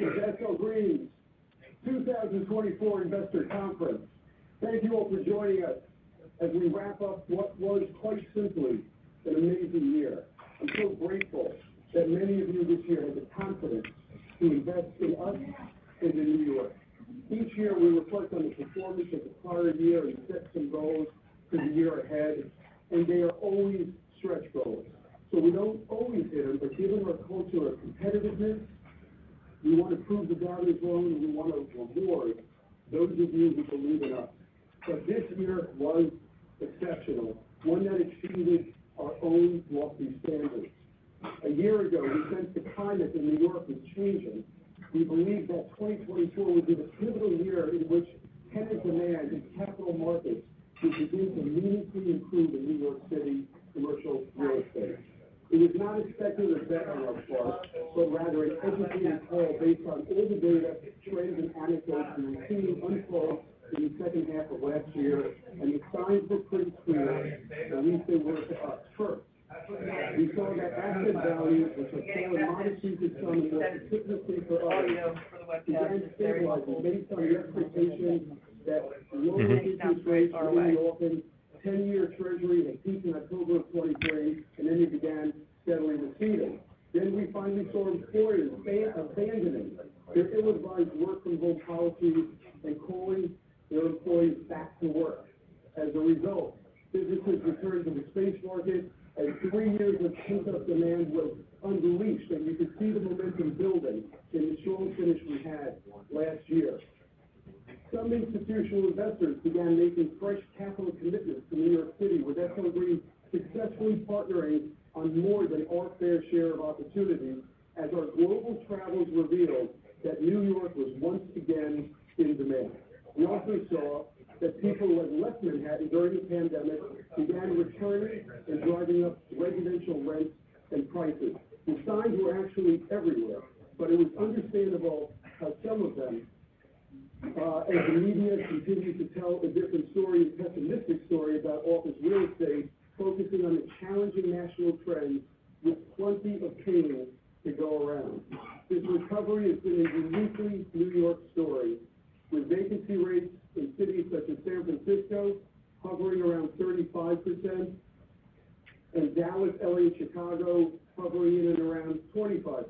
Good morning and welcome to SL Green's 2024 Investor Conference. Thank you all for joining us as we wrap up what was, quite simply, an amazing year. I'm so grateful that many of you this year had the confidence to invest in us and in New York. Each year, we reflect on the performance of the prior year and set some goals for the year ahead, and they are always stretch goals. So we don't always hit them, but given our culture of competitiveness, we want to prove the value of growing, and we want to reward those of you who believe in us. But this year was exceptional, one that exceeded our own Wall Street standards. A year ago, we sensed the climate in New York was changing. We believed that 2024 would be the pivotal year in which tenant demand in capital markets would begin to meaningfully improve in New York City commercial real estate. It was not a speculative bet on our part, but rather an educated call based on all the data, trades and anecdotes we saw unfolding in the second half of last year, and the signs were pretty clear that we saw what we heard first. We saw that asset values were falling modestly to some, and that, particularly for us, began stabilizing based on the expectation that local businesses are really open. The 10-year Treasury dipped in October of 2023, and then it began steadily receding. Then we finally saw employers abandoning their ill-advised work-from-home policies and calling their employees back to work. As a result, businesses returned to the space market, and three years of pickup demand was unleashed, and you could see the momentum building in the strong finish we had last year. Some institutional investors began making fresh capital commitments to New York City, with SL Green successfully partnering on more than our fair share of opportunities as our global travelers revealed that New York was once again in demand. We also saw that people who had left Manhattan during the pandemic began returning and driving up residential rents and prices. The signs were actually everywhere, but it was understandable how some of them, as the media continued to tell a different story and pessimistic story about office real estate, focusing on the challenging national trends with plenty of pain to go around. This recovery has been a uniquely New York story, with vacancy rates in cities such as San Francisco hovering around 35% and Dallas, LA, and Chicago hovering in and around 25%.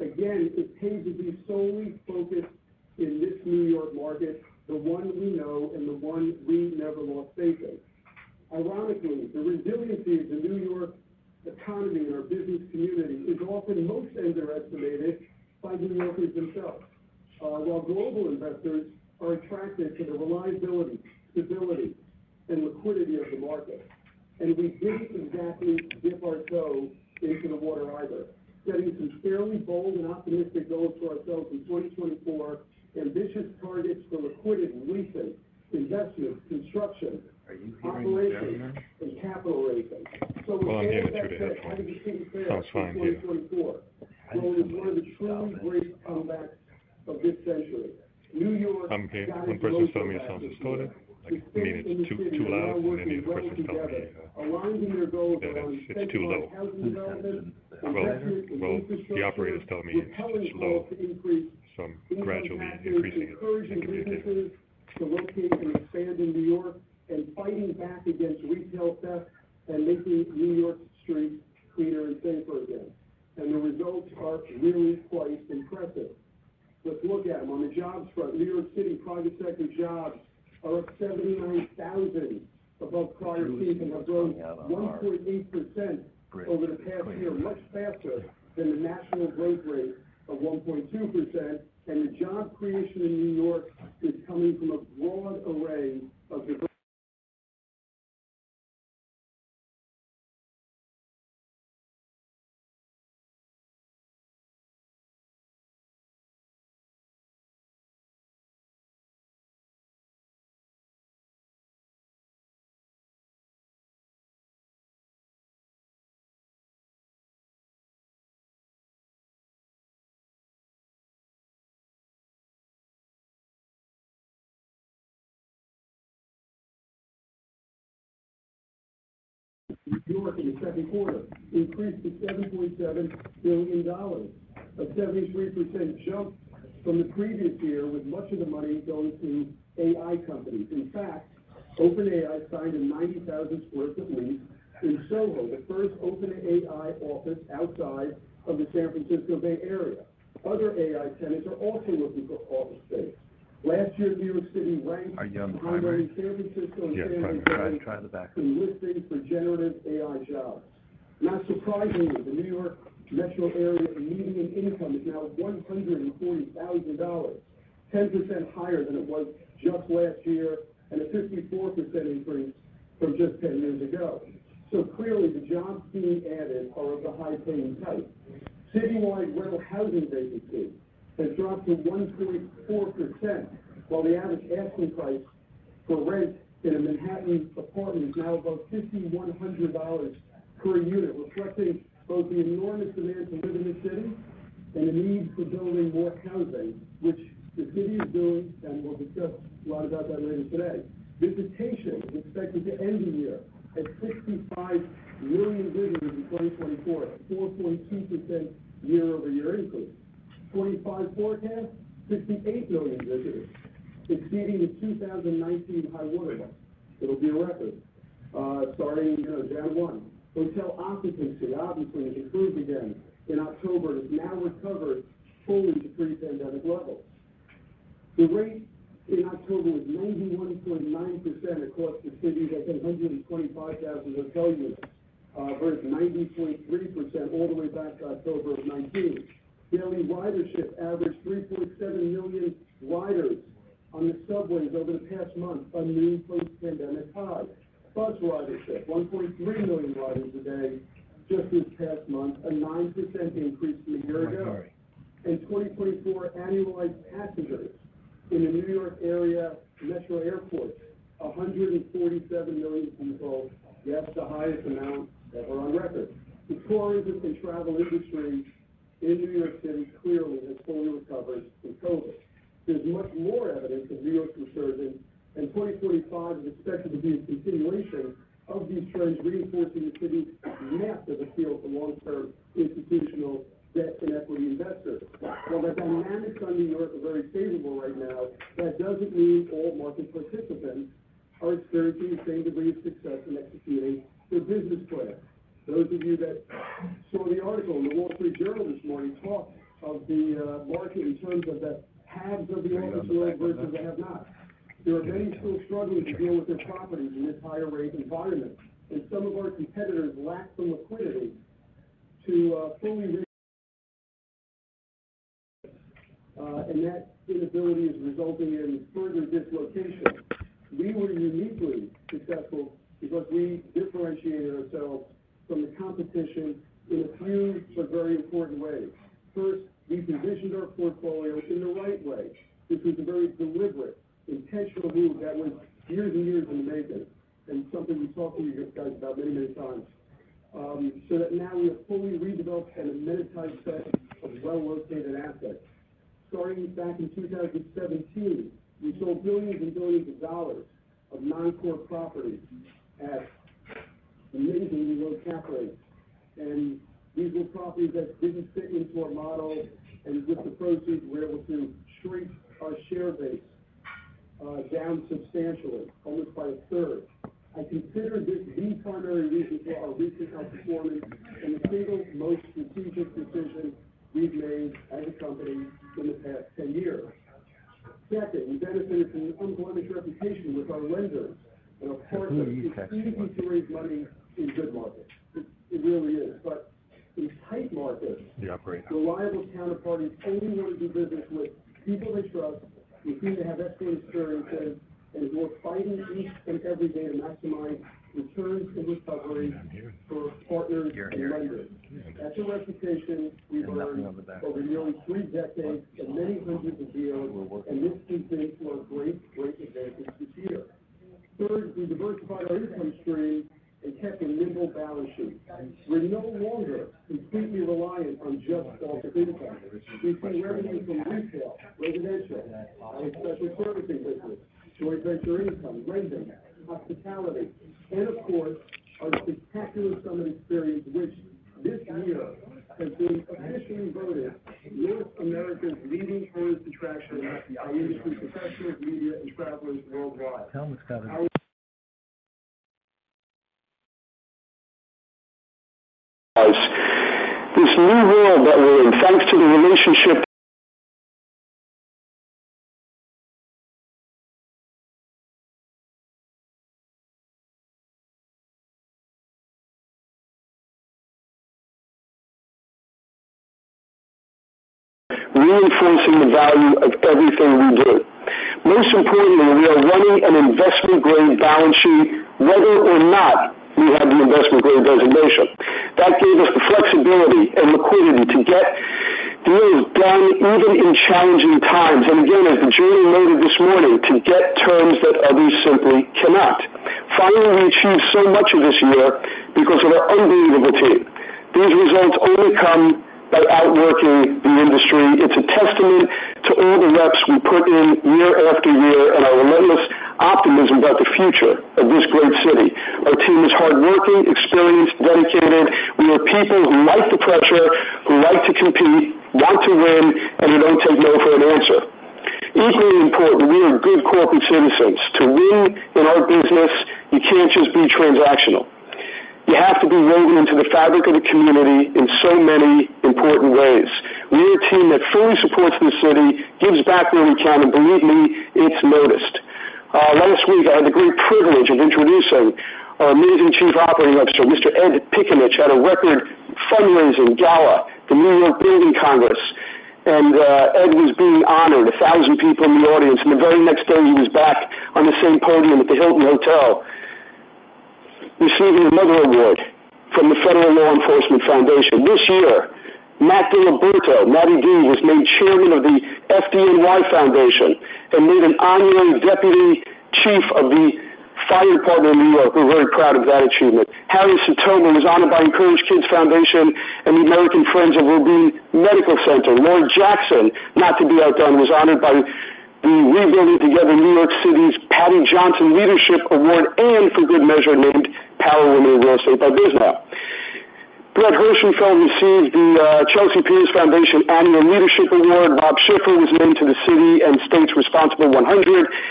Again, it pays to be solely focused in this New York market, the one we know and the one we never lost faith in. Ironically, the resiliency of the New York economy and our business community is often most underestimated by New Yorkers themselves, while global investors are attracted to the reliability, stability, and liquidity of the market. We didn't exactly dip our toe into the water either, setting some fairly bold and optimistic goals for ourselves in 2024: ambitious targets for liquidity, recent investments, construction, operations, and capital raising. We're headed into the end of 2024, going as one of the truly great comebacks of this century. New York. I'm okay. One person is telling me it sounds distorted. I mean, it's too loud, and then the other person talking about it. Aligned in your goals around 600,000 housing developments, and the operators tell me it's low, so I'm gradually increasing it. Encouraging businesses to locate and expand in New York and fighting back against retail theft and making New York streets cleaner and safer again. The results are really quite impressive. Let's look at them. On the jobs front, New York City private sector jobs are up 79,000 above prior peak and have grown 1.8% over the past year, much faster than the national growth rate of 1.2%. The job creation in New York is coming from a broad array of industries. Venture capital investment in New York in the second quarter increased to $7.7 billion, a 73% jump from the previous year, with much of the money going to AI companies. In fact, OpenAI signed a 90,000 sq ft lease in SoHo, the first OpenAI office outside of the San Francisco Bay Area. Other AI tenants are also looking for office space. Last year, New York City ranked number one in San Francisco and San Antonio in listings for generative AI jobs. Not surprisingly, the New York Metro area median income is now $140,000, 10% higher than it was just last year and a 54% increase from just 10 years ago. So clearly, the jobs being added are of the high-paying type. Citywide rental housing vacancy has dropped to 1.4%, while the average asking price for rent in a Manhattan apartment is now about $5,100 per unit, reflecting both the enormous demand to live in the city and the need for building more housing, which the city is doing, and we'll discuss a lot about that later today. Visitation is expected to end the year at 65 million visitors in 2024, a 4.2% year-over-year increase. 2025 forecast, 68 million visitors, exceeding the 2019 high watermark. It'll be a record starting down one. Hotel occupancy, obviously, has improved again in October and has now recovered fully to pre-pandemic levels. The rate in October was 91.9% across the city. That's 125,000 hotel units, versus 90.3% all the way back to October of 2019. Daily ridership averaged 3.7 million riders on the subways over the past month, a new post-pandemic high. Bus ridership, 1.3 million riders a day just this past month, a 9% increase from a year ago. And 2024 annualized passengers in the New York area metro airports, 147 million people. That's the highest amount ever on record. The tourism and travel industry in New York City clearly has fully recovered from COVID. There's much more evidence of New York's resurgence, and 2025 is expected to be a continuation of these trends, reinforcing the city's massive appeal for long-term institutional debt and equity investors. While the dynamics on New York are very favorable right now, that doesn't mean all market participants are experiencing the same degree of success in executing their business plan. Those of you that saw the article in The Wall Street Journal this morning talk of the market in terms of the haves of the office world versus the have-nots, there are many still struggling to deal with their properties in this higher-rate environment, and some of our competitors lack the liquidity to fully, and that inability is resulting in further dislocation. We were uniquely successful because we differentiated ourselves from the competition in a few but very important ways. First, we positioned our portfolio in the right way. This was a very deliberate, intentional move that was years and years in the making and something we've talked to you guys about many, many times. So that now we have fully redeveloped and amenitized that of well-located assets. Starting back in 2017, we sold billions and billions of dollars of non-core properties at amazingly low cap rates. And these were properties that didn't fit into our model, and with the proceeds, we were able to shrink our share base down substantially, almost by a third. I consider this the primary reason for our recent outperformance and the single most strategic decision we've made as a company in the past 10 years. Second, we benefited from an unblemished reputation with our lenders, and our partners are easy to raise money in good markets. It really is. But in tight markets, reliable counterparties only want to do business with people they trust, with whom they have excellent experiences, and who are fighting each and every day to maximize returns and recovery for partners and lenders. That's a reputation we've earned over nearly three decades of many hundreds of deals, and this has been to our great, great advantage this year. Third, we diversified our income stream and kept a nimble balance sheet. We're no longer completely reliant on just office income. We've seen revenue from retail, residential, our special servicing business, joint venture income, renting, hospitality, and of course, our spectacular SUMMIT experience, which this year has been officially voted North America's Leading Tourist Attraction by industry professionals, media, and travelers worldwide. Tell him it's covered. This new world that we're in, thanks to the relationship. Reinforcing the value of everything we do. Most importantly, we are running an investment-grade balance sheet, whether or not we have the investment-grade reservation. That gave us the flexibility and liquidity to get deals done even in challenging times. And again, as the jury noted this morning, to get terms that others simply cannot. Finally, we achieved so much of this year because of our unbelievable team. These results only come by outworking the industry. It's a testament to all the reps we put in year after year and our relentless optimism about the future of this great city. Our team is hardworking, experienced, dedicated. We are people who like the pressure, who like to compete, want to win, and who don't take no for an answer. Equally important, we are good corporate citizens. To win in our business, you can't just be transactional. You have to be woven into the fabric of the community in so many important ways. We are a team that fully supports the city, gives back where we can, and believe me, it's noticed. Last week, I had the great privilege of introducing our amazing Chief Operating Officer, Mr. Ed Piccinich, at a record fundraising gala, the New York Building Congress. And Ed was being honored. A thousand people in the audience. And the very next day, he was back on the same podium at the Hilton Hotel, receiving another award from the Federal Law Enforcement Foundation. This year, Matt DiLiberto, Matty D, was made Chairman of the FDNY Foundation and made an Honorary Deputy Chief of the Fire Department of New York. We're very proud of that achievement. Harrison Sitomer was honored by enCourage Kids Foundation and the American Friends of Rabin Medical Center. Laura Jackson, not to be outdone, was honored by the Rebuilding Together NYC's Patty Johnson Leadership Award and, for good measure, named Power Woman in Real Estate by Bisnow. Brett Herschenfeld received the Chelsea Piers Foundation Annual Leadership Award. Rob Schiffer was named to the City & State's Responsible 100,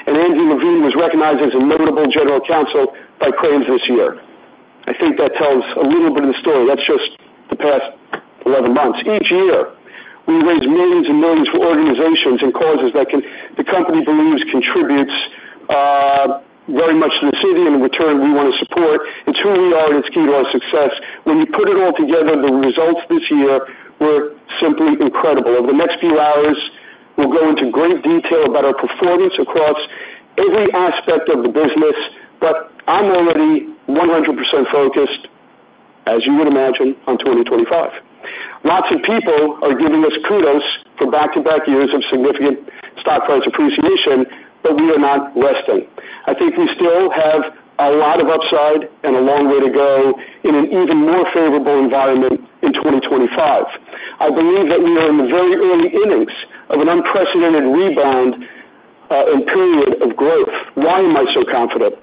and Andy Levine was recognized as a Notable General Counsel by Crain's this year. I think that tells a little bit of the story. That's just the past 11 months. Each year, we raise millions and millions for organizations and causes that the company believes contributes very much to the city and in return, we want to support. It's who we are, and it's key to our success. When you put it all together, the results this year were simply incredible. Over the next few hours, we'll go into great detail about our performance across every aspect of the business, but I'm already 100% focused, as you would imagine, on 2025. Lots of people are giving us kudos for back-to-back years of significant stock price appreciation, but we are not resting. I think we still have a lot of upside and a long way to go in an even more favorable environment in 2025. I believe that we are in the very early innings of an unprecedented rebound and period of growth. Why am I so confident?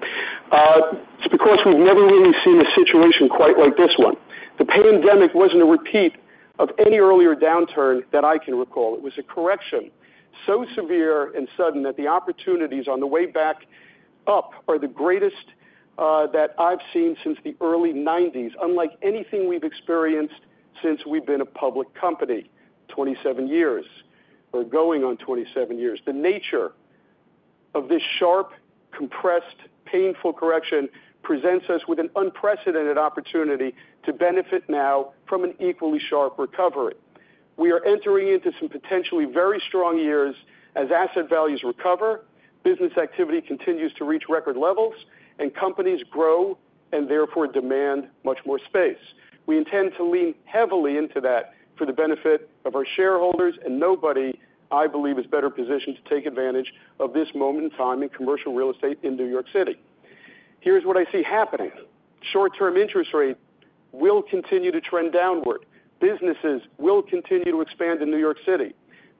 It's because we've never really seen a situation quite like this one. The pandemic wasn't a repeat of any earlier downturn that I can recall. It was a correction so severe and sudden that the opportunities on the way back up are the greatest that I've seen since the early '90s, unlike anything we've experienced since we've been a public company. 27 years or going on 27 years. The nature of this sharp, compressed, painful correction presents us with an unprecedented opportunity to benefit now from an equally sharp recovery. We are entering into some potentially very strong years as asset values recover, business activity continues to reach record levels, and companies grow and therefore demand much more space. We intend to lean heavily into that for the benefit of our shareholders, and nobody, I believe, is better positioned to take advantage of this moment in time in commercial real estate in New York City. Here's what I see happening. Short-term interest rates will continue to trend downward. Businesses will continue to expand in New York City.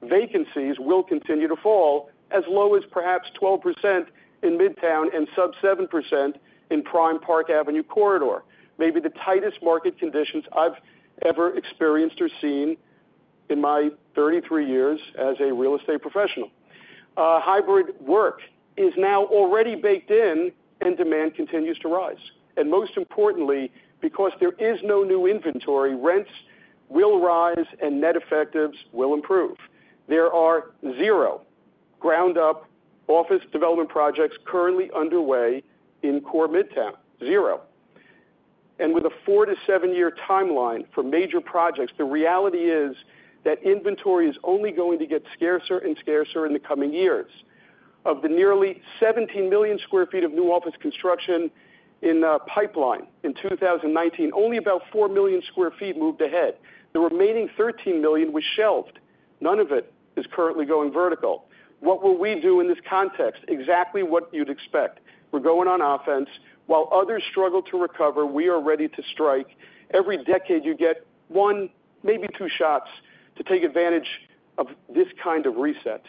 Vacancies will continue to fall as low as perhaps 12% in Midtown and sub-7% in Prime Park Avenue Corridor. Maybe the tightest market conditions I've ever experienced or seen in my 33 years as a real estate professional. Hybrid work is now already baked in, and demand continues to rise, and most importantly, because there is no new inventory, rents will rise and net effectives will improve. There are zero ground-up office development projects currently underway in core Midtown. Zero, and with a four to seven-year timeline for major projects, the reality is that inventory is only going to get scarcer and scarcer in the coming years. Of the nearly 17 million sq ft of new office construction in pipeline in 2019, only about 4 million sq ft moved ahead. The remaining 13 million was shelved. None of it is currently going vertical. What will we do in this context? Exactly what you'd expect. We're going on offense. While others struggle to recover, we are ready to strike. Every decade, you get one, maybe two shots to take advantage of this kind of reset.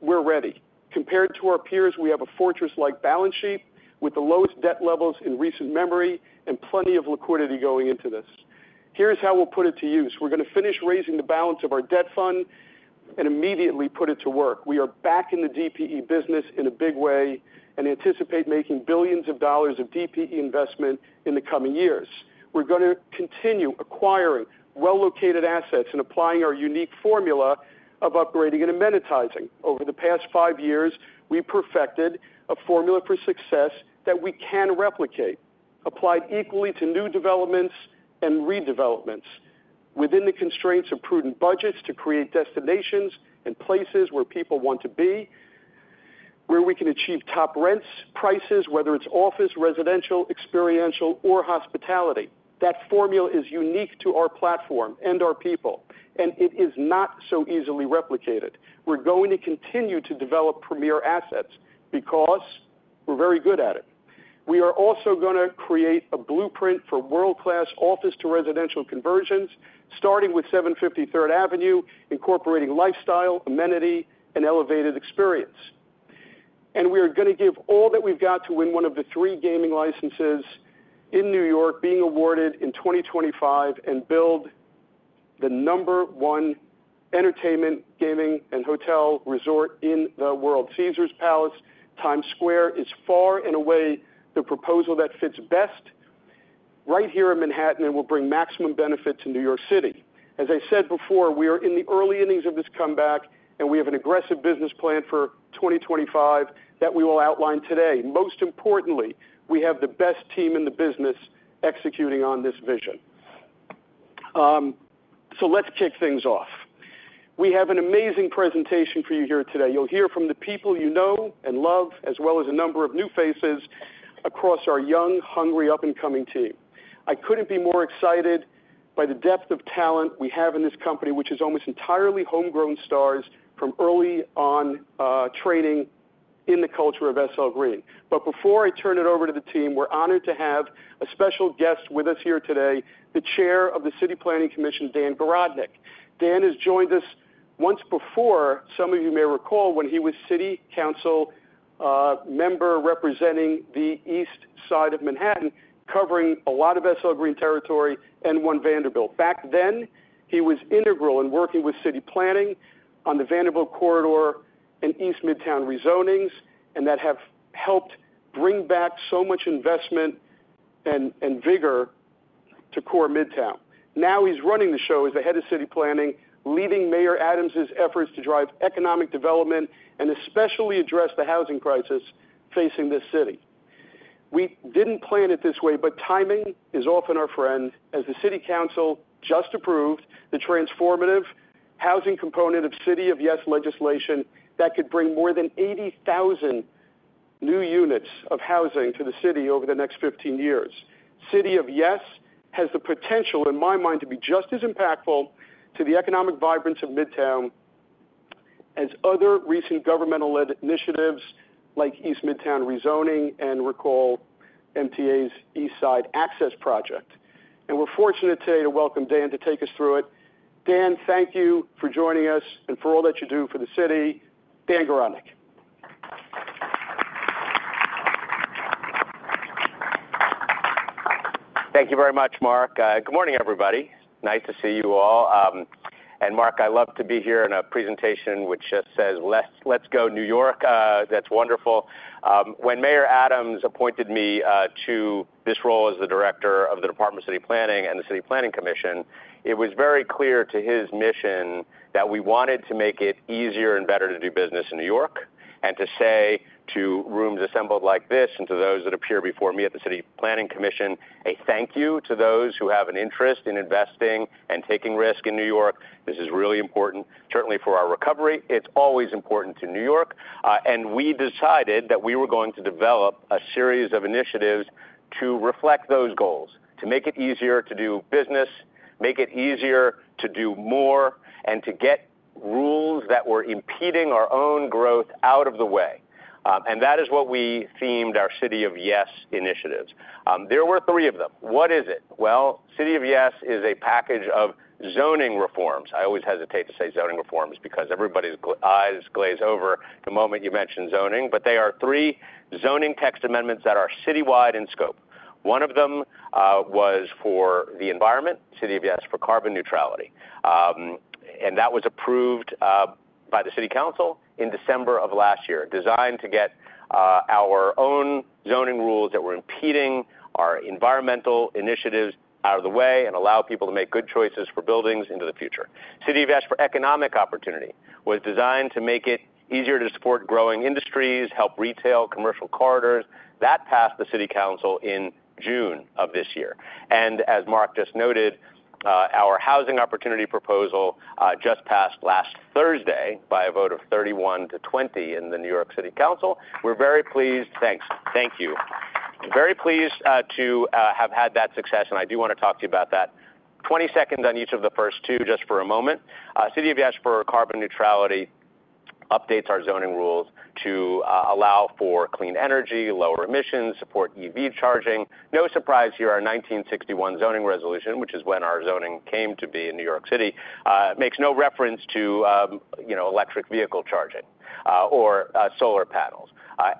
We're ready. Compared to our peers, we have a fortress-like balance sheet with the lowest debt levels in recent memory and plenty of liquidity going into this. Here's how we'll put it to use. We're going to finish raising the balance of our debt fund and immediately put it to work. We are back in the DPE business in a big way and anticipate making billions of dollars of DPE investment in the coming years. We're going to continue acquiring well-located assets and applying our unique formula of upgrading and amenitizing. Over the past five years, we perfected a formula for success that we can replicate, applied equally to new developments and redevelopments within the constraints of prudent budgets to create destinations and places where people want to be, where we can achieve top rents, prices, whether it's office, residential, experiential, or hospitality. That formula is unique to our platform and our people, and it is not so easily replicated. We're going to continue to develop premier assets because we're very good at it. We are also going to create a blueprint for world-class office to residential conversions, starting with 750 Third Avenue, incorporating lifestyle, amenity, and elevated experience, and we are going to give all that we've got to win one of the three gaming licenses in New York being awarded in 2025 and build the number one entertainment, gaming, and hotel resort in the world. Caesars Palace Times Square is far and away the proposal that fits best right here in Manhattan and will bring maximum benefit to New York City. As I said before, we are in the early innings of this comeback, and we have an aggressive business plan for 2025 that we will outline today. Most importantly, we have the best team in the business executing on this vision. So let's kick things off. We have an amazing presentation for you here today. You'll hear from the people you know and love, as well as a number of new faces across our young, hungry, up-and-coming team. I couldn't be more excited by the depth of talent we have in this company, which is almost entirely homegrown stars from early on training in the culture of SL Green. But before I turn it over to the team, we're honored to have a special guest with us here today, the Chair of the City Planning Commission, Dan Garodnick. Dan has joined us once before, some of you may recall, when he was City Council member representing the east side of Manhattan, covering a lot of SL Green territory and One Vanderbilt. Back then, he was integral in working with city planning on the Vanderbilt Corridor and East Midtown Rezonings, and that have helped bring back so much investment and vigor to core Midtown. Now he's running the show as the head of city planning, leading Mayor Adams' efforts to drive economic development and especially address the housing crisis facing this city. We didn't plan it this way, but timing is often our friend, as the City Council just approved the transformative housing component of City of Yes legislation that could bring more than 80,000 new units of housing to the city over the next 15 years. City of Yes has the potential, in my mind, to be just as impactful to the economic vibrance of Midtown as other recent governmental initiatives like East Midtown Rezoning and, recall, MTA's East Side Access Project. We're fortunate today to welcome Dan to take us through it. Dan, thank you for joining us and for all that you do for the city. Dan Garodnick. Thank you very much, Marc. Good morning, everybody. Nice to see you all, and Marc, I love to be here in a presentation which just says, "Let's go New York." That's wonderful. When Mayor Adams appointed me to this role as the director of the Department of City Planning and the City Planning Commission, it was very clear to his mission that we wanted to make it easier and better to do business in New York and to say to rooms assembled like this and to those that appear before me at the City Planning Commission, a thank you to those who have an interest in investing and taking risk in New York. This is really important, certainly for our recovery. It's always important to New York. And we decided that we were going to develop a series of initiatives to reflect those goals, to make it easier to do business, make it easier to do more, and to get rules that were impeding our own growth out of the way. And that is what we themed our City of Yes initiatives. There were three of them. What is it? Well, City of Yes is a package of zoning reforms. I always hesitate to say zoning reforms because everybody's eyes glaze over the moment you mention zoning, but they are three zoning text amendments that are citywide in scope. One of them was for the environment, City of Yes for Carbon Neutrality. That was approved by the City Council in December of last year, designed to get our own zoning rules that were impeding our environmental initiatives out of the way and allow people to make good choices for buildings into the future. City of Yes for Economic Opportunity was designed to make it easier to support growing industries, help retail, commercial corridors. That passed the City Council in June of this year. And as Marc just noted, our housing opportunity proposal just passed last Thursday by a vote of 31 to 20 in the New York City Council. We're very pleased. Thanks. Thank you. Very pleased to have had that success, and I do want to talk to you about that. 20 seconds on each of the first two, just for a moment. City of Yes for Carbon Neutrality updates our zoning rules to allow for clean energy, lower emissions, support EV charging. No surprise here, our 1961 Zoning Resolution, which is when our zoning came to be in New York City, makes no reference to electric vehicle charging or solar panels,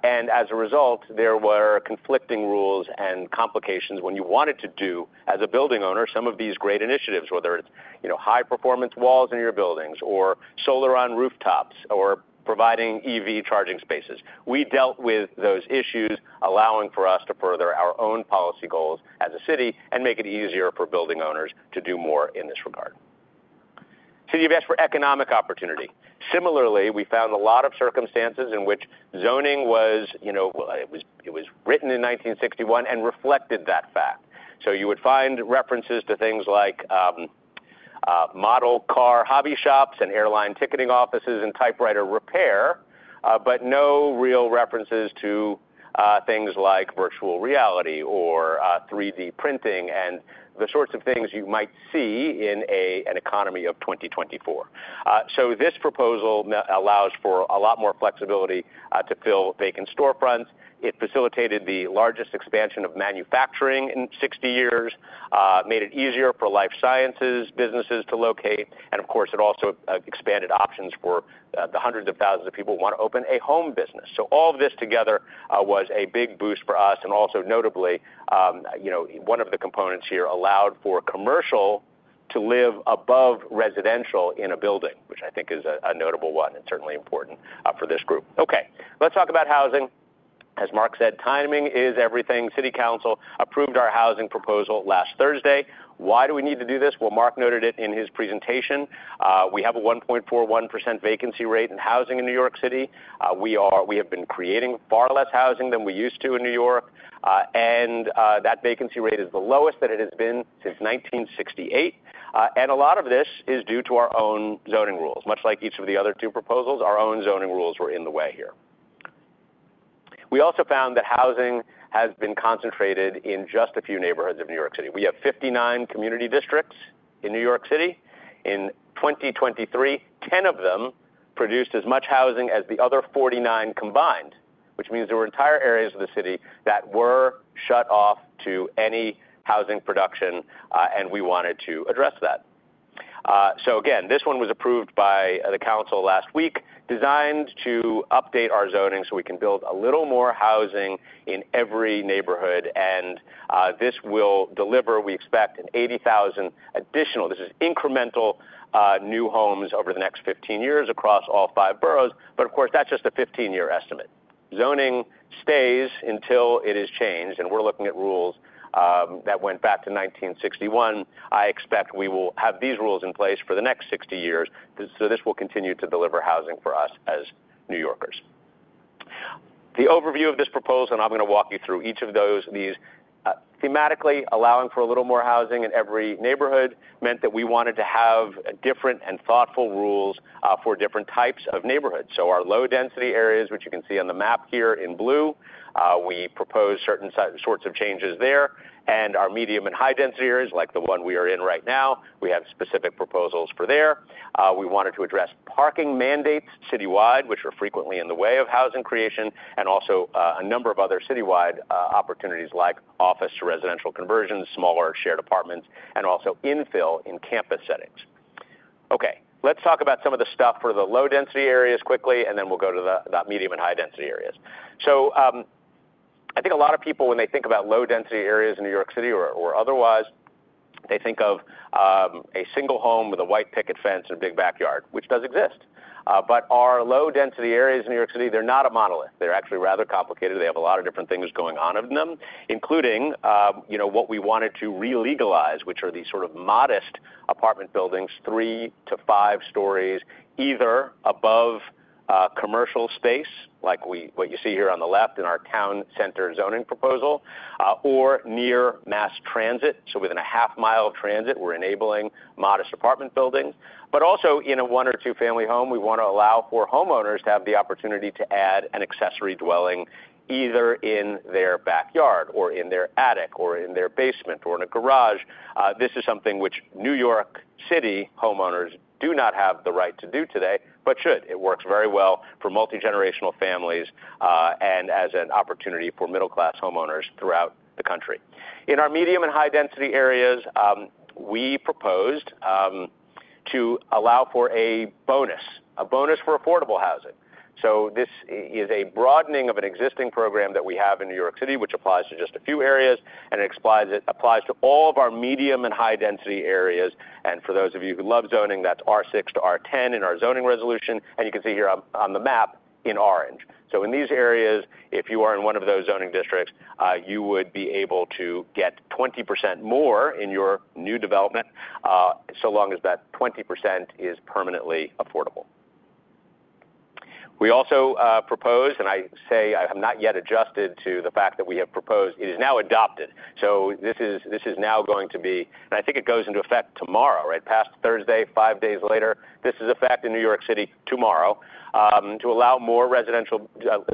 and as a result, there were conflicting rules and complications when you wanted to do, as a building owner, some of these great initiatives, whether it's high-performance walls in your buildings or solar on rooftops or providing EV charging spaces. We dealt with those issues, allowing for us to further our own policy goals as a city and make it easier for building owners to do more in this regard. City of Yes for Economic Opportunity. Similarly, we found a lot of circumstances in which zoning was written in 1961 and reflected that fact. You would find references to things like model car hobby shops and airline ticketing offices and typewriter repair, but no real references to things like virtual reality or 3D printing and the sorts of things you might see in an economy of 2024. This proposal allows for a lot more flexibility to fill vacant storefronts. It facilitated the largest expansion of manufacturing in 60 years, made it easier for life sciences businesses to locate, and of course, it also expanded options for the hundreds of thousands of people who want to open a home business. All of this together was a big boost for us. Also notably, one of the components here allowed for commercial to live above residential in a building, which I think is a notable one and certainly important for this group. Okay. Let's talk about housing. As Marc said, timing is everything. City Council approved our housing proposal last Thursday. Why do we need to do this? Marc noted it in his presentation. We have a 1.41% vacancy rate in housing in New York City. We have been creating far less housing than we used to in New York, and that vacancy rate is the lowest that it has been since 1968. A lot of this is due to our own zoning rules. Much like each of the other two proposals, our own zoning rules were in the way here. We also found that housing has been concentrated in just a few neighborhoods of New York City. We have 59 community districts in New York City. In 2023, 10 of them produced as much housing as the other 49 combined, which means there were entire areas of the city that were shut off to any housing production, and we wanted to address that. So again, this one was approved by the council last week, designed to update our zoning so we can build a little more housing in every neighborhood. And this will deliver, we expect, an 80,000 additional. This is incremental new homes over the next 15 years across all five boroughs. But of course, that's just a 15-year estimate. Zoning stays until it is changed, and we're looking at rules that went back to 1961. I expect we will have these rules in place for the next 60 years. So this will continue to deliver housing for us as New Yorkers. The overview of this proposal, and I'm going to walk you through each of those. Thematically, allowing for a little more housing in every neighborhood meant that we wanted to have different and thoughtful rules for different types of neighborhoods. So our low-density areas, which you can see on the map here in blue, we proposed certain sorts of changes there. And our medium and high-density areas, like the one we are in right now, we have specific proposals for there. We wanted to address parking mandates citywide, which were frequently in the way of housing creation, and also a number of other citywide opportunities like office to residential conversions, smaller shared apartments, and also infill in campus settings. Okay. Let's talk about some of the stuff for the low-density areas quickly, and then we'll go to the medium and high-density areas. So I think a lot of people, when they think about low-density areas in New York City or otherwise, they think of a single home with a white picket fence and a big backyard, which does exist. But our low-density areas in New York City, they're not a monolith. They're actually rather complicated. They have a lot of different things going on in them, including what we wanted to re-legalize, which are these sort of modest apartment buildings, three to five stories, either above commercial space, like what you see here on the left in our town center zoning proposal, or near mass transit. So within a half mile of transit, we're enabling modest apartment buildings. But also in a one or two-family home, we want to allow for homeowners to have the opportunity to add an Accessory Dwelling either in their backyard or in their attic or in their basement or in a garage. This is something which New York City homeowners do not have the right to do today, but should. It works very well for multi-generational families and as an opportunity for middle-class homeowners throughout the country. In our medium and high-density areas, we proposed to allow for a bonus, a bonus for affordable housing, so this is a broadening of an existing program that we have in New York City, which applies to just a few areas, and it applies to all of our medium and high-density areas, and for those of you who love zoning, that's R6 to R10 in our Zoning Resolution. You can see here on the map in orange. So in these areas, if you are in one of those zoning districts, you would be able to get 20% more in your new development so long as that 20% is permanently affordable. We also propose, and I say I have not yet adjusted to the fact that we have proposed, it is now adopted. So this is now going to be, and I think it goes into effect tomorrow, right? Past Thursday, five days later, this is effective in New York City tomorrow to allow more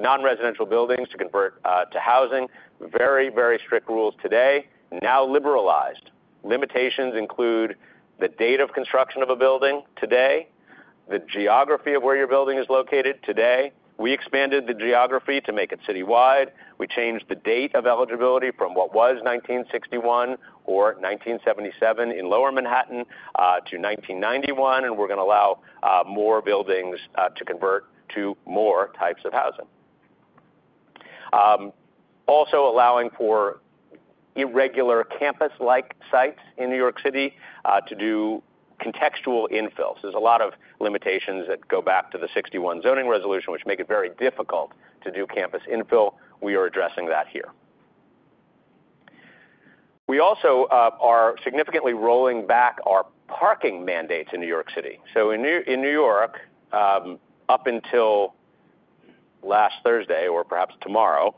non-residential buildings to convert to housing. Very, very strict rules today, now liberalized. Limitations include the date of construction of a building today, the geography of where your building is located today. We expanded the geography to make it citywide. We changed the date of eligibility from what was 1961 or 1977 in lower Manhattan to 1991, and we're going to allow more buildings to convert to more types of housing. Also allowing for irregular campus-like sites in New York City to do contextual infills. There's a lot of limitations that go back to the '61 Zoning Resolution, which make it very difficult to do campus infill. We are addressing that here. We also are significantly rolling back our parking mandates in New York City. So in New York, up until last Thursday or perhaps tomorrow,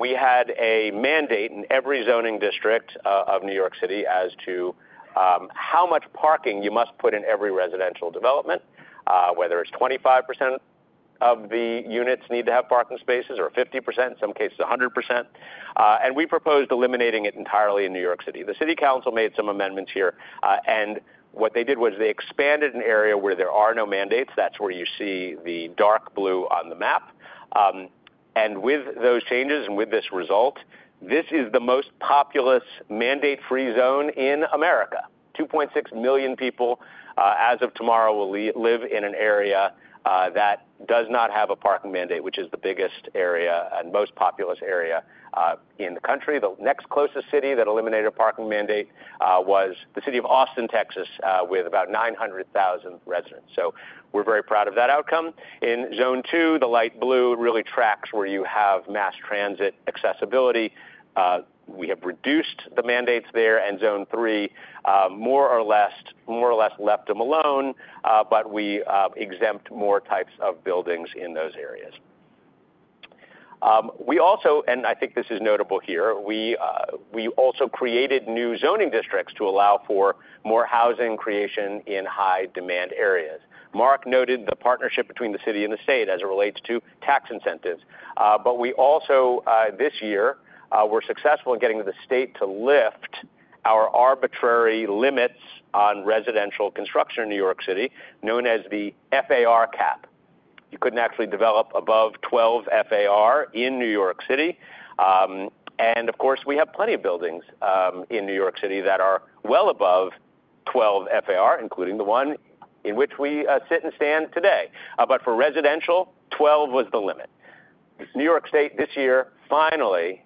we had a mandate in every zoning district of New York City as to how much parking you must put in every residential development, whether it's 25% of the units need to have parking spaces or 50%, in some cases 100%. And we proposed eliminating it entirely in New York City. The City Council made some amendments here, and what they did was they expanded an area where there are no mandates. That's where you see the dark blue on the map, and with those changes and with this result, this is the most populous mandate-free zone in America. 2.6 million people as of tomorrow will live in an area that does not have a parking mandate, which is the biggest area and most populous area in the country. The next closest city that eliminated a parking mandate was the city of Austin, Texas, with about 900,000 residents. So we're very proud of that outcome. In zone two, the light blue really tracks where you have mass transit accessibility. We have reduced the mandates there, and zone three, more or less, more or less left them alone, but we exempt more types of buildings in those areas. We also, and I think this is notable here, we also created new zoning districts to allow for more housing creation in high-demand areas. Marc noted the partnership between the city and the state as it relates to tax incentives. But we also, this year, were successful in getting the state to lift our arbitrary limits on residential construction in New York City, known as the FAR cap. You couldn't actually develop above 12 FAR in New York City. And of course, we have plenty of buildings in New York City that are well above 12 FAR, including the one in which we sit and stand today. But for residential, 12 was the limit. New York State this year finally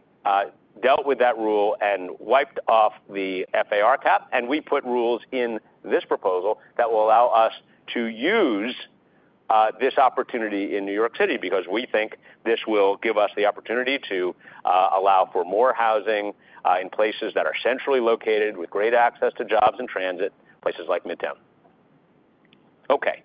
dealt with that rule and wiped off the FAR cap, and we put rules in this proposal that will allow us to use this opportunity in New York City because we think this will give us the opportunity to allow for more housing in places that are centrally located with great access to jobs and transit, places like Midtown. Okay.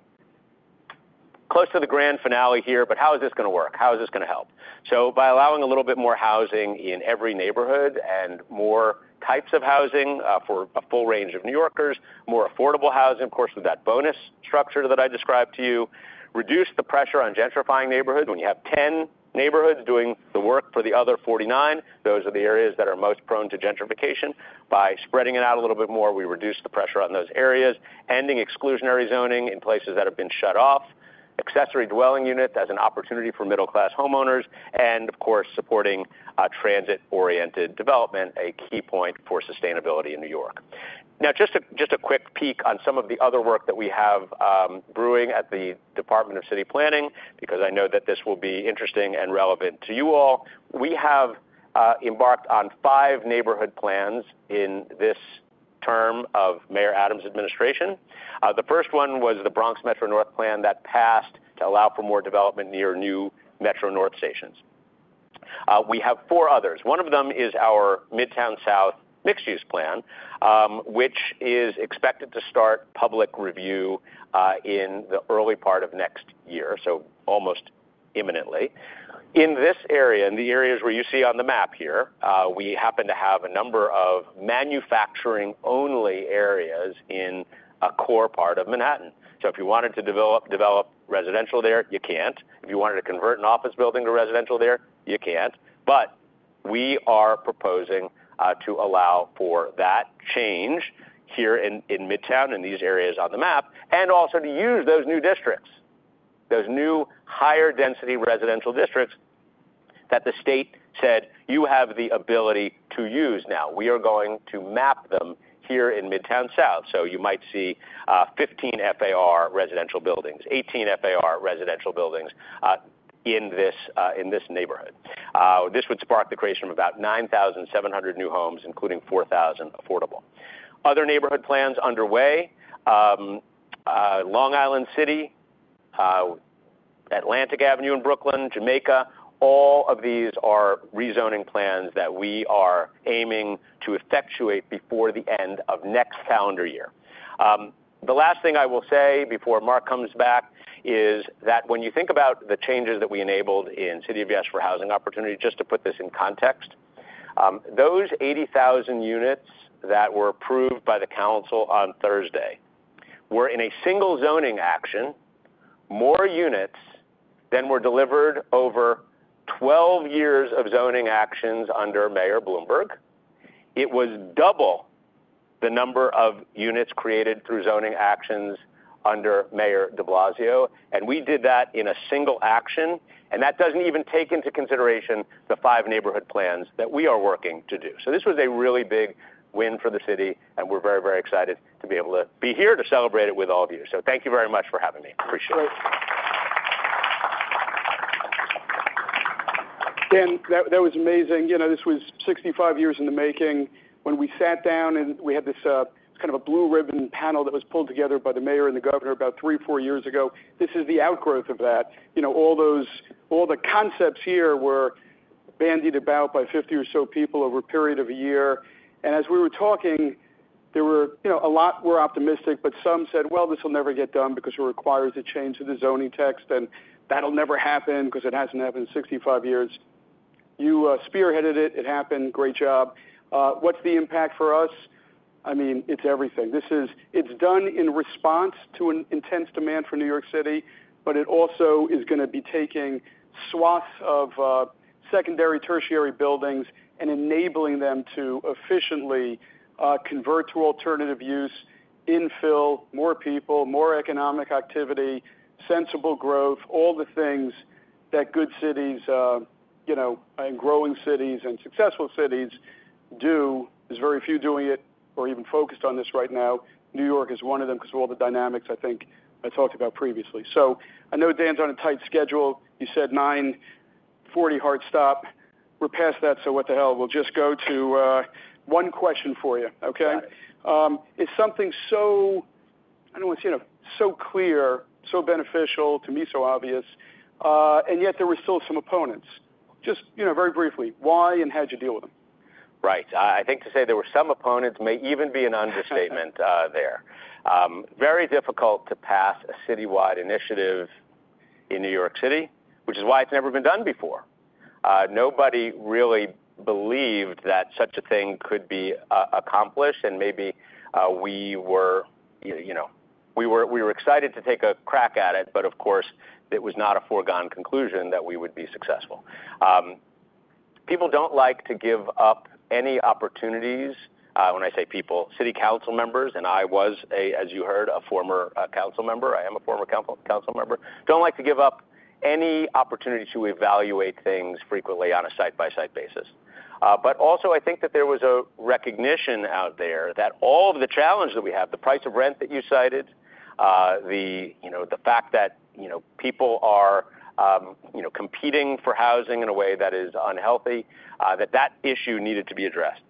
Close to the grand finale here, but how is this going to work? How is this going to help? So by allowing a little bit more housing in every neighborhood and more types of housing for a full range of New Yorkers, more affordable housing, of course, with that bonus structure that I described to you, reduced the pressure on gentrifying neighborhoods. When you have 10 neighborhoods doing the work for the other 49, those are the areas that are most prone to gentrification. By spreading it out a little bit more, we reduced the pressure on those areas, ending exclusionary zoning in places that have been shut off, Accessory Dwelling Units as an opportunity for middle-class homeowners, and of course, supporting transit-oriented development, a key point for sustainability in New York. Now, just a quick peek on some of the other work that we have brewing at the Department of City Planning, because I know that this will be interesting and relevant to you all. We have embarked on five neighborhood plans in this term of Mayor Adams' administration. The first one was the Bronx Metro-North plan that passed to allow for more development near new Metro-North stations. We have four others. One of them is our Midtown South Mixed-Use Plan, which is expected to start public review in the early part of next year, so almost imminently. In this area, in the areas where you see on the map here, we happen to have a number of manufacturing-only areas in a core part of Manhattan. So if you wanted to develop residential there, you can't. If you wanted to convert an office building to residential there, you can't. But we are proposing to allow for that change here in Midtown and these areas on the map, and also to use those new districts, those new higher-density residential districts that the state said you have the ability to use now. We are going to map them here in Midtown South. So you might see 15 FAR residential buildings, 18 FAR residential buildings in this neighborhood. This would spark the creation of about 9,700 new homes, including 4,000 affordable. Other neighborhood plans underway: Long Island City, Atlantic Avenue in Brooklyn, Jamaica. All of these are rezoning plans that we are aiming to effectuate before the end of next calendar year. The last thing I will say before Marc comes back is that when you think about the changes that we enabled in City of Yes for Housing Opportunity, just to put this in context, those 80,000 units that were approved by the council on Thursday were in a single zoning action, more units than were delivered over 12 years of zoning actions under Mayor Bloomberg. It was double the number of units created through zoning actions under Mayor de Blasio. And we did that in a single action. And that doesn't even take into consideration the five neighborhood plans that we are working to do. So this was a really big win for the city, and we're very, very excited to be able to be here to celebrate it with all of you. So thank you very much for having me. Appreciate it. Dan, that was amazing. This was 65 years in the making. When we sat down and we had this kind of a blue ribbon panel that was pulled together by the mayor and the governor about three or four years ago, this is the outgrowth of that. All the concepts here were bandied about by 50 or so people over a period of a year. And as we were talking, there were a lot were optimistic, but some said, "Well, this will never get done because it requires a change to the zoning text, and that'll never happen because it hasn't happened in 65 years." You spearheaded it. It happened. Great job. What's the impact for us? I mean, it's everything. It's done in response to an intense demand for New York City, but it also is going to be taking swaths of secondary tertiary buildings and enabling them to efficiently convert to alternative use, infill, more people, more economic activity, sensible growth, all the things that good cities and growing cities and successful cities do. There's very few doing it or even focused on this right now. New York is one of them because of all the dynamics, I think, I talked about previously. So I know Dan's on a tight schedule. You said 9:40 A.M. hard stop. We're past that, so what the hell? We'll just go to one question for you, okay? Got it. It's something so, I don't want to say so clear, so beneficial, to me so obvious, and yet there were still some opponents. Just very briefly, why and how did you deal with them? Right. I think to say there were some opponents may even be an understatement there. Very difficult to pass a citywide initiative in New York City, which is why it's never been done before. Nobody really believed that such a thing could be accomplished, and maybe we were excited to take a crack at it, but of course, it was not a foregone conclusion that we would be successful. People don't like to give up any opportunities. When I say people, City Council members, and I was, as you heard, a former council member. I am a former council member. Don't like to give up any opportunity to evaluate things frequently on a side-by-side basis. But also, I think that there was a recognition out there that all of the challenges that we have, the price of rent that you cited, the fact that people are competing for housing in a way that is unhealthy, that that issue needed to be addressed.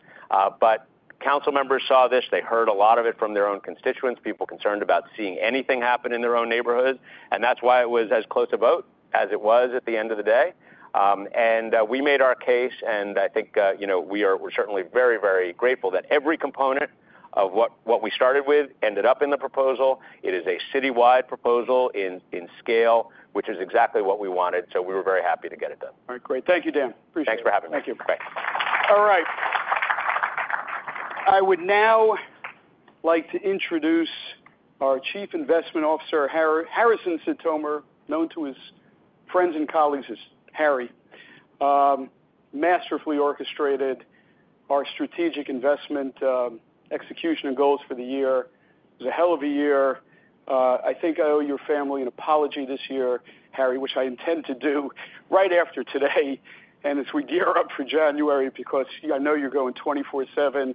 But council members saw this. They heard a lot of it from their own constituents, people concerned about seeing anything happen in their own neighborhoods. And that's why it was as close a vote as it was at the end of the day. And we made our case, and I think we're certainly very, very grateful that every component of what we started with ended up in the proposal. It is a citywide proposal in scale, which is exactly what we wanted. So we were very happy to get it done. All right. Great. Thank you, Dan. Appreciate it. Thanks for having me. Thank you. Bye. All right. I would now like to introduce our Chief Investment Officer, Harrison Sitomer, known to his friends and colleagues as Harry. Masterfully orchestrated our strategic investment execution and goals for the year. It was a hell of a year. I think I owe your family an apology this year, Harry, which I intend to do right after today and as we gear up for January because I know you're going 24/7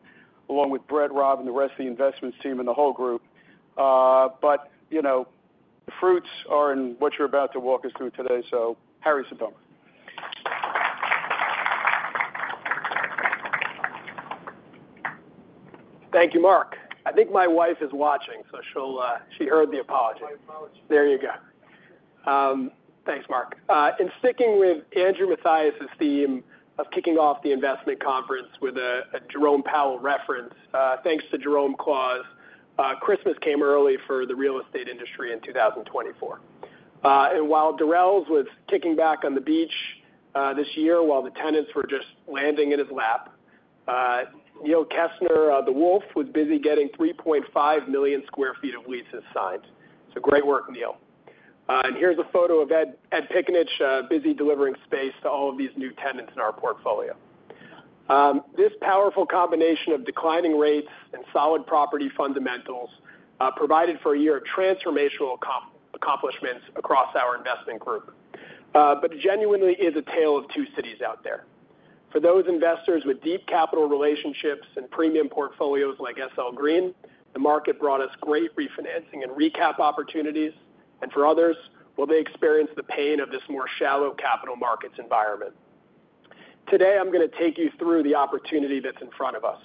along with Brett, Rob, and the rest of the investments team and the whole group. But the fruits are in what you're about to walk us through today. So Harry Sitomer. Thank you, Marc. I think my wife is watching, so she heard the apology. There you go. Thanks, Marc. In sticking with Andrew Mathias' theme of kicking off the investment conference with a Jerome Powell reference, thanks to Jerome Claus, Christmas came early for the real estate industry in 2024, and while Durels was kicking back on the beach this year, while the tenants were just landing in his lap, Neil Kessner, the wolf, was busy getting 3.5 million sq ft of leases signed, so great work, Neil, and here's a photo of Ed Piccinich busy delivering space to all of these new tenants in our portfolio. This powerful combination of declining rates and solid property fundamentals provided for a year of transformational accomplishments across our investment group, but it genuinely is a tale of two cities out there. For those investors with deep capital relationships and premium portfolios like SL Green, the market brought us great refinancing and recap opportunities. For others, will they experience the pain of this more shallow capital markets environment? Today, I'm going to take you through the opportunity that's in front of us,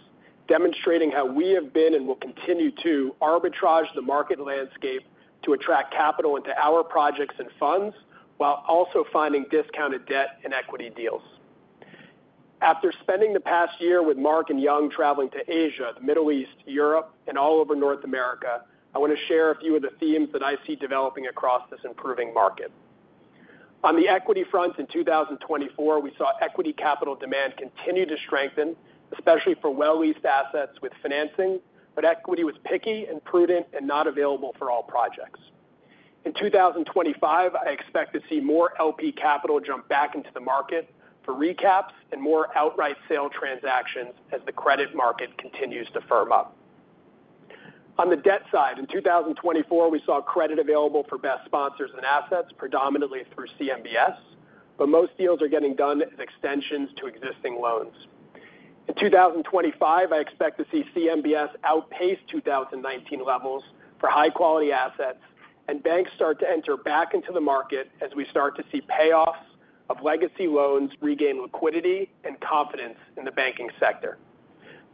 demonstrating how we have been and will continue to arbitrage the market landscape to attract capital into our projects and funds while also finding discounted debt and equity deals. After spending the past year with Marc and Yong traveling to Asia, the Middle East, Europe, and all over North America, I want to share a few of the themes that I see developing across this improving market. On the equity front, in 2024, we saw equity capital demand continue to strengthen, especially for well-leased assets with financing, but equity was picky and prudent and not available for all projects. In 2025, I expect to see more LP capital jump back into the market for recaps and more outright sale transactions as the credit market continues to firm up. On the debt side, in 2024, we saw credit available for best sponsors and assets, predominantly through CMBS, but most deals are getting done as extensions to existing loans. In 2025, I expect to see CMBS outpace 2019 levels for high-quality assets, and banks start to enter back into the market as we start to see payoffs of legacy loans regain liquidity and confidence in the banking sector.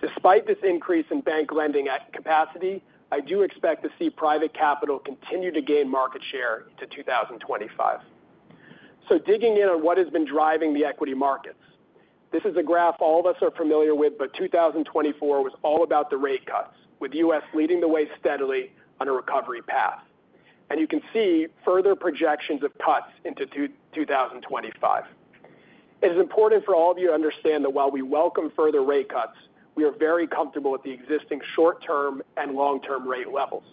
Despite this increase in bank lending capacity, I do expect to see private capital continue to gain market share into 2025. So digging in on what has been driving the equity markets, this is a graph all of us are familiar with, but 2024 was all about the rate cuts, with the U.S. Leading the way steadily on a recovery path. And you can see further projections of cuts into 2025. It is important for all of you to understand that while we welcome further rate cuts, we are very comfortable with the existing short-term and long-term rate levels.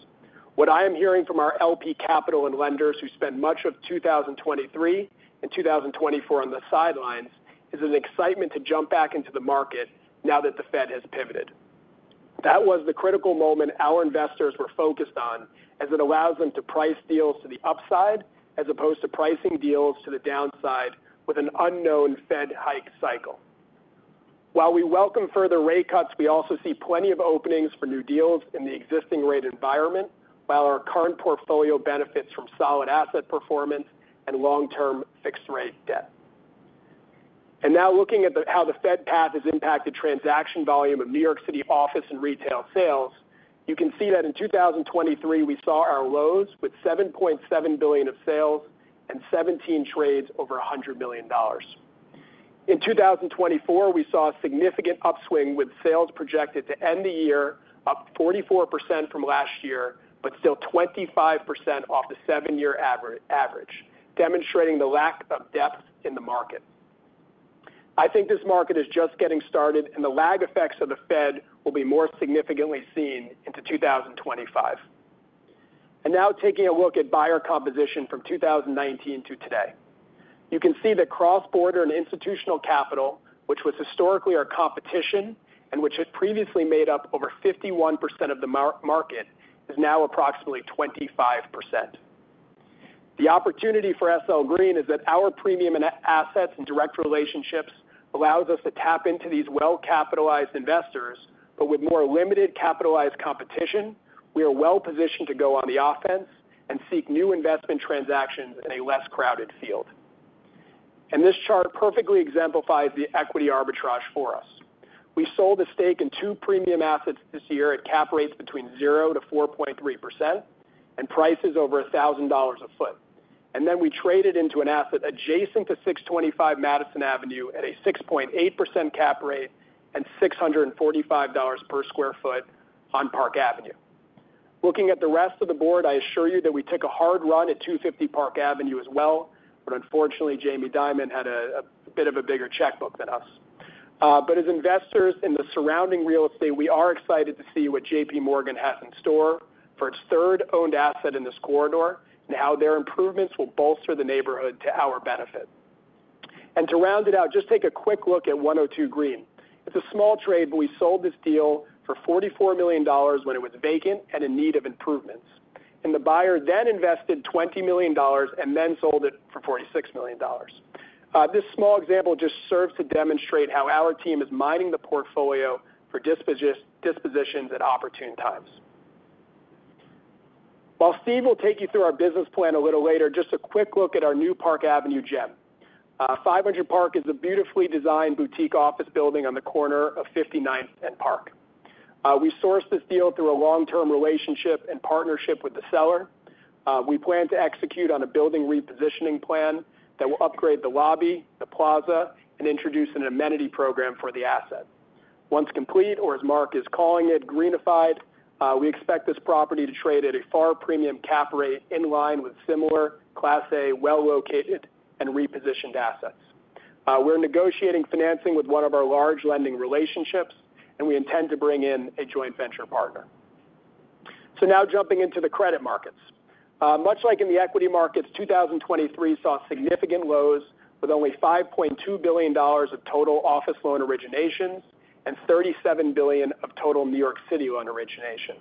What I am hearing from our LP capital and lenders who spent much of 2023 and 2024 on the sidelines is an excitement to jump back into the market now that the Fed has pivoted. That was the critical moment our investors were focused on as it allows them to price deals to the upside as opposed to pricing deals to the downside with an unknown Fed hike cycle. While we welcome further rate cuts, we also see plenty of openings for new deals in the existing rate environment while our current portfolio benefits from solid asset performance and long-term fixed-rate debt. And now looking at how the Fed path has impacted transaction volume of New York City office and retail sales, you can see that in 2023, we saw our lows with $7.7 billion of sales and 17 trades over $100 million. In 2024, we saw a significant upswing with sales projected to end the year up 44% from last year, but still 25% off the seven-year average, demonstrating the lack of depth in the market. I think this market is just getting started, and the lag effects of the Fed will be more significantly seen into 2025. And now taking a look at buyer composition from 2019 to today, you can see that cross-border and institutional capital, which was historically our competition and which had previously made up over 51% of the market, is now approximately 25%. The opportunity for SL Green is that our premium assets and direct relationships allows us to tap into these well-capitalized investors, but with more limited capitalized competition, we are well-positioned to go on the offense and seek new investment transactions in a less crowded field. And this chart perfectly exemplifies the equity arbitrage for us. We sold a stake in two premium assets this year at cap rates between 0%-4.3% and prices over $1,000 per sq ft. And then we traded into an asset adjacent to 625 Madison Avenue at a 6.8% cap rate and $645 per sq ft on Park Avenue. Looking at the rest of the board, I assure you that we took a hard run at 250 Park Avenue as well, but unfortunately, Jamie Dimon had a bit of a bigger checkbook than us. But as investors in the surrounding real estate, we are excited to see what J.P. Morgan has in store for its third owned asset in this corridor and how their improvements will bolster the neighborhood to our benefit. And to round it out, just take a quick look at 102 Greene. It's a small trade, but we sold this deal for $44 million when it was vacant and in need of improvements. And the buyer then invested $20 million and then sold it for $46 million. This small example just serves to demonstrate how our team is mining the portfolio for dispositions at opportune times. While Steve will take you through our business plan a little later, just a quick look at our new Park Avenue gem. 500 Park Avenue is a beautifully designed boutique office building on the corner of 59th and Park. We sourced this deal through a long-term relationship and partnership with the seller. We plan to execute on a building repositioning plan that will upgrade the lobby, the plaza, and introduce an amenity program for the asset. Once complete, or as Marc is calling it, greenified, we expect this property to trade at a far premium cap rate in line with similar Class A, well-located and repositioned assets. We're negotiating financing with one of our large lending relationships, and we intend to bring in a joint venture partner. So now jumping into the credit markets. Much like in the equity markets, 2023 saw significant lows with only $5.2 billion of total office loan originations and $37 billion of total New York City loan originations.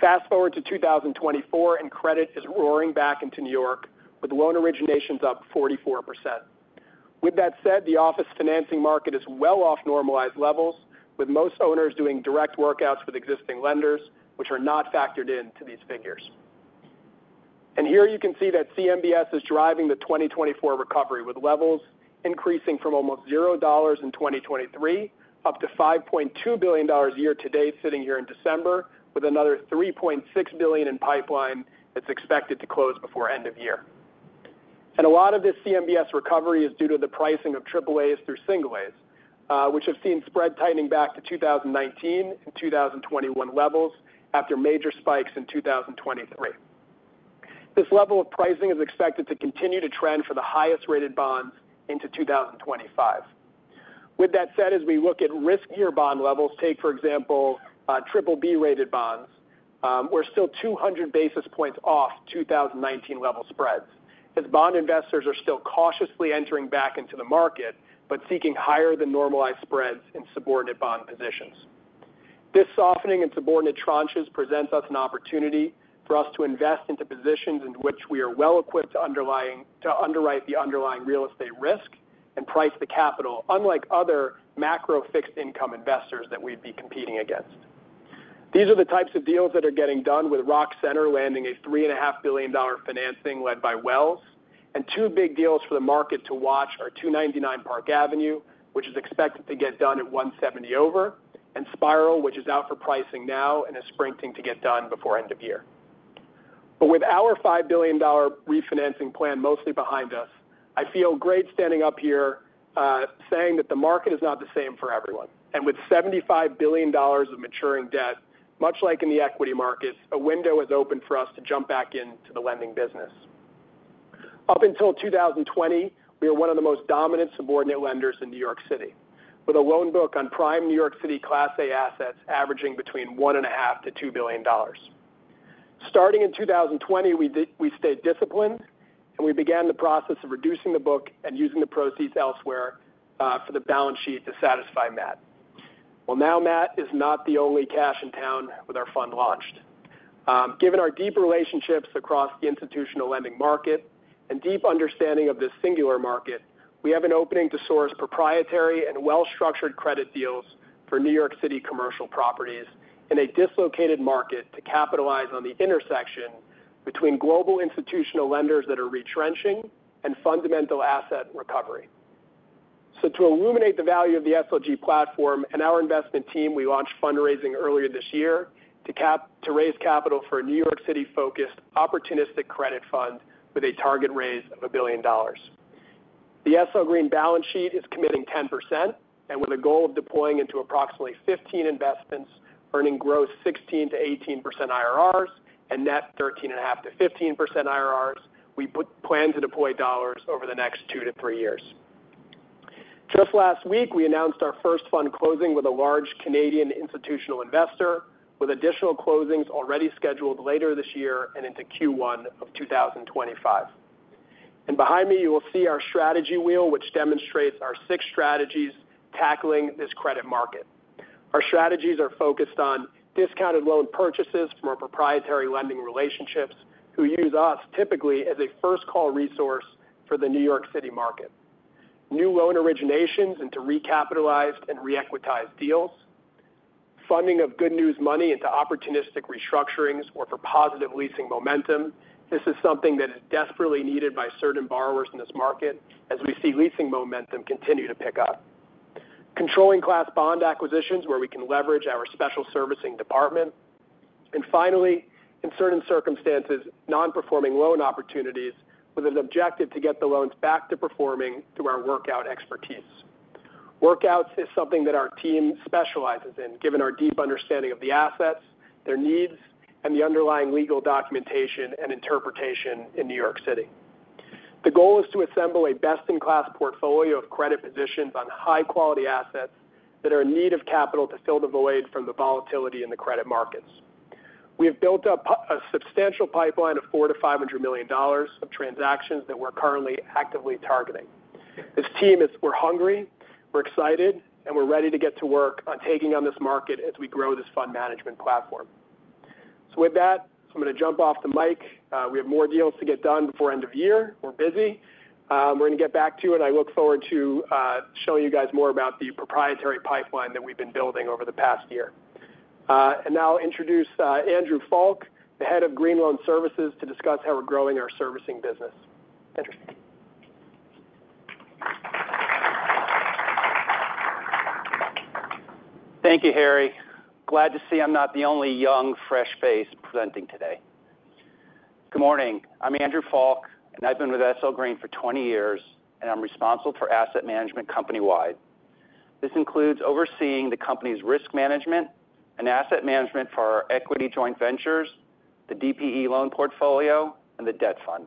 Fast forward to 2024, and credit is roaring back into New York with loan originations up 44%. With that said, the office financing market is well off normalized levels, with most owners doing direct workouts with existing lenders, which are not factored into these figures. And here you can see that CMBS is driving the 2024 recovery with levels increasing from almost $0 in 2023 up to $5.2 billion year-to-date sitting here in December, with another $3.6 billion in pipeline that's expected to close before end of year. And a lot of this CMBS recovery is due to the pricing of AAAs through single-A's, which have seen spread tightening back to 2019 and 2021 levels after major spikes in 2023. This level of pricing is expected to continue to trend for the highest-rated bonds into 2025. With that said, as we look at riskier bond levels, take for example BBB-rated bonds, we're still 200 basis points off 2019 level spreads as bond investors are still cautiously entering back into the market, but seeking higher than normalized spreads in subordinate bond positions. This softening in subordinate tranches presents us an opportunity for us to invest into positions in which we are well-equipped to underwrite the underlying real estate risk and price the capital, unlike other macro fixed-income investors that we'd be competing against. These are the types of deals that are getting done, with Rockefeller Center landing a $3.5 billion financing led by Wells Fargo, and two big deals for the market to watch are 299 Park Avenue, which is expected to get done at 170 over, and The Spiral, which is out for pricing now and is sprinting to get done before end of year. But with our $5 billion refinancing plan mostly behind us, I feel great standing up here saying that the market is not the same for everyone. And with $75 billion of maturing debt, much like in the equity markets, a window has opened for us to jump back into the lending business. Up until 2020, we were one of the most dominant subordinate lenders in New York City, with a loan book on prime New York City Class A assets averaging between $1.5 billion-$2 billion. Starting in 2020, we stayed disciplined, and we began the process of reducing the book and using the proceeds elsewhere for the balance sheet to satisfy Matt. Well, now Matt is not the only cash in town with our fund launched. Given our deep relationships across the institutional lending market and deep understanding of this singular market, we have an opening to source proprietary and well-structured credit deals for New York City commercial properties in a dislocated market to capitalize on the intersection between global institutional lenders that are retrenching and fundamental asset recovery, so to illuminate the value of the SLG platform and our investment team, we launched fundraising earlier this year to raise capital for a New York City-focused opportunistic credit fund with a target raise of $1 billion. The SL Green balance sheet is committing 10% and with a goal of deploying into approximately 15 investments, earning gross 16%-18% IRRs and net 13.5%-15% IRRs, we plan to deploy dollars over the next two to three years. Just last week, we announced our first fund closing with a large Canadian institutional investor, with additional closings already scheduled later this year and into Q1 of 2025, and behind me, you will see our strategy wheel, which demonstrates our six strategies tackling this credit market. Our strategies are focused on discounted loan purchases from our proprietary lending relationships who use us typically as a first-call resource for the New York City market. New loan originations into recapitalized and re-equitized deals, funding of good news money into opportunistic restructurings or for positive leasing momentum. This is something that is desperately needed by certain borrowers in this market as we see leasing momentum continue to pick up. Controlling class bond acquisitions where we can leverage our special servicing department, and finally, in certain circumstances, non-performing loan opportunities with an objective to get the loans back to performing through our workout expertise. Workouts is something that our team specializes in, given our deep understanding of the assets, their needs, and the underlying legal documentation and interpretation in New York City. The goal is to assemble a best-in-class portfolio of credit positions on high-quality assets that are in need of capital to fill the void from the volatility in the credit markets. We have built up a substantial pipeline of $400 million-$500 million of transactions that we're currently actively targeting. This team is, we're hungry, we're excited, and we're ready to get to work on taking on this market as we grow this fund management platform. So with that, I'm going to jump off the mic. We have more deals to get done before end of year. We're busy. We're going to get back to you, and I look forward to showing you guys more about the proprietary pipeline that we've been building over the past year, and now I'll introduce Andrew Falk, the Head of Green Loan Services, to discuss how we're growing our servicing business. Andrew Falk. Thank you, Harry. Glad to see I'm not the only young, fresh face presenting today. Good morning. I'm Andrew Falk, and I've been with SL Green for 20 years, and I'm responsible for asset management, companywide. This includes overseeing the company's risk management and asset management for our equity joint ventures, the DPE loan portfolio, and the debt fund.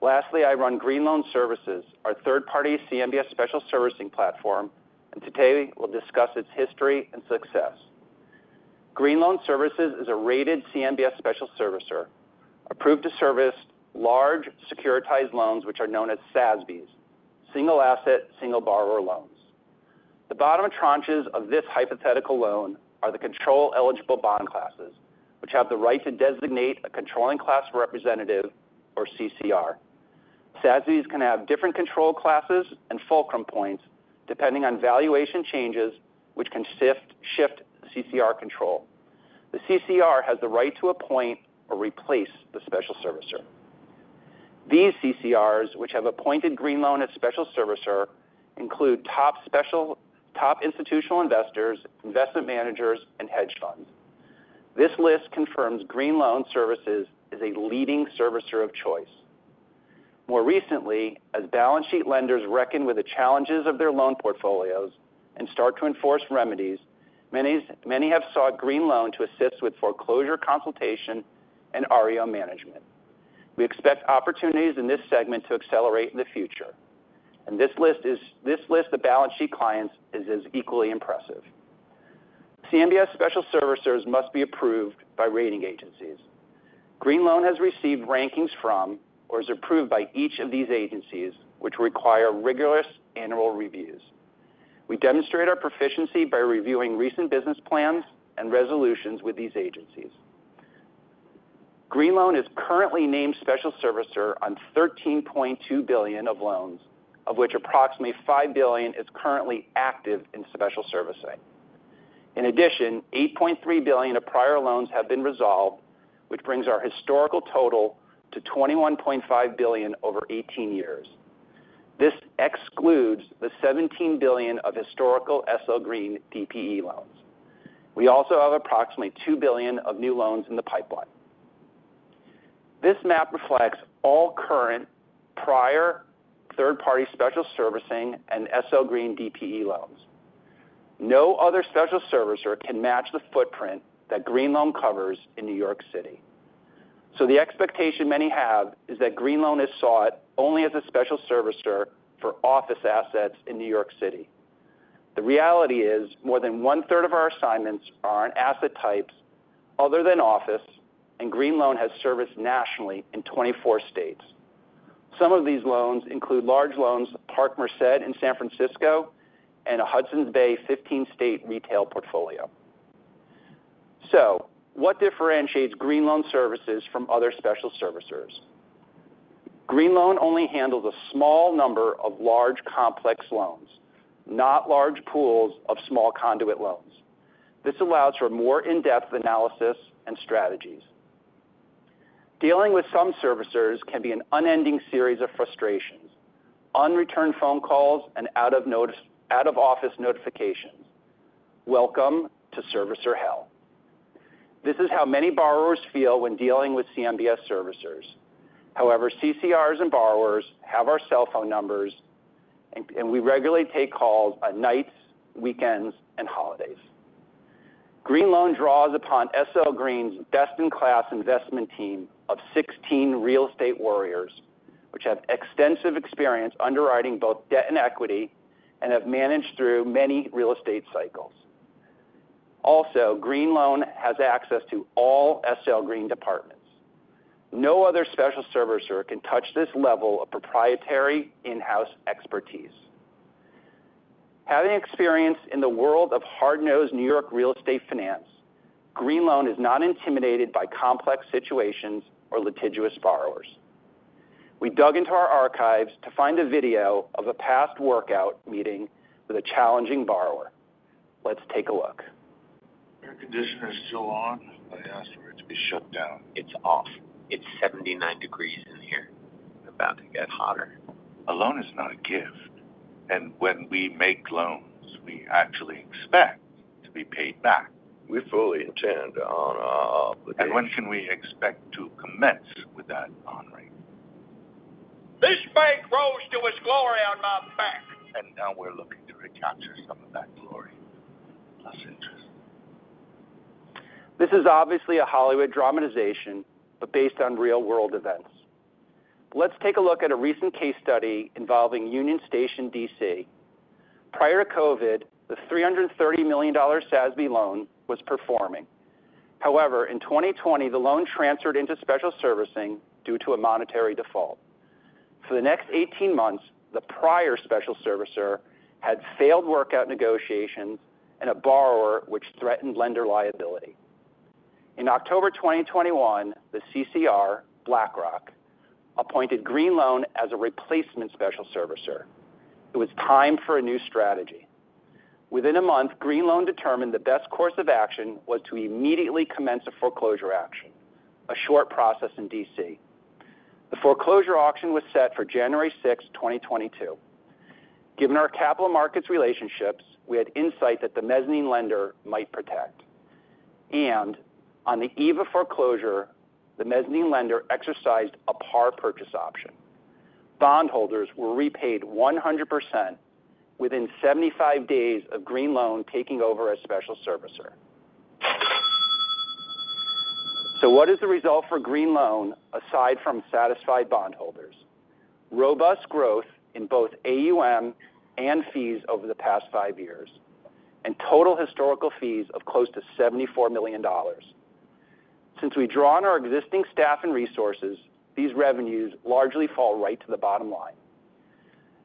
Lastly, I run Green Loan Services, our third-party CMBS special servicing platform, and today we'll discuss its history and success. Green Loan Services is a rated CMBS special servicer, approved to service large securitized loans, which are known as SASBs, single asset, single borrower loans. The bottom tranches of this hypothetical loan are the control eligible bond classes, which have the right to designate a Controlling Class Representative or CCR. SASBs can have different control classes and fulcrum points depending on valuation changes, which can shift CCR control. The CCR has the right to appoint or replace the special servicer. These CCRs, which have appointed Green Loan Services as special servicer, include top institutional investors, investment managers, and hedge funds. This list confirms Green Loan Services is a leading servicer of choice. More recently, as balance sheet lenders reckon with the challenges of their loan portfolios and start to enforce remedies, many have sought Green Loan Services to assist with foreclosure consultation and REO management. We expect opportunities in this segment to accelerate in the future, and this list of balance sheet clients is as equally impressive. CMBS special servicers must be approved by Rating Agencies. Green Loan Services has received rankings from or is approved by each of these agencies, which require rigorous annual reviews. We demonstrate our proficiency by reviewing recent business plans and resolutions with these agencies. Green Loan is currently named special servicer on $13.2 billion of loans, of which approximately $5 billion is currently active in special servicing. In addition, $8.3 billion of prior loans have been resolved, which brings our historical total to $21.5 billion over 18 years. This excludes the $17 billion of historical SL Green DPE loans. We also have approximately $2 billion of new loans in the pipeline. This map reflects all current prior third-party special servicing and SL Green DPE loans. No other special servicer can match the footprint that Green Loan covers in New York City. So the expectation many have is that Green Loan is sought only as a special servicer for office assets in New York City. The reality is more than one-third of our assignments are on asset types other than office, and Green Loan has serviced nationally in 24 states. Some of these loans include large loans to Parkmerced in San Francisco and a Hudson's Bay 15-state retail portfolio. So what differentiates Green Loan Services from other special servicers? Green Loan only handles a small number of large complex loans, not large pools of small conduit loans. This allows for more in-depth analysis and strategies. Dealing with some servicers can be an unending series of frustrations, unreturned phone calls, and out-of-office notifications. Welcome to servicer hell. This is how many borrowers feel when dealing with CMBS servicers. However, CCRs and borrowers have our cell phone numbers, and we regularly take calls on nights, weekends, and holidays. Green Loan draws upon SL Green's best-in-class investment team of 16 real estate warriors, which have extensive experience underwriting both debt and equity and have managed through many real estate cycles. Also, Green Loan has access to all SL Green departments. No other special servicer can touch this level of proprietary in-house expertise. Having experience in the world of hard-nosed New York real estate finance, Green Loan is not intimidated by complex situations or litigious borrowers. We dug into our archives to find a video of a past workout meeting with a challenging borrower. Let's take a look. Air conditioner is still on, but I asked for it to be shut down. It's off. It's 79 degrees Fahrenheit in here. About to get hotter. A loan is not a gift. And when we make loans, we actually expect to be paid back. We fully intend on. And when can we expect to commence with that honoring? This bank rose to his glory on my back. And now we're looking to recapture some of that glory. Less interest. This is obviously a Hollywood dramatization, but based on real-world events. Let's take a look at a recent case study involving Union Station, DC. Prior to COVID, the $330 million SASB loan was performing. However, in 2020, the loan transferred into special servicing due to a monetary default. For the next 18 months, the prior special servicer had failed workout negotiations and a borrower which threatened lender liability. In October 2021, the CCR, BlackRock, appointed Green Loan as a replacement special servicer. It was time for a new strategy. Within a month, Green Loan determined the best course of action was to immediately commence a foreclosure action, a short process in DC. The foreclosure auction was set for January 6, 2022. Given our capital markets relationships, we had insight that the mezzanine lender might protect, and on the eve of foreclosure, the mezzanine lender exercised a par purchase option. Bondholders were repaid 100% within 75 days of Green Loan taking over as special servicer. So what is the result for Green Loan aside from satisfied bondholders? Robust growth in both AUM and fees over the past five years and total historical fees of close to $74 million. Since we draw on our existing staff and resources, these revenues largely fall right to the bottom line.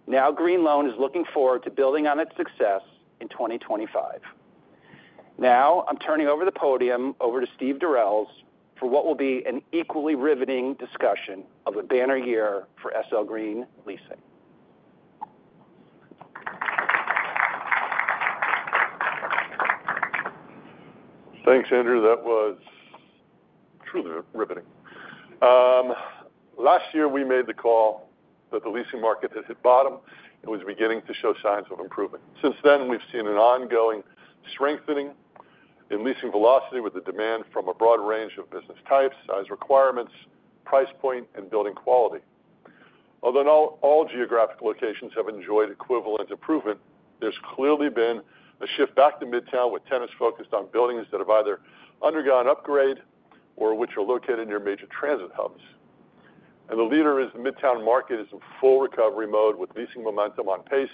Now Green Loan is looking forward to building on its success in 2025. Now I'm turning over the podium to Steve Durels for what will be an equally riveting discussion of the banner year for SL Green leasing. Thanks, Andrew. That was truly riveting. Last year, we made the call that the leasing market had hit bottom and was beginning to show signs of improvement. Since then, we've seen an ongoing strengthening in leasing velocity with the demand from a broad range of business types, size requirements, price point, and building quality. Although not all geographic locations have enjoyed equivalent improvement, there's clearly been a shift back to Midtown with tenants focused on buildings that have either undergone upgrade or which are located near major transit hubs. And the leader in the Midtown market is in full recovery mode with leasing momentum on pace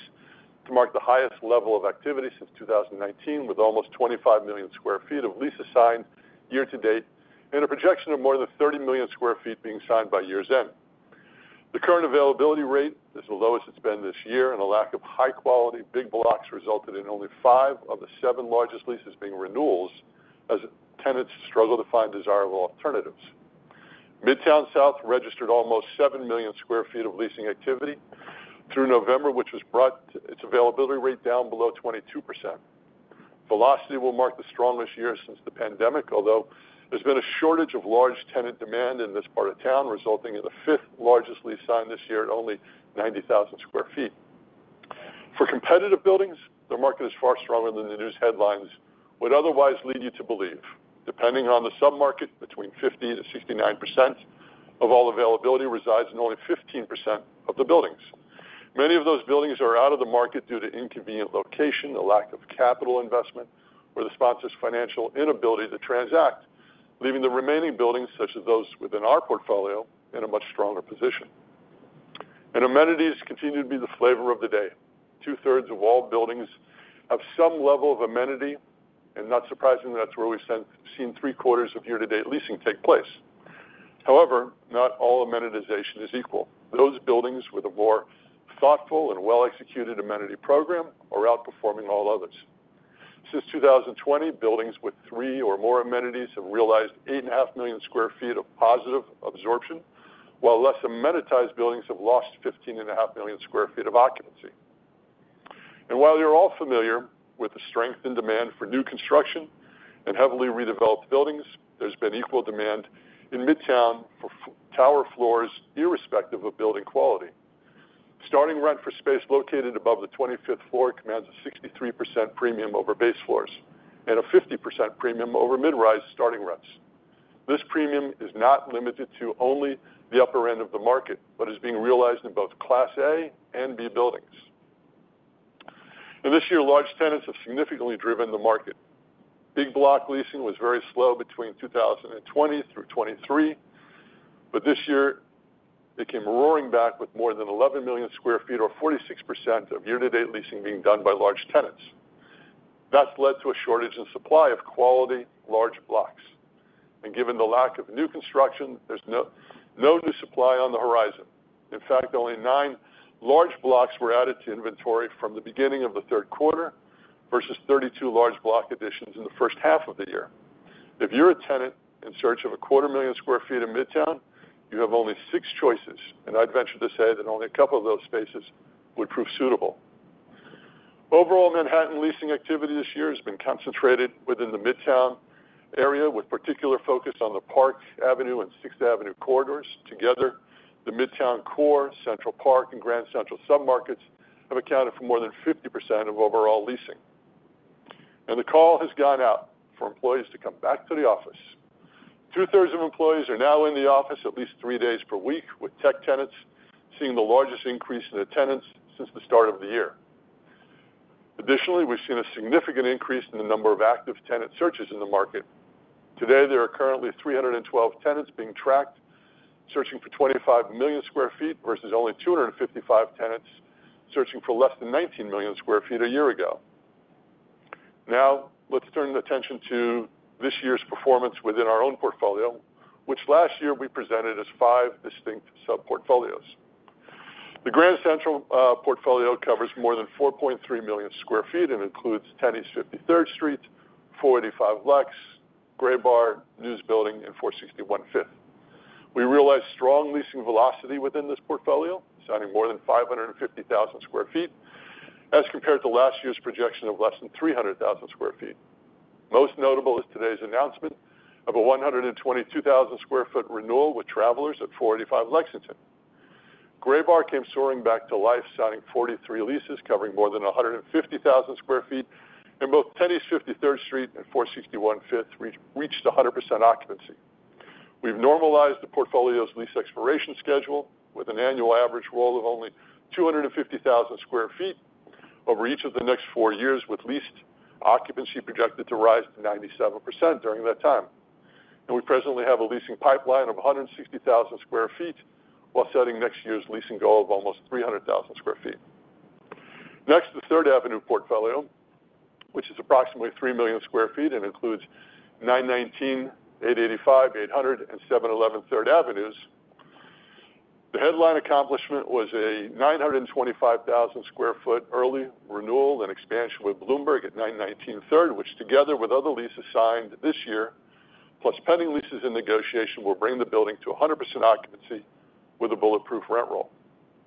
to mark the highest level of activity since 2019, with almost 25 million sq ft of leases signed year to date and a projection of more than 30 million sq ft being signed by year's end. The current availability rate is the lowest it's been this year, and a lack of high-quality big blocks resulted in only five of the seven largest leases being renewals as tenants struggle to find desirable alternatives. Midtown South registered almost 7 million sq ft of leasing activity through November, which has brought its availability rate down below 22%. Velocity will mark the strongest year since the pandemic, although there's been a shortage of large tenant demand in this part of town, resulting in the fifth largest lease signed this year at only 90,000 sq ft. For competitive buildings, the market is far stronger than the news headlines would otherwise lead you to believe. Depending on the submarket, between 50%-69% of all availability resides in only 15% of the buildings. Many of those buildings are out of the market due to inconvenient location, a lack of capital investment, or the sponsor's financial inability to transact, leaving the remaining buildings, such as those within our portfolio, in a much stronger position, and amenities continue to be the flavor of the day. Two-thirds of all buildings have some level of amenity, and not surprisingly, that's where we've seen three-quarters of year-to-date leasing take place. However, not all amenitization is equal. Those buildings with a more thoughtful and well-executed amenity program are outperforming all others. Since 2020, buildings with three or more amenities have realized 8.5 million sq ft of positive absorption, while less amenitized buildings have lost 15.5 million sq ft of occupancy. And while you're all familiar with the strength and demand for new construction and heavily redeveloped buildings, there's been equal demand in Midtown for tower floors irrespective of building quality. Starting rent for space located above the 25th floor commands a 63% premium over base floors and a 50% premium over mid-rise starting rents. This premium is not limited to only the upper end of the market, but is being realized in both Class A and B buildings. And this year, large tenants have significantly driven the market. Big block leasing was very slow between 2020 through 2023, but this year, it came roaring back with more than 11 million sq ft or 46% of year-to-date leasing being done by large tenants. That's led to a shortage in supply of quality large blocks. And given the lack of new construction, there's no new supply on the horizon. In fact, only nine large blocks were added to inventory from the beginning of the third quarter versus 32 large block additions in the first half of the year. If you're a tenant in search of 250,000 sq ft in Midtown, you have only six choices, and I'd venture to say that only a couple of those spaces would prove suitable. Overall, Manhattan leasing activity this year has been concentrated within the Midtown area, with particular focus on the Park Avenue and 6th Avenue corridors. Together, the Midtown Core, Central Park, and Grand Central submarkets have accounted for more than 50% of overall leasing. The call has gone out for employees to come back to the office. Two-thirds of employees are now in the office at least three days per week, with tech tenants seeing the largest increase in attendance since the start of the year. Additionally, we've seen a significant increase in the number of active tenant searches in the market. Today, there are currently 312 tenants being tracked, searching for 25 million sq ft versus only 255 tenants searching for less than 19 million sq ft a year ago. Now, let's turn attention to this year's performance within our own portfolio, which last year we presented as five distinct sub-portfolios. The Grand Central portfolio covers more than 4.3 million sq ft and includes 10 East 53rd Street, 485 Lexington, Graybar Building, The News Building, and 461 Fifth Avenue. We realized strong leasing velocity within this portfolio, signing more than 550,000 sq ft as compared to last year's projection of less than 300,000 sq ft. Most notable is today's announcement of a 122,000 sq ft renewal with Travelers at 485 Lexington. Graybar came soaring back to life, signing 43 leases covering more than 150,000 sq ft, and both 10 East 53rd Street and 461 Fifth reached 100% occupancy. We've normalized the portfolio's lease expiration schedule with an annual average roll of only 250,000 sq ft over each of the next four years, with leased occupancy projected to rise to 97% during that time. And we presently have a leasing pipeline of 160,000 sq ft while setting next year's leasing goal of almost 300,000 sq ft. Next, the Third Avenue portfolio, which is approximately 3 million sq ft and includes 919, 885, 800, and 711 Third Avenues. The headline accomplishment was a 925,000 sq ft early renewal and expansion with Bloomberg at 919 Third, which together with other leases signed this year, plus pending leases in negotiation, will bring the building to 100% occupancy with a bulletproof rent roll.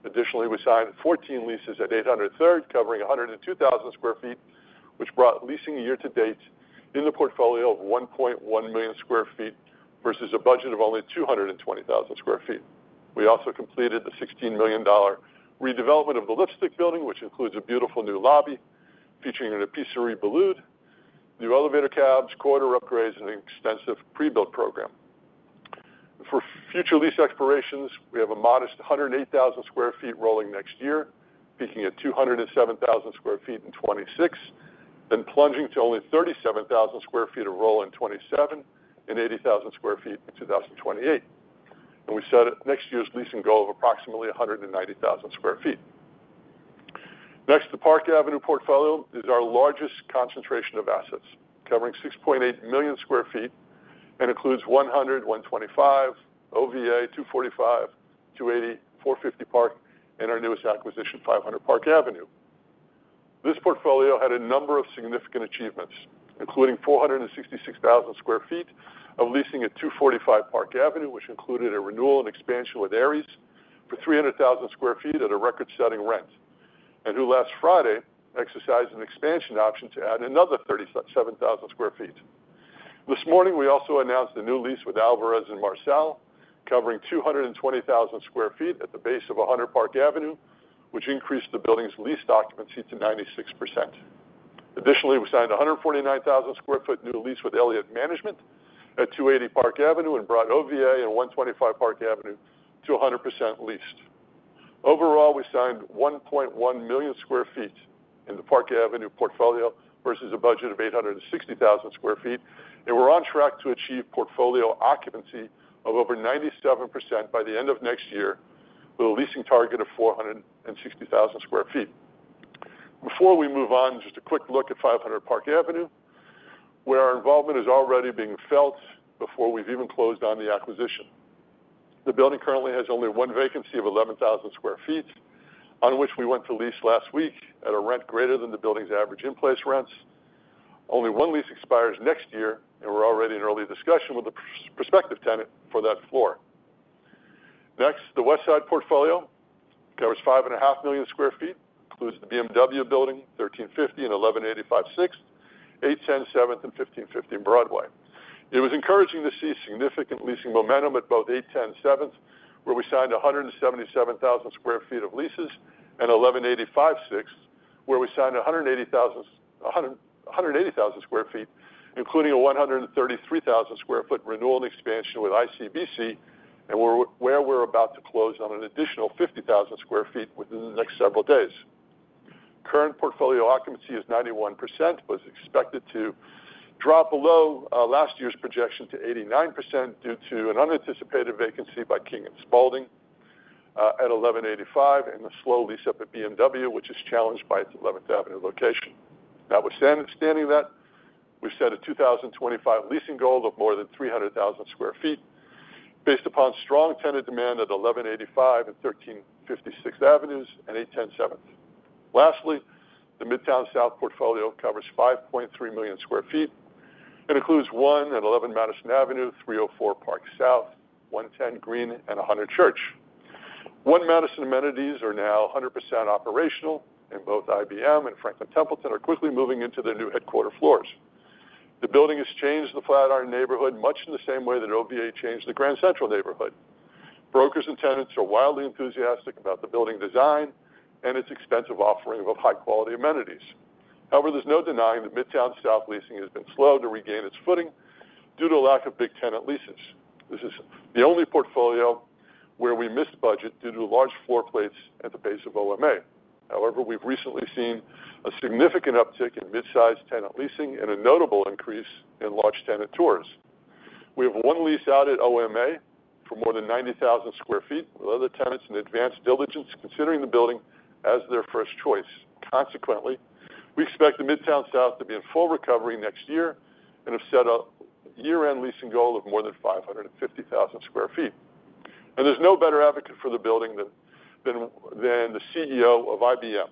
Additionally, we signed 14 leases at 800 Third covering 102,000 sq ft, which brought leasing year-to-date in the portfolio of 1.1 million sq ft versus a budget of only 220,000 sq ft. We also completed the $16 million redevelopment of the Lipstick Building, which includes a beautiful new lobby featuring a pâtisserie Boulud, new elevator cabs, corridor upgrades, and an extensive pre-built program. For future lease expirations, we have a modest 108,000 sq ft rolling next year, peaking at 207,000 sq ft in 2026, then plunging to only 37,000 sq ft of roll in 2027 and 80,000 sq ft in 2028, and we set next year's leasing goal of approximately 190,000 sq ft. Next, the Park Avenue portfolio is our largest concentration of assets, covering 6.8 million sq ft and includes 100, 125, OVA, 245, 280, 450 Park, and our newest acquisition, 500 Park Avenue. This portfolio had a number of significant achievements, including 466,000 sq ft of leasing at 245 Park Avenue, which included a renewal and expansion with Ares for 300,000 sq ft at a record-setting rent, and who last Friday exercised an expansion option to add another 37,000 sq ft. This morning, we also announced a new lease with Alvarez & Marsal covering 220,000 sq ft at the base of 100 Park Avenue, which increased the building's lease occupancy to 96%. Additionally, we signed a 149,000 sq ft new lease with Elliott Management at 280 Park Avenue and brought OVA and 125 Park Avenue to 100% leased. Overall, we signed 1.1 million sq ft in the Park Avenue portfolio versus a budget of 860,000 sq ft, and we're on track to achieve portfolio occupancy of over 97% by the end of next year with a leasing target of 460,000 sq ft. Before we move on, just a quick look at 500 Park Avenue, where our involvement is already being felt before we've even closed on the acquisition. The building currently has only one vacancy of 11,000 sq ft, on which we went to lease last week at a rent greater than the building's average in-place rents. Only one lease expires next year, and we're already in early discussion with the prospective tenant for that floor. Next, the West Side portfolio covers 5.5 million sq ft, includes the BMW Building, 1350, and 1185 Sixth, 810 Seventh, and 1550 Broadway. It was encouraging to see significant leasing momentum at both 810 Seventh, where we signed 177,000 sq ft of leases, and 1185 Sixth, where we signed 180,000 sq ft, including a 133,000 sq ft renewal and expansion with ICBC, and where we're about to close on an additional 50,000 sq ft within the next several days. Current portfolio occupancy is 91%, but is expected to drop below last year's projection to 89% due to an unanticipated vacancy by King & Spalding at 1185 and the slow lease up at BMW, which is challenged by its 11th Avenue location. Now, withstanding that, we've set a 2025 leasing goal of more than 300,000 sq ft based upon strong tenant demand at 1185 and 1350 Avenues and 810 Seventh. Lastly, the Midtown South portfolio covers 5.3 million sq ft and includes One and 11 Madison Avenue, 304 Park Avenue South, 110 Greene Street, and 100 Church Street. One Madison amenities are now 100% operational, and both IBM and Franklin Templeton are quickly moving into their new headquarters floors. The building has changed the Flatiron neighborhood much in the same way that OVA changed the Grand Central neighborhood. Brokers and tenants are wildly enthusiastic about the building design and its expansive offering of high-quality amenities. However, there's no denying that Midtown South leasing has been slow to regain its footing due to a lack of big tenant leases. This is the only portfolio where we missed budget due to large floor plates at the base of OMA. However, we've recently seen a significant uptick in mid-size tenant leasing and a notable increase in large tenant tours. We have one lease out at OMA for more than 90,000 sq ft, with other tenants in advanced diligence considering the building as their first choice. Consequently, we expect the Midtown South to be in full recovery next year and have set a year-end leasing goal of more than 550,000 sq ft, and there's no better advocate for the building than the CEO of IBM.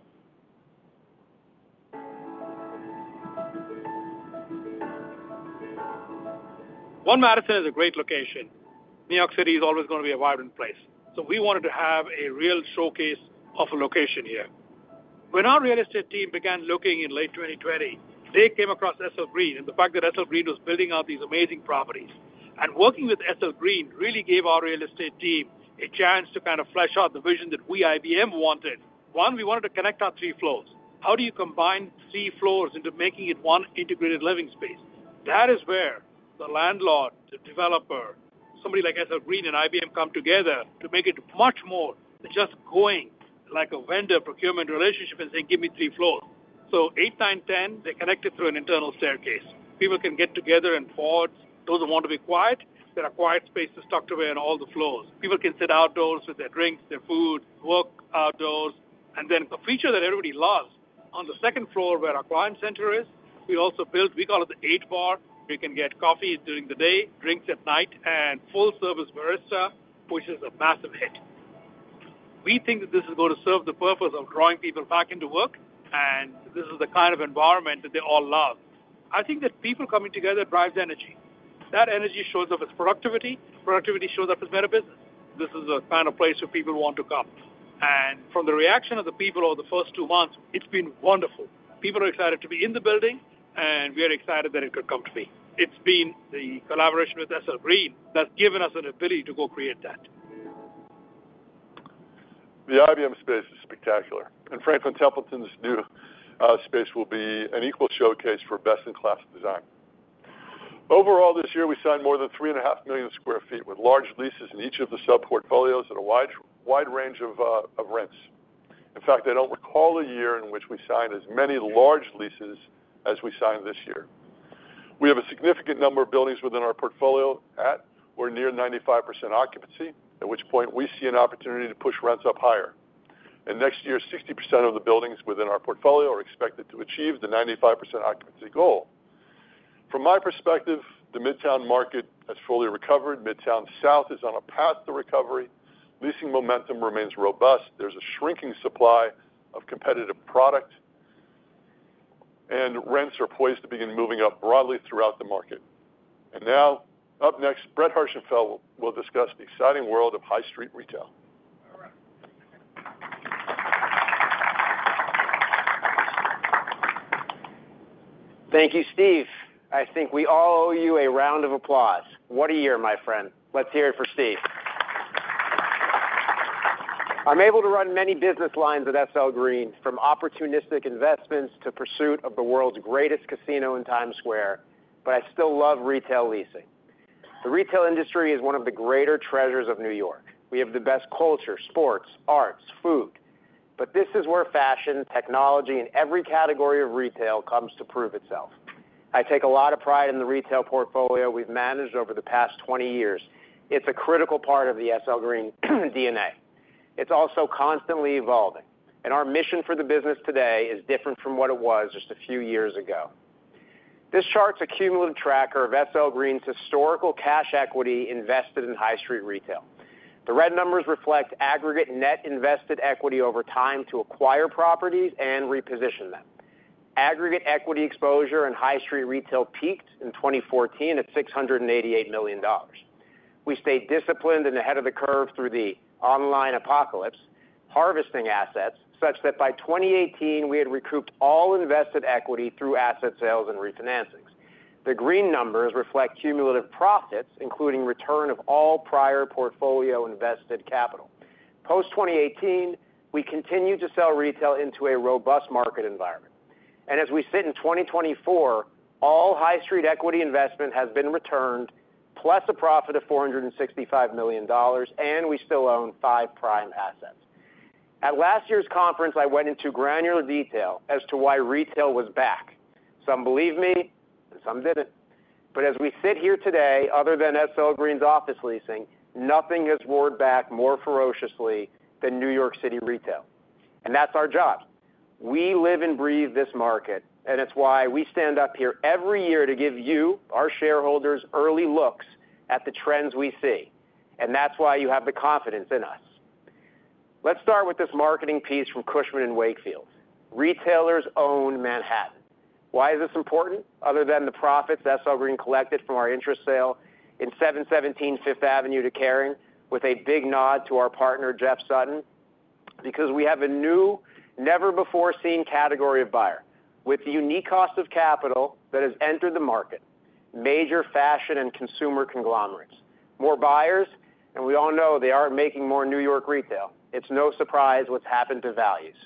One Madison is a great location. New York City is always going to be a vibrant place, so we wanted to have a real showcase of a location here. When our real estate team began looking in late 2020, they came across SL Green and the fact that SL Green was building out these amazing properties, and working with SL Green really gave our real estate team a chance to kind of flesh out the vision that we at IBM wanted. One, we wanted to connect our three floors. How do you combine three floors into making it one integrated living space? That is where the landlord, the developer, somebody like SL Green and IBM come together to make it much more than just going like a vendor-procurement relationship and saying, "Give me three floors," so 8, 9, 10, they connect it through an internal staircase. People can get together and pause. Those who want to be quiet, there are quiet spaces tucked away in all the floors. People can sit outdoors with their drinks, their food, work outdoors, and then the feature that everybody loves on the second floor where our client center is. We also built. We call it The Eight Bar. You can get coffee during the day, drinks at night, and full-service barista, which is a massive hit. We think that this is going to serve the purpose of drawing people back into work, and this is the kind of environment that they all love. I think that people coming together drives energy. That energy shows up as productivity. Productivity shows up as better business. This is the kind of place where people want to come, and from the reaction of the people over the first two months, it's been wonderful. People are excited to be in the building, and we are excited that it could come to be. It's been the collaboration with SL Green that's given us an ability to go create that. The IBM space is spectacular, and Franklin Templeton's new space will be an equal showcase for best-in-class design. Overall, this year, we signed more than 3.5 million sq ft with large leases in each of the sub-portfolios and a wide range of rents. In fact, I don't recall a year in which we signed as many large leases as we signed this year. We have a significant number of buildings within our portfolio at or near 95% occupancy, at which point we see an opportunity to push rents up higher, and next year, 60% of the buildings within our portfolio are expected to achieve the 95% occupancy goal. From my perspective, the Midtown market has fully recovered. Midtown South is on a path to recovery. Leasing momentum remains robust. There's a shrinking supply of competitive product, and rents are poised to begin moving up broadly throughout the market. Now, up next, Brett Herschenfeld will discuss the exciting world of High Street retail. Thank you, Steve. I think we all owe you a round of applause. What a year, my friend. Let's hear it for Steve. I'm able to run many business lines at SL Green, from opportunistic investments to the pursuit of the world's greatest casino in Times Square, but I still love retail leasing. The retail industry is one of the greater treasures of New York. We have the best culture, sports, arts, food. But this is where fashion, technology, and every category of retail comes to prove itself. I take a lot of pride in the retail portfolio we've managed over the past 20 years. It's a critical part of the SL Green DNA. It's also constantly evolving. And our mission for the business today is different from what it was just a few years ago. This chart's a cumulative tracker of SL Green's historical cash equity invested in High Street retail. The red numbers reflect aggregate net invested equity over time to acquire properties and reposition them. Aggregate equity exposure in High Street retail peaked in 2014 at $688 million. We stayed disciplined and ahead of the curve through the online apocalypse, harvesting assets such that by 2018, we had recouped all invested equity through asset sales and refinancings. The green numbers reflect cumulative profits, including return of all prior portfolio invested capital. Post 2018, we continue to sell retail into a robust market environment, and as we sit in 2024, all high street equity investment has been returned, plus a profit of $465 million, and we still own five prime assets. At last year's conference, I went into granular detail as to why retail was back. Some believed me, and some didn't. But as we sit here today, other than SL Green's office leasing, nothing has roared back more ferociously than New York City retail. And that's our job. We live and breathe this market, and it's why we stand up here every year to give you, our shareholders, early looks at the trends we see. And that's why you have the confidence in us. Let's start with this marketing piece from Cushman & Wakefield. Retailers own Manhattan. Why is this important? Other than the profits SL Green collected from our interest sale in 717 Fifth Avenue to Kering, with a big nod to our partner, Jeff Sutton, because we have a new, never-before-seen category of buyer with the unique cost of capital that has entered the market: major fashion and consumer conglomerates. More buyers, and we all know they aren't making more New York retail. It's no surprise what's happened to values.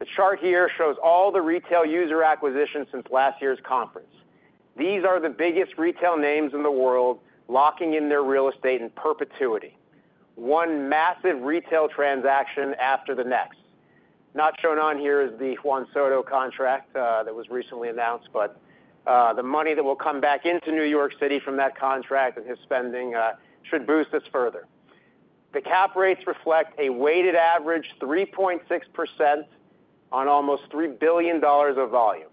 The chart here shows all the retail user acquisitions since last year's conference. These are the biggest retail names in the world locking in their real estate in perpetuity. One massive retail transaction after the next. Not shown on here is the Juan Soto contract that was recently announced, but the money that will come back into New York City from that contract and his spending should boost us further. The cap rates reflect a weighted average of 3.6% on almost $3 billion of volume.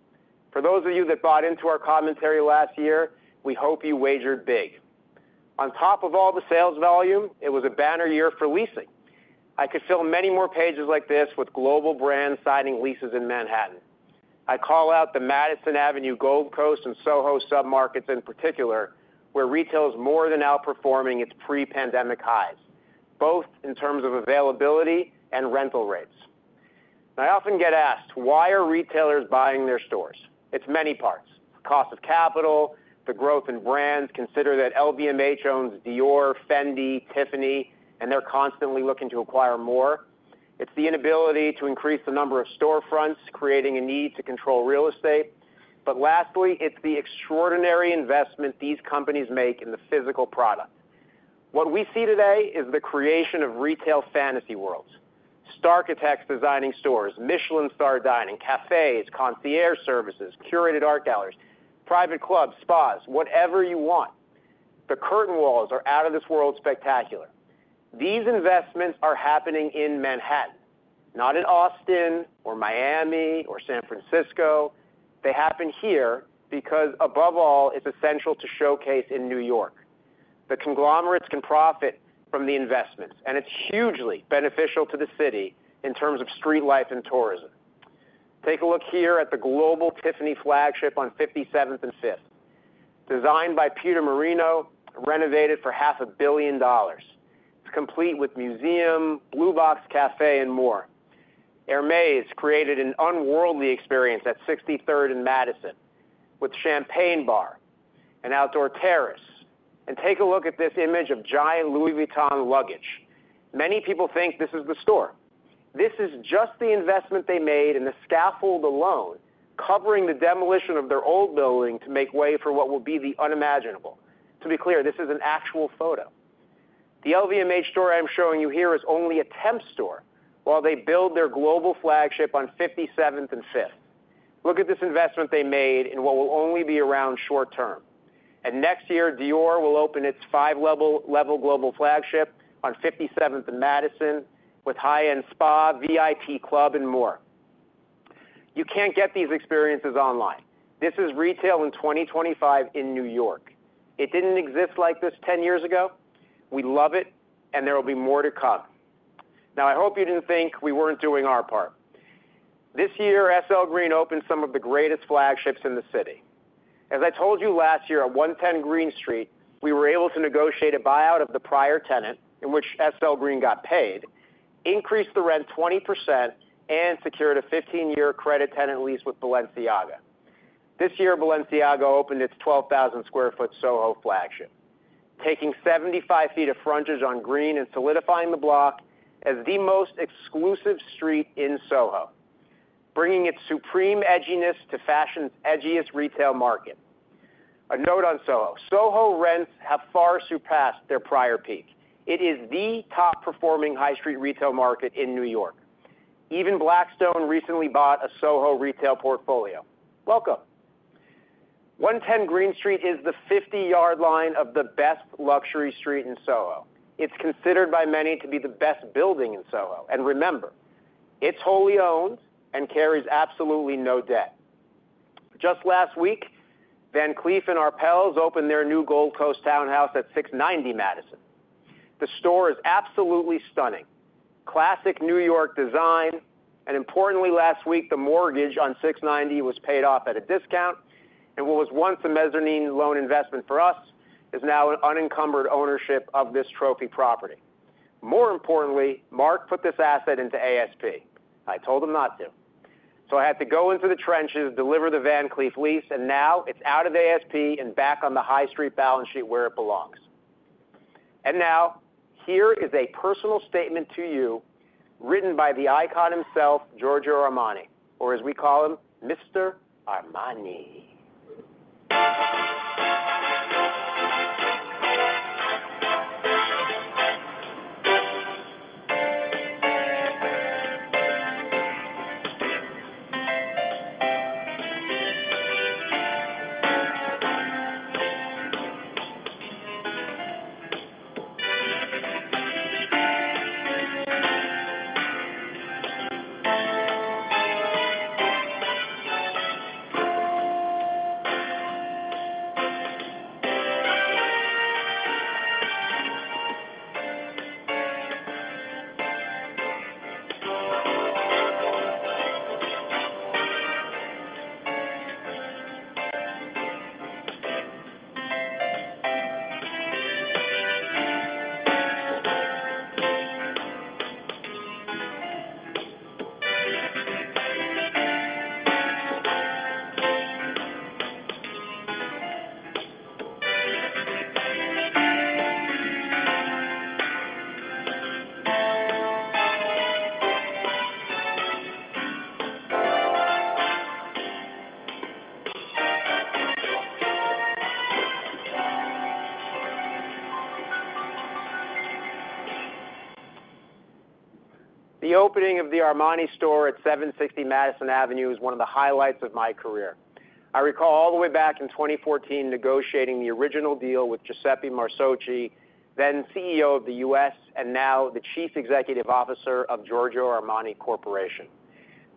For those of you that bought into our commentary last year, we hope you wagered big. On top of all the sales volume, it was a banner year for leasing. I could fill many more pages like this with global brands signing leases in Manhattan. I call out the Madison Avenue, Gold Coast, and SoHo sub-markets in particular, where retail is more than outperforming its pre-pandemic highs, both in terms of availability and rental rates. I often get asked, why are retailers buying their stores? It's many parts: the cost of capital, the growth in brands. Consider that LVMH owns Dior, Fendi, Tiffany, and they're constantly looking to acquire more. It's the inability to increase the number of storefronts, creating a need to control real estate. But lastly, it's the extraordinary investment these companies make in the physical product. What we see today is the creation of retail fantasy worlds: starchitects designing stores, Michelin-star dining, cafés, concierge services, curated art galleries, private clubs, spas, whatever you want. The curtain walls are out of this world spectacular. These investments are happening in Manhattan, not in Austin or Miami or San Francisco. They happen here because, above all, it's essential to showcase in New York. The conglomerates can profit from the investments, and it's hugely beneficial to the city in terms of street life and tourism. Take a look here at the global Tiffany flagship on 57th and Fifth. Designed by Peter Marino, renovated for $500 million. It's complete with museum, Blue Box Café, and more. Hermès created an unworldly experience at 63rd and Madison with Champagne Bar, an outdoor terrace, and take a look at this image of giant Louis Vuitton luggage. Many people think this is the store. This is just the investment they made in the scaffold alone, covering the demolition of their old building to make way for what will be the unimaginable. To be clear, this is an actual photo. The LVMH store I'm showing you here is only a temp store while they build their global flagship on 57th and 5th. Look at this investment they made in what will only be around short term, and next year, Dior will open its five-level global flagship on 57th and Madison with high-end spa, VIP club, and more. You can't get these experiences online. This is retail in 2025 in New York. It didn't exist like this 10 years ago. We love it, and there will be more to come. Now, I hope you didn't think we weren't doing our part. This year, SL Green opened some of the greatest flagships in the city. As I told you last year at 110 Greene Street, we were able to negotiate a buyout of the prior tenant, in which SL Green got paid, increased the rent 20%, and secured a 15-year credit tenant lease with Balenciaga. This year, Balenciaga opened its 12,000 sq ft SoHo flagship, taking 75 ft of frontage on Greene and solidifying the block as the most exclusive street in SoHo, bringing its supreme edginess to fashion's edgiest retail market. A note on SoHo: SoHo rents have far surpassed their prior peak. It is the top-performing High Street Retail market in New York. Even Blackstone recently bought a SoHo retail portfolio. Welcome. 110 Greene Street is the 50-yard line of the best luxury street in SoHo. It's considered by many to be the best building in SoHo. And remember, it's wholly owned and carries absolutely no debt. Just last week, Van Cleef & Arpels opened their new Gold Coast townhouse at 690 Madison. The store is absolutely stunning. Classic New York design, and importantly, last week, the mortgage on 690 was paid off at a discount, and what was once a mezzanine loan investment for us is now an unencumbered ownership of this trophy property. More importantly, Marc put this asset into ASP. I told him not to, so I had to go into the trenches, deliver the Van Cleef lease, and now it's out of ASP and back on the high street balance sheet where it belongs, and now, here is a personal statement to you written by the icon himself, Giorgio Armani, or as we call him, Mr. Armani. The opening of the Armani store at 760 Madison Avenue is one of the highlights of my career. I recall all the way back in 2014 negotiating the original deal with Giuseppe Marsocci, then CEO of the U.S. and now the Chief Executive Officer of Giorgio Armani Corporation.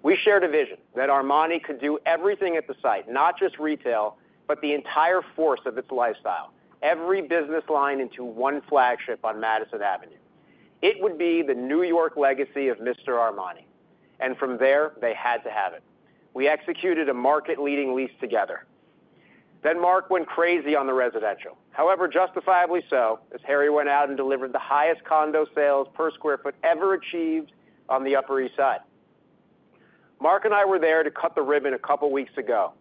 We shared a vision that Armani could do everything at the site, not just retail, but the entire force of its lifestyle, every business line into one flagship on Madison Avenue. It would be the New York legacy of Mr. Armani. And from there, they had to have it. We executed a market-leading lease together. Then Marc went crazy on the residential. However, justifiably so, as Harry went out and delivered the highest condo sales per square foot ever achieved on the Upper East Side. Marc and I were there to cut the ribbon a couple of weeks ago,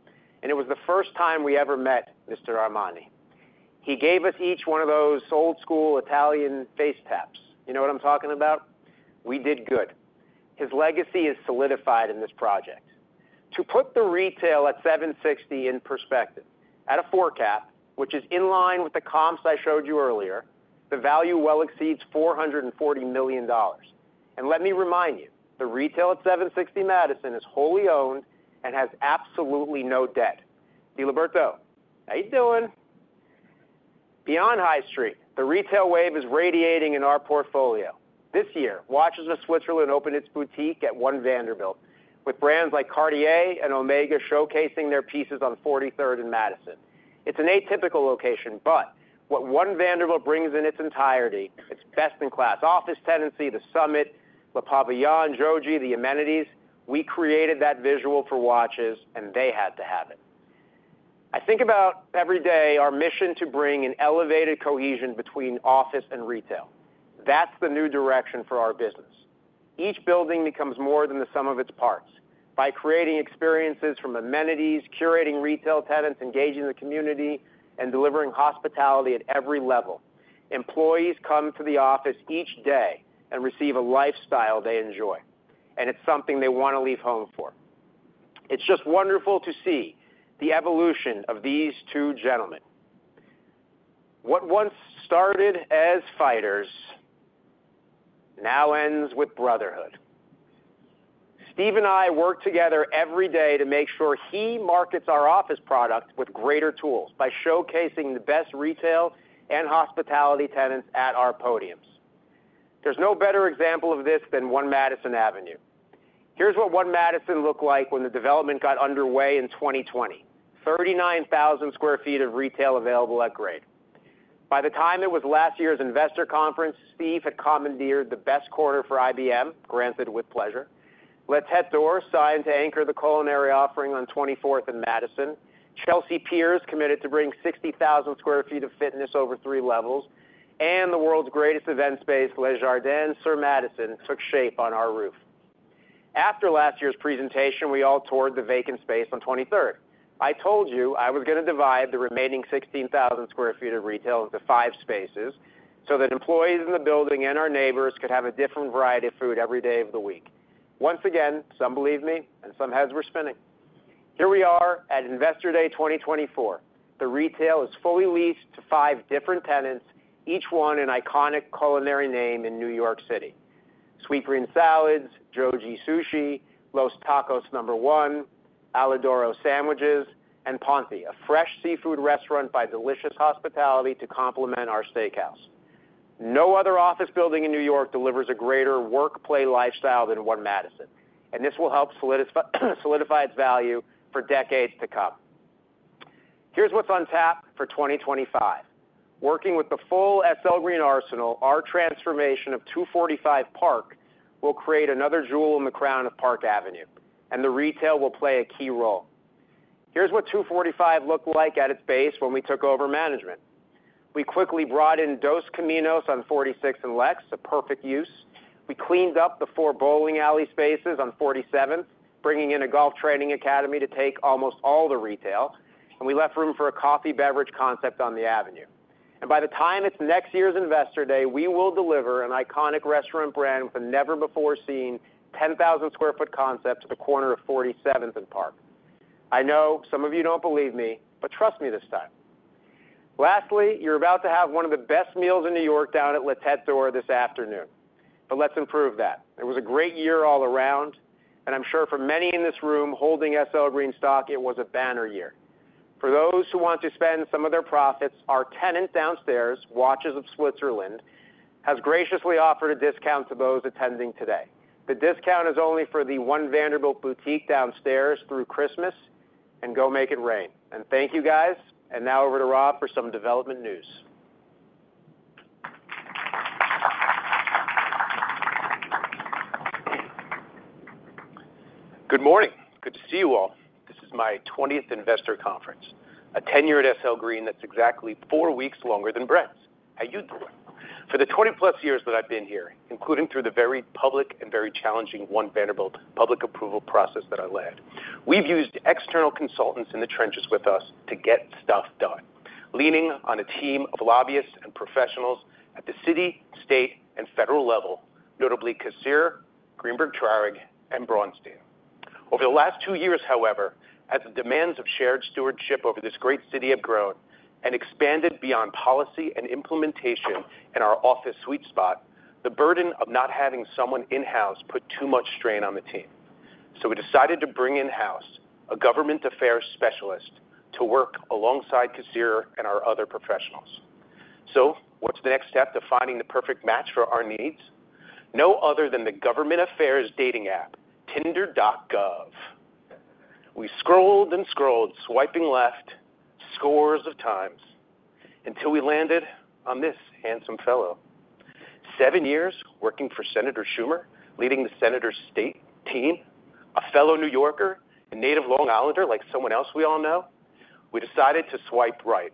and it was the first time we ever met Mr. Armani. He gave us each one of those old-school Italian face taps. You know what I'm talking about? We did good. His legacy is solidified in this project. To put the retail at 760 in perspective, at a floor cap, which is in line with the comps I showed you earlier, the value well exceeds $440 million. And let me remind you, the retail at 760 Madison is wholly owned and has absolutely no debt. DiLiberto, how you doing? Beyond high street, the retail wave is radiating in our portfolio. This year, Watches of Switzerland opened its boutique at One Vanderbilt, with brands like Cartier and Omega showcasing their pieces on 43rd and Madison. It's an atypical location, but what One Vanderbilt brings in its entirety, it's best-in-class office tenancy, the SUMMIT, Le Pavillon, Jōji, the amenities. We created that visual for Watches, and they had to have it. I think about every day our mission to bring an elevated cohesion between office and retail. That's the new direction for our business. Each building becomes more than the sum of its parts by creating experiences from amenities, curating retail tenants, engaging the community, and delivering hospitality at every level. Employees come to the office each day and receive a lifestyle they enjoy. And it's something they want to leave home for. It's just wonderful to see the evolution of these two gentlemen. What once started as fighters now ends with brotherhood. Steve and I work together every day to make sure he markets our office product with greater tools by showcasing the best retail and hospitality tenants at our podiums. There's no better example of this than One Madison Avenue. Here's what One Madison looked like when the development got underway in 2020: 39,000 sq ft of retail available at grade. By the time it was last year's investor conference, Steve had commandeered the best quarter for IBM, granted with pleasure. ALIDORO signed to anchor the culinary offering on 24th and Madison. Chelsea Piers committed to bring 60,000 sq ft of fitness over three levels. And the world's greatest event space, Le Jardin sur Madison, took shape on our roof. After last year's presentation, we all toured the vacant space on 23rd. I told you I was going to divide the remaining 16,000 sq ft of retail into five spaces so that employees in the building and our neighbors could have a different variety of food every day of the week. Once again, some believed me, and some heads were spinning. Here we are at Investor Day 2024. The retail is fully leased to five different tenants, each one an iconic culinary name in New York City: Sweetgreen, Jōji, Los Tacos No. 1, ALIDORO Sandwiches, and Ponti, a fresh seafood restaurant by Delicious Hospitality Group to complement our steakhouse. No other office building in New York delivers a greater work-play lifestyle than One Madison. This will help solidify its value for decades to come. Here's what's on tap for 2025. Working with the full SL Green arsenal, our transformation of 245 Park will create another jewel in the crown of Park Avenue. The retail will play a key role. Here's what 245 looked like at its base when we took over management. We quickly brought in Dos Caminos on 46th and Lex, a perfect use. We cleaned up the four bowling alley spaces on 47th, bringing in a golf training academy to take almost all the retail, and we left room for a coffee beverage concept on the avenue, and by the time it's next year's Investor Day, we will deliver an iconic restaurant brand with a never-before-seen 10,000 sq ft concept to the corner of 47th and Park. I know some of you don't believe me, but trust me this time. Lastly, you're about to have one of the best meals in New York down at La Tête d'Or this afternoon, but let's improve that. It was a great year all around, and I'm sure for many in this room holding SL Green stock, it was a banner year. For those who want to spend some of their profits, our tenant downstairs, Watches of Switzerland, has graciously offered a discount to those attending today. The discount is only for the One Vanderbilt boutique downstairs through Christmas. Go make it rain. Thank you, guys. Now over to Rob for some development news. Good morning. Good to see you all. This is my 20th Investor Conference, a 10-year at SL Green that's exactly four weeks longer than Brett's. How you doing? For the 20-plus years that I've been here, including through the very public and very challenging One Vanderbilt public approval process that I led, we've used external consultants in the trenches with us to get stuff done, leaning on a team of lobbyists and professionals at the city, state, and federal level, notably Kasirer, Greenberg Traurig, and Brown & Weinraub. Over the last two years, however, as the demands of shared stewardship over this great city have grown and expanded beyond policy and implementation in our office sweet spot, the burden of not having someone in-house put too much strain on the team, so we decided to bring in-house a government affairs specialist to work alongside Kasirer and our other professionals, so what's the next step to finding the perfect match for our needs? None other than the government affairs dating app, Tinder.gov. We scrolled and scrolled, swiping left scores of times until we landed on this handsome fellow. Seven years working for Senator Schumer, leading the senator's state team, a fellow New Yorker, a native Long Islander like someone else we all know, we decided to swipe right,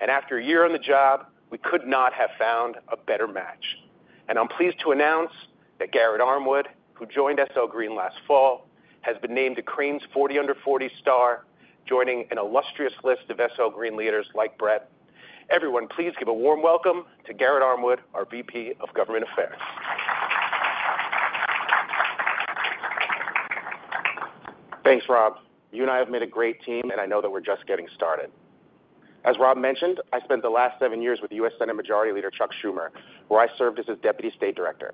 and after a year on the job, we could not have found a better match. I'm pleased to announce that Garrett Armwood, who joined SL Green last fall, has been named a Crain's 40 Under 40 star, joining an illustrious list of SL Green leaders like Brett. Everyone, please give a warm welcome to Garrett Armwood, our VP of government affairs. Thanks, Rob. You and I have made a great team, and I know that we're just getting started. As Rob mentioned, I spent the last seven years with U.S. Senate Majority Leader Chuck Schumer, where I served as his Deputy State Director.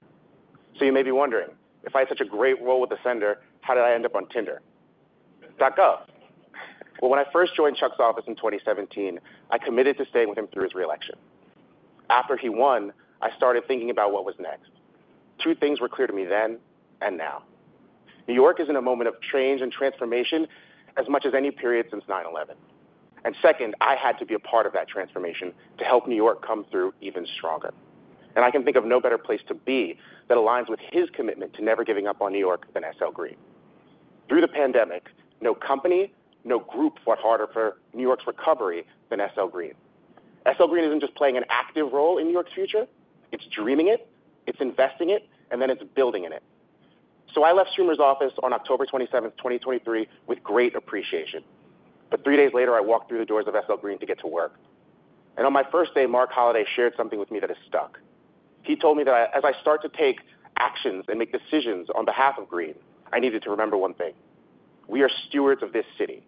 You may be wondering, if I had such a great role with the Senator, how did I end up on Tinder? Stuck up? When I first joined Chuck's office in 2017, I committed to staying with him through his reelection. After he won, I started thinking about what was next. Two things were clear to me then and now. New York is in a moment of change and transformation as much as any period since 9/11, and second, I had to be a part of that transformation to help New York come through even stronger, and I can think of no better place to be that aligns with his commitment to never giving up on New York than SL Green. Through the pandemic, no company, no group fought harder for New York's recovery than SL Green. SL Green isn't just playing an active role in New York's future. It's dreaming it, it's investing it, and then it's building in it, so I left Schumer's office on October 27, 2023, with great appreciation, but three days later, I walked through the doors of SL Green to get to work, and on my first day, Marc Holliday shared something with me that has stuck. He told me that as I start to take actions and make decisions on behalf of Green, I needed to remember one thing. We are stewards of this city.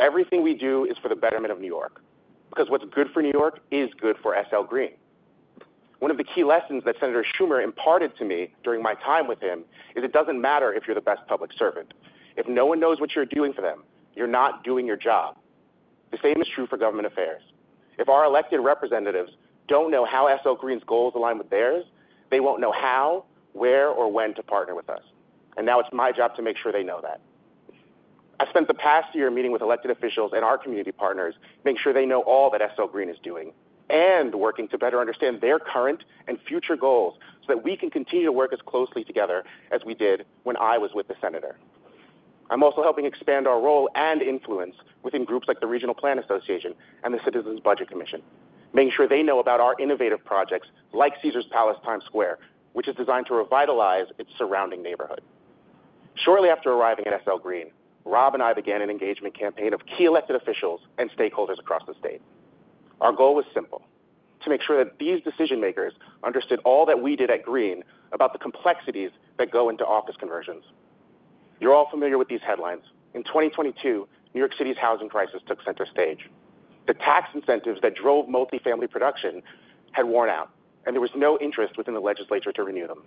Everything we do is for the betterment of New York. Because what's good for New York is good for SL Green. One of the key lessons that Senator Schumer imparted to me during my time with him is it doesn't matter if you're the best public servant. If no one knows what you're doing for them, you're not doing your job. The same is true for government affairs. If our elected representatives don't know how SL Green's goals align with theirs, they won't know how, where, or when to partner with us. And now it's my job to make sure they know that. I spent the past year meeting with elected officials and our community partners to make sure they know all that SL Green is doing and working to better understand their current and future goals so that we can continue to work as closely together as we did when I was with the Senator. I'm also helping expand our role and influence within groups like the Regional Plan Association and the Citizens Budget Commission, making sure they know about our innovative projects like Caesars Palace Times Square, which is designed to revitalize its surrounding neighborhood. Shortly after arriving at SL Green, Rob and I began an engagement campaign of key elected officials and stakeholders across the state. Our goal was simple: to make sure that these decision-makers understood all that we did at Green about the complexities that go into office conversions. You're all familiar with these headlines. In 2022, New York City's housing crisis took center stage. The tax incentives that drove multifamily production had worn out, and there was no interest within the legislature to renew them.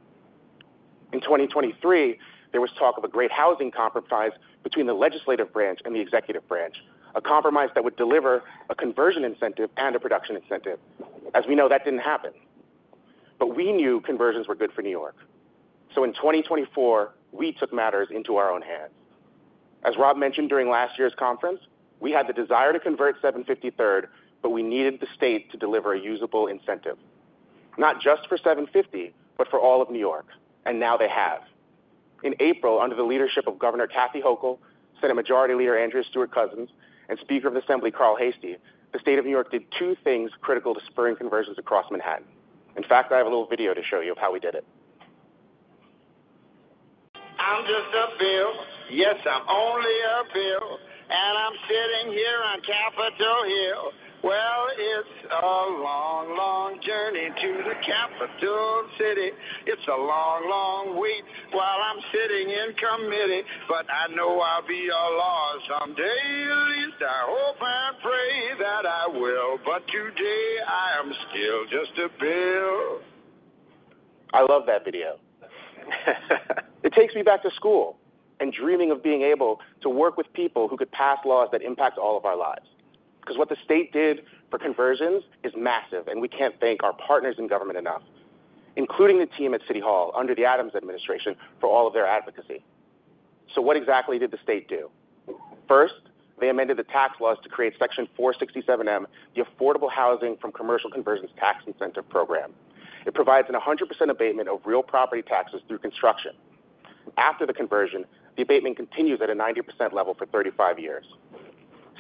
In 2023, there was talk of a great housing compromise between the legislative branch and the executive branch, a compromise that would deliver a conversion incentive and a production incentive. As we know, that didn't happen. But we knew conversions were good for New York. So in 2024, we took matters into our own hands. As Rob mentioned during last year's conference, we had the desire to convert 750 Third Avenue, but we needed the state to deliver a usable incentive, not just for 750 Third Avenue, but for all of New York, and now they have. In April, under the leadership of Governor Kathy Hochul, Senate Majority Leader Andrea Stewart-Cousins, and Speaker of the Assembly Carl Heastie, the state of New York did two things critical to spurring conversions across Manhattan. In fact, I have a little video to show you of how we did it. I'm just a bill. Yes, I'm only a bill. And I'm sitting here on Capitol Hill. Well, it's a long, long journey to the capital city. It's a long, long wait while I'm sitting in committee. But I know I'll be a law someday. At least I hope and pray that I will. But today I am still just a bill. I love that video. It takes me back to school and dreaming of being able to work with people who could pass laws that impact all of our lives. Because what the state did for conversions is massive, and we can't thank our partners in government enough, including the team at City Hall under the Adams administration for all of their advocacy. So what exactly did the state do? First, they amended the tax laws to create Section 467-m, the Affordable Housing from Commercial Conversions Tax Incentive Program. It provides a 100% abatement of real property taxes through construction. After the conversion, the abatement continues at a 90% level for 35 years.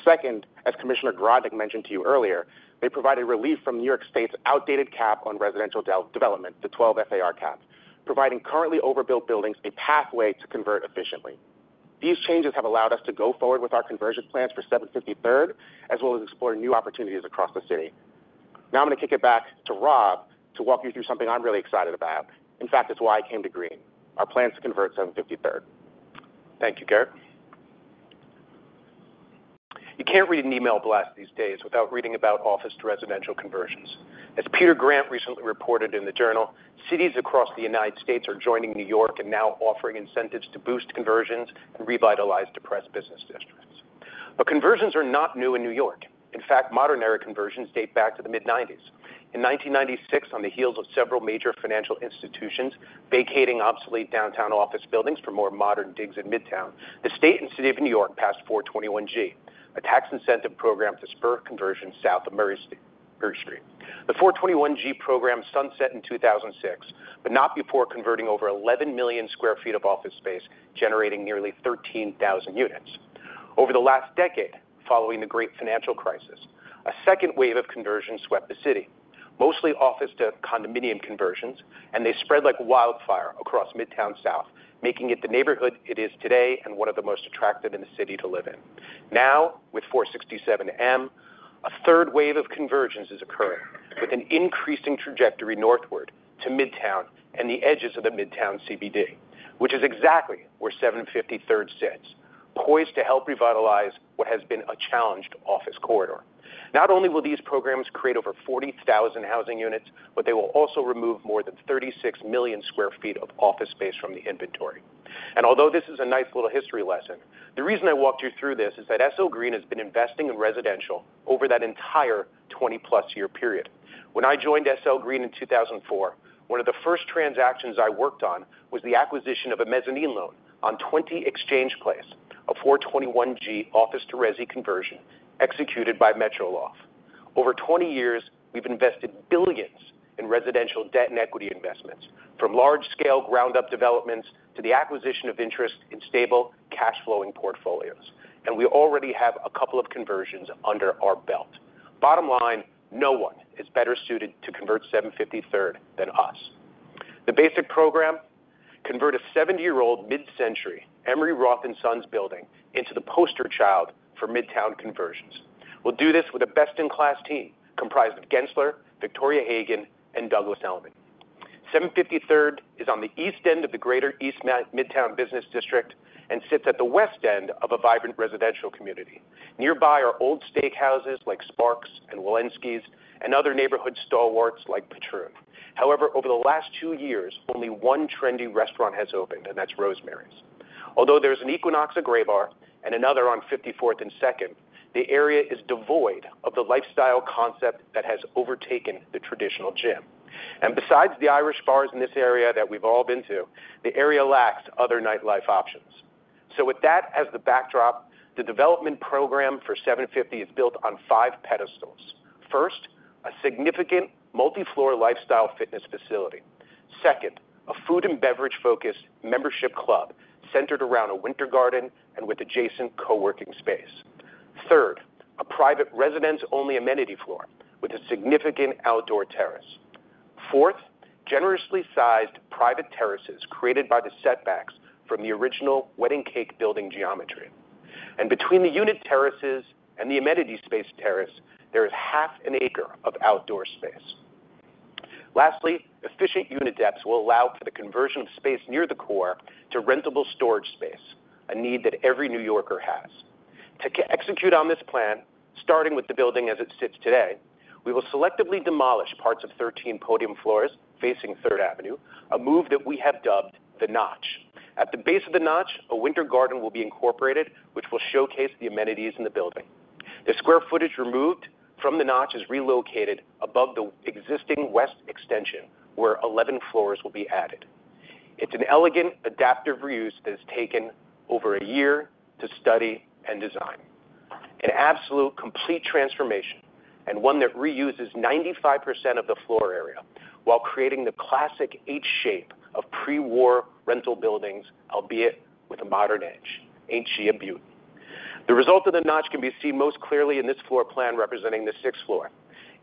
Second, as Commissioner Garodnick mentioned to you earlier, they provided relief from New York State's outdated cap on residential development, the 12 FAR cap, providing currently overbuilt buildings a pathway to convert efficiently. These changes have allowed us to go forward with our conversion plans for 750 Third Avenue, as well as explore new opportunities across the city. Now I'm going to kick it back to Rob to walk you through something I'm really excited about. In fact, it's why I came to Green, our plans to convert 750 Third Avenue. Thank you, Garrett. You can't read an email blast these days without reading about office to residential conversions. As Peter Grant recently reported in The Wall Street Journal, cities across the United States are joining New York and now offering incentives to boost conversions and revitalize depressed business districts. But conversions are not new in New York. In fact, modern-era conversions date back to the mid-90s. In 1996, on the heels of several major financial institutions vacating obsolete downtown office buildings for more modern digs in Midtown, the state and city of New York passed 421-g, a tax incentive program to spur conversion south of Murray Street. The 421-g program sunset in 2006, but not before converting over 11 million square feet of office space, generating nearly 13,000 units. Over the last decade, following the great financial crisis, a second wave of conversions swept the city, mostly office to condominium conversions, and they spread like wildfire across Midtown South, making it the neighborhood it is today and one of the most attractive in the city to live in. Now, with 467-m, a third wave of conversions is occurring, with an increasing trajectory northward to Midtown and the edges of the Midtown CBD, which is exactly where 750 Third Avenue sits, poised to help revitalize what has been a challenged office corridor. Not only will these programs create over 40,000 housing units, but they will also remove more than 36 million square feet of office space from the inventory. Although this is a nice little history lesson, the reason I walked you through this is that SL Green has been investing in residential over that entire 20-plus year period. When I joined SL Green in 2004, one of the first transactions I worked on was the acquisition of a mezzanine loan on 20 Exchange Place, a 421-g office to resi conversion executed by Metro Loft. Over 20 years, we've invested billions in residential debt and equity investments, from large-scale ground-up developments to the acquisition of interest in stable, cash-flowing portfolios. We already have a couple of conversions under our belt. Bottom line, no one is better suited to convert 750 Third Avenue than us. The basic program? Convert a 70-year-old mid-century Emery Roth & Sons building into the poster child for Midtown conversions. We'll do this with a best-in-class team comprised of Gensler, Victoria Hagan, and Douglas Elliman. Avenue is on the east end of the greater East Midtown business district and sits at the west end of a vibrant residential community. Nearby are old steakhouses like Sparks and Smith & Wollensky and other neighborhood stalwarts like Patroon. However, over the last two years, only one trendy restaurant has opened, and that's Rosemary's. Although there's an Equinox, a Graybar, and another on 54th and second, the area is devoid of the lifestyle concept that has overtaken the traditional gym. And besides the Irish bars in this area that we've all been to, the area lacks other nightlife options. So with that as the backdrop, the development program for 750 Third Avenue is built on five pedestals. First, a significant multi-floor lifestyle fitness facility. Second, a food and beverage-focused membership club centered around a winter garden and with adjacent co-working space. Third, a private residents-only amenity floor with a significant outdoor terrace. Fourth, generously sized private terraces created by the setbacks from the original wedding cake building geometry. And between the unit terraces and the amenity space terrace, there is half an acre of outdoor space. Lastly, efficient unit depths will allow for the conversion of space near the core to rentable storage space, a need that every New Yorker has. To execute on this plan, starting with the building as it sits today, we will selectively demolish parts of 13 podium floors facing Third Avenue, a move that we have dubbed the notch. At the base of the notch, a winter garden will be incorporated, which will showcase the amenities in the building. The square footage removed from the notch is relocated above the existing west extension, where 11 floors will be added. It's an elegant, adaptive reuse that has taken over a year to study and design. An absolute complete transformation, and one that reuses 95% of the floor area while creating the classic H-shape of pre-war rental buildings, albeit with a modern edge. Ain't she a beaut? The result of the notch can be seen most clearly in this floor plan representing the sixth floor.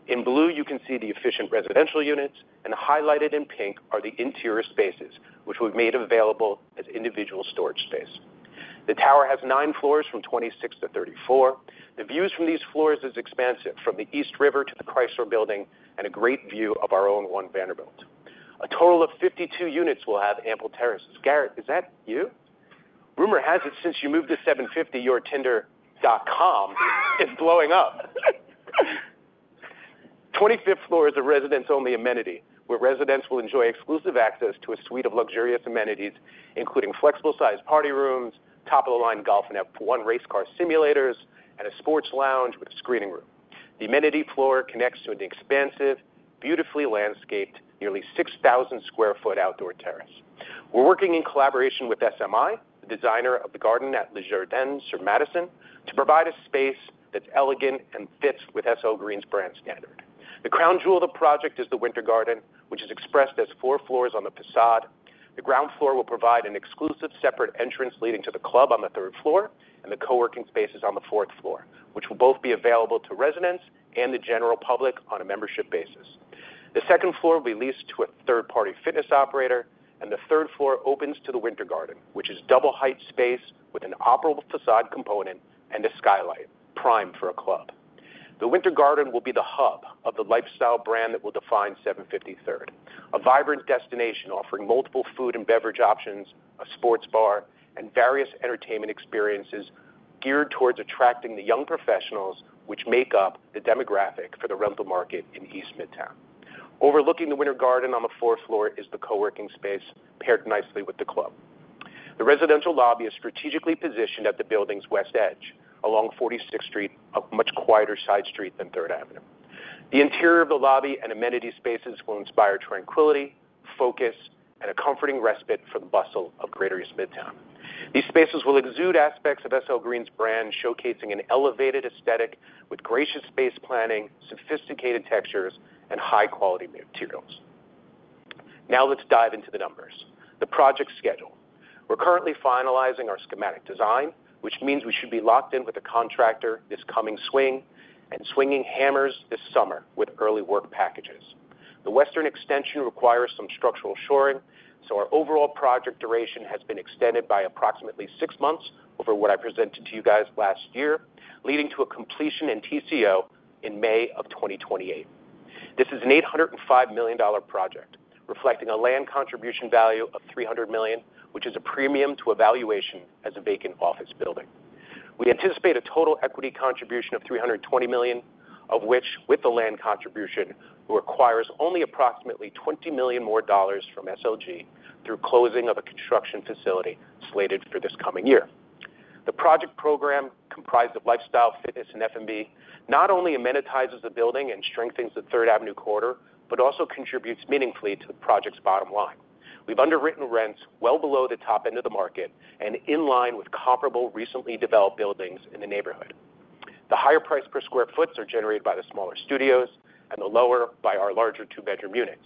In blue, you can see the efficient residential units, and highlighted in pink are the interior spaces, which we've made available as individual storage space. The tower has nine floors from 26 to 34. The views from these floors are expansive, from the East River to the Chrysler Building and a great view of our own One Vanderbilt. A total of 52 units will have ample terraces. Garrett, is that you? Rumor has it since you moved to 750, your Tinder.com is blowing up. 25th floor is a residents-only amenity, where residents will enjoy exclusive access to a suite of luxurious amenities, including flexible-sized party rooms, top-of-the-line golf and F1 race car simulators, and a sports lounge with a screening room. The amenity floor connects to an expansive, beautifully landscaped, nearly 6,000 sq ft outdoor terrace. We're working in collaboration with SMI, the designer of the garden at Le Jardin sur Madison, to provide a space that's elegant and fits with SL Green's brand standard. The crown jewel of the project is the winter garden, which is expressed as four floors on the facade. The ground floor will provide an exclusive separate entrance leading to the club on the third floor and the co-working spaces on the fourth floor, which will both be available to residents and the general public on a membership basis. The second floor will be leased to a third-party fitness operator, and the third floor opens to the winter garden, which is double-height space with an operable facade component and a skylight, prime for a club. The winter garden will be the hub of the lifestyle brand that will define 750 Third Avenue, a vibrant destination offering multiple food and beverage options, a sports bar, and various entertainment experiences geared towards attracting the young professionals, which make up the demographic for the rental market in East Midtown. Overlooking the winter garden on the fourth floor is the co-working space paired nicely with the club. The residential lobby is strategically positioned at the building's west edge, along 46th Street, a much quieter side street than 3rd Avenue. The interior of the lobby and amenity spaces will inspire tranquility, focus, and a comforting respite from the bustle of greater East Midtown. These spaces will exude aspects of SL Green's brand, showcasing an elevated aesthetic with gracious space planning, sophisticated textures, and high-quality materials. Now let's dive into the numbers. The project schedule. We're currently finalizing our schematic design, which means we should be locked in with a contractor this coming spring and swinging hammers this summer with early work packages. The western extension requires some structural shoring, so our overall project duration has been extended by approximately six months over what I presented to you guys last year, leading to a completion and TCO in May of 2028. This is an $805 million project, reflecting a land contribution value of $300 million, which is a premium to a valuation as a vacant office building. We anticipate a total equity contribution of $320 million, of which, with the land contribution, requires only approximately $20 million more dollars from SLG through closing of a construction facility slated for this coming year. The project program, comprised of lifestyle, fitness, and F&B, not only amenitizes the building and strengthens the Third Avenue corridor, but also contributes meaningfully to the project's bottom line. We've underwritten rents well below the top end of the market and in line with comparable recently developed buildings in the neighborhood. The higher price per sq ft is generated by the smaller studios and the lower by our larger two-bedroom units.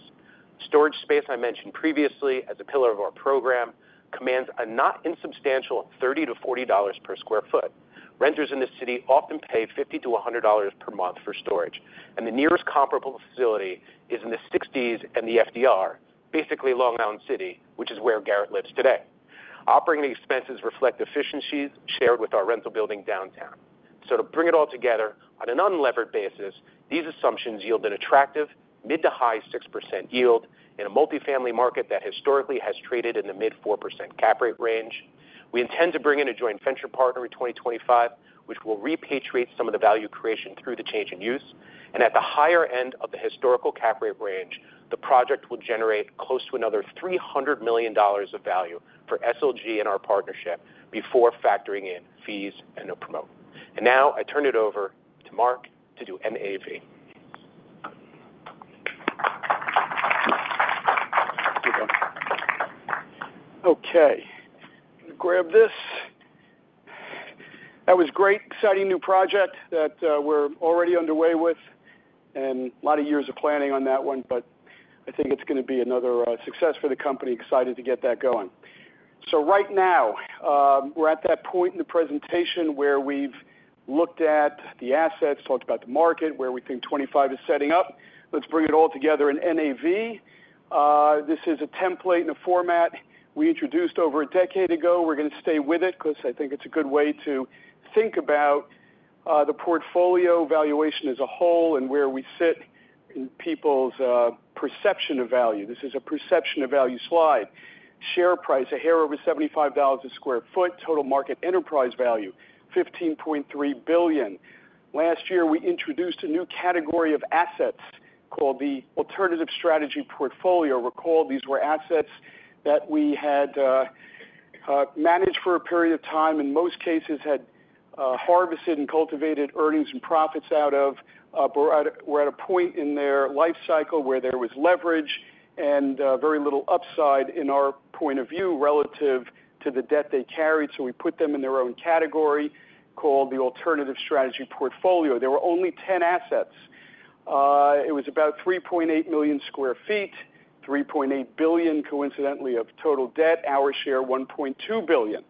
Storage space I mentioned previously as a pillar of our program commands a not-insubstantial $30-$40 per sq ft. Renters in the city often pay $50-$100 per month for storage, and the nearest comparable facility is in the 60s and the FDR, basically Long Island City, which is where Garrett lives today. Operating expenses reflect efficiencies shared with our rental building downtown. So to bring it all together on an unlevered basis, these assumptions yield an attractive mid to high 6% yield in a multifamily market that historically has traded in the mid 4% cap rate range. We intend to bring in a joint venture partner in 2025, which will repatriate some of the value creation through the change in use. And at the higher end of the historical cap rate range, the project will generate close to another $300 million of value for SLG and our partnership before factoring in fees and a promote. And now I turn it over to Marc to do NAV. Okay. Grab this. That was a great, exciting new project that we're already underway with and a lot of years of planning on that one, but I think it's going to be another success for the company. Excited to get that going. So right now, we're at that point in the presentation where we've looked at the assets, talked about the market, where we think 25 is setting up. Let's bring it all together in NAV. This is a template and a format we introduced over a decade ago. We're going to stay with it because I think it's a good way to think about the portfolio valuation as a whole and where we sit in people's perception of value. This is a perception of value slide. Share price, a hair over $75 a sq ft. Total market enterprise value, $15.3 billion. Last year, we introduced a new category of assets called the alternative strategy portfolio. Recall, these were assets that we had managed for a period of time and most cases had harvested and cultivated earnings and profits out of. We're at a point in their life cycle where there was leverage and very little upside in our point of view relative to the debt they carried. So we put them in their own category called the alternative strategy portfolio. There were only 10 assets. It was about 3.8 million sq ft, $3.8 billion, coincidentally, of total debt, our share, $1.2 billion.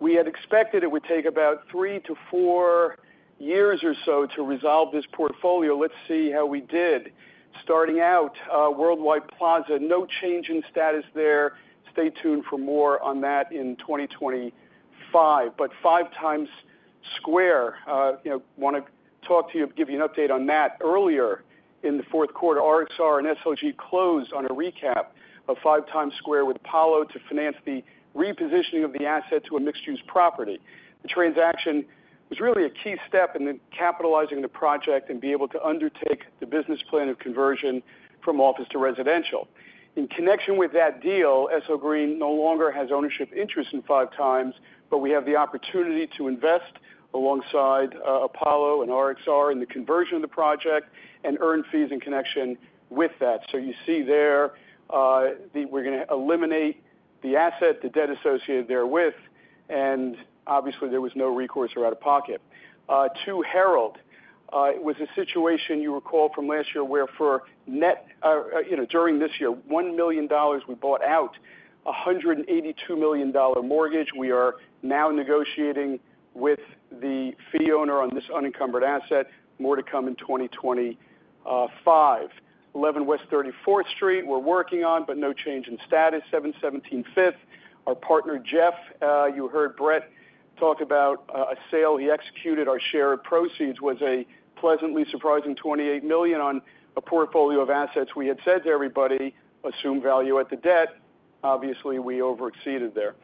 We had expected it would take about three to four years or so to resolve this portfolio. Let's see how we did. Starting out, Worldwide Plaza, no change in status there. Stay tuned for more on that in 2025. 5 Times Square, want to talk to you, give you an update on that earlier in the fourth quarter. RXR and SLG closed on a recap of 5 Times Square with Apollo to finance the repositioning of the asset to a mixed-use property. The transaction was really a key step in capitalizing the project and being able to undertake the business plan of conversion from office to residential. In connection with that deal, SL Green no longer has ownership interest in 5 Times Square, but we have the opportunity to invest alongside Apollo and RXR in the conversion of the project and earn fees in connection with that. You see there, we're going to eliminate the asset, the debt associated therewith, and obviously, there was no recourse or out of pocket. Two Herald, it was a situation you recall from last year where for net during this year, $1 million we bought out $182 million mortgage. We are now negotiating with the fee owner on this unencumbered asset, more to come in 2025. 11 West 34th Street, we're working on, but no change in status. 717 Fifth, our partner Jeff, you heard Brett talk about a sale he executed. Our share of proceeds was a pleasantly surprising $28 million on a portfolio of assets we had said to everybody, assumed value at the debt. Obviously, we overexceeded there.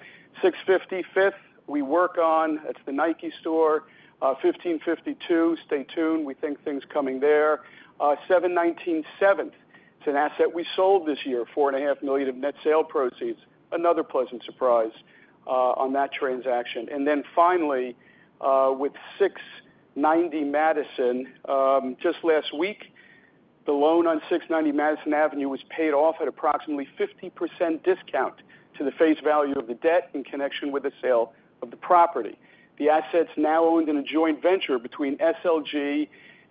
650 Fifth, we work on, that's the Nike store. 1552, stay tuned. We think things coming there. 719 Seventh, it's an asset we sold this year, $4.5 million of net sale proceeds. Another pleasant surprise on that transaction. And then finally, with 690 Madison, just last week, the loan on 690 Madison Avenue was paid off at approximately 50% discount to the face value of the debt in connection with the sale of the property. The asset's now owned in a joint venture between SLG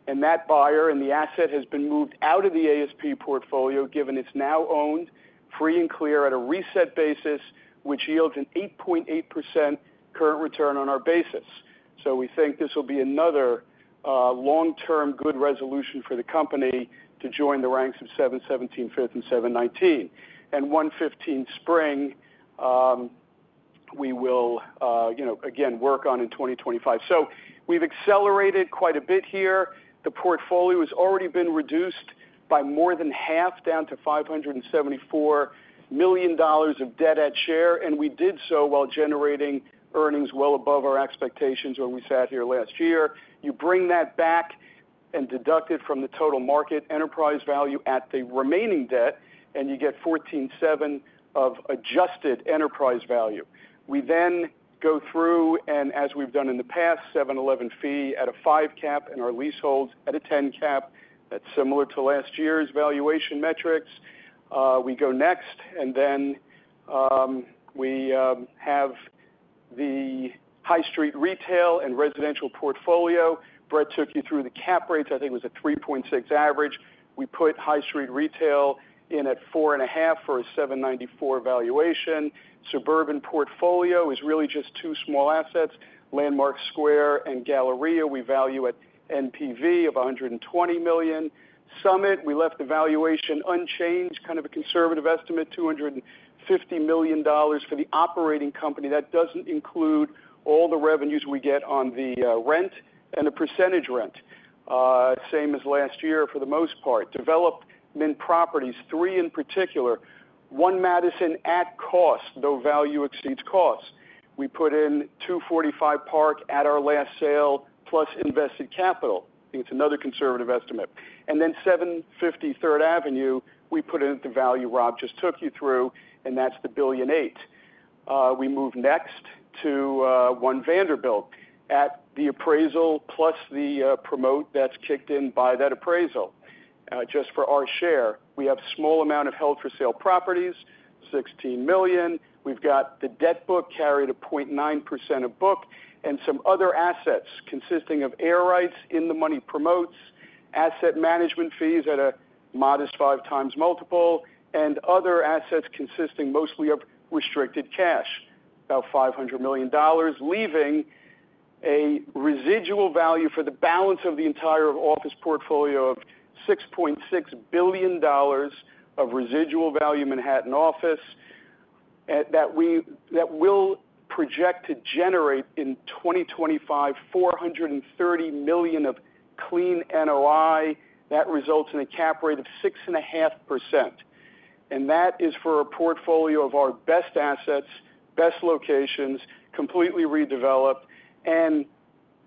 and that buyer, and the asset has been moved out of the ASP portfolio given it's now owned, free and clear at a reset basis, which yields an 8.8% current return on our basis. So we think this will be another long-term good resolution for the company to join the ranks of 717 Fifth and 719. And 115 Spring, we will again work on in 2025. So we've accelerated quite a bit here. The portfolio has already been reduced by more than half down to $574 million of debt at share, and we did so while generating earnings well above our expectations when we sat here last year. You bring that back and deduct it from the total market enterprise value at the remaining debt, and you get 14.7 of adjusted enterprise value. We then go through, and as we've done in the past, 711 fee at a 5 cap and our leaseholds at a 10 cap. That's similar to last year's valuation metrics. We go next, and then we have the High Street retail and residential portfolio. Brett took you through the cap rates. I think it was a 3.6 average. We put High Street retail in at 4.5 for a $794 million valuation. Suburban portfolio is really just two small assets. Landmark Square and The Galleria, we value at NPV of $120 million. SUMMIT, we left the valuation unchanged, kind of a conservative estimate, $250 million for the operating company. That doesn't include all the revenues we get on the rent and the percentage rent, same as last year for the most part. Development properties, three in particular. One Madison at cost, though value exceeds cost. We put in 245 Park at our last sale plus invested capital. I think it's another conservative estimate. And then 750 Third Avenue, we put in at the value Rob just took you through, and that's the $1.8 billion. We move next to One Vanderbilt at the appraisal plus the promote that's kicked in by that appraisal. Just for our share, we have a small amount of held for sale properties, $16 million. We've got the debt book carried at 0.9% of book and some other assets consisting of air rights in the money promotes, asset management fees at a modest five times multiple, and other assets consisting mostly of restricted cash, about $500 million, leaving a residual value for the balance of the entire office portfolio of $6.6 billion of residual value Manhattan office that we will project to generate in 2025, $430 million of clean NOI. That results in a cap rate of 6.5%, and that is for a portfolio of our best assets, best locations, completely redeveloped, and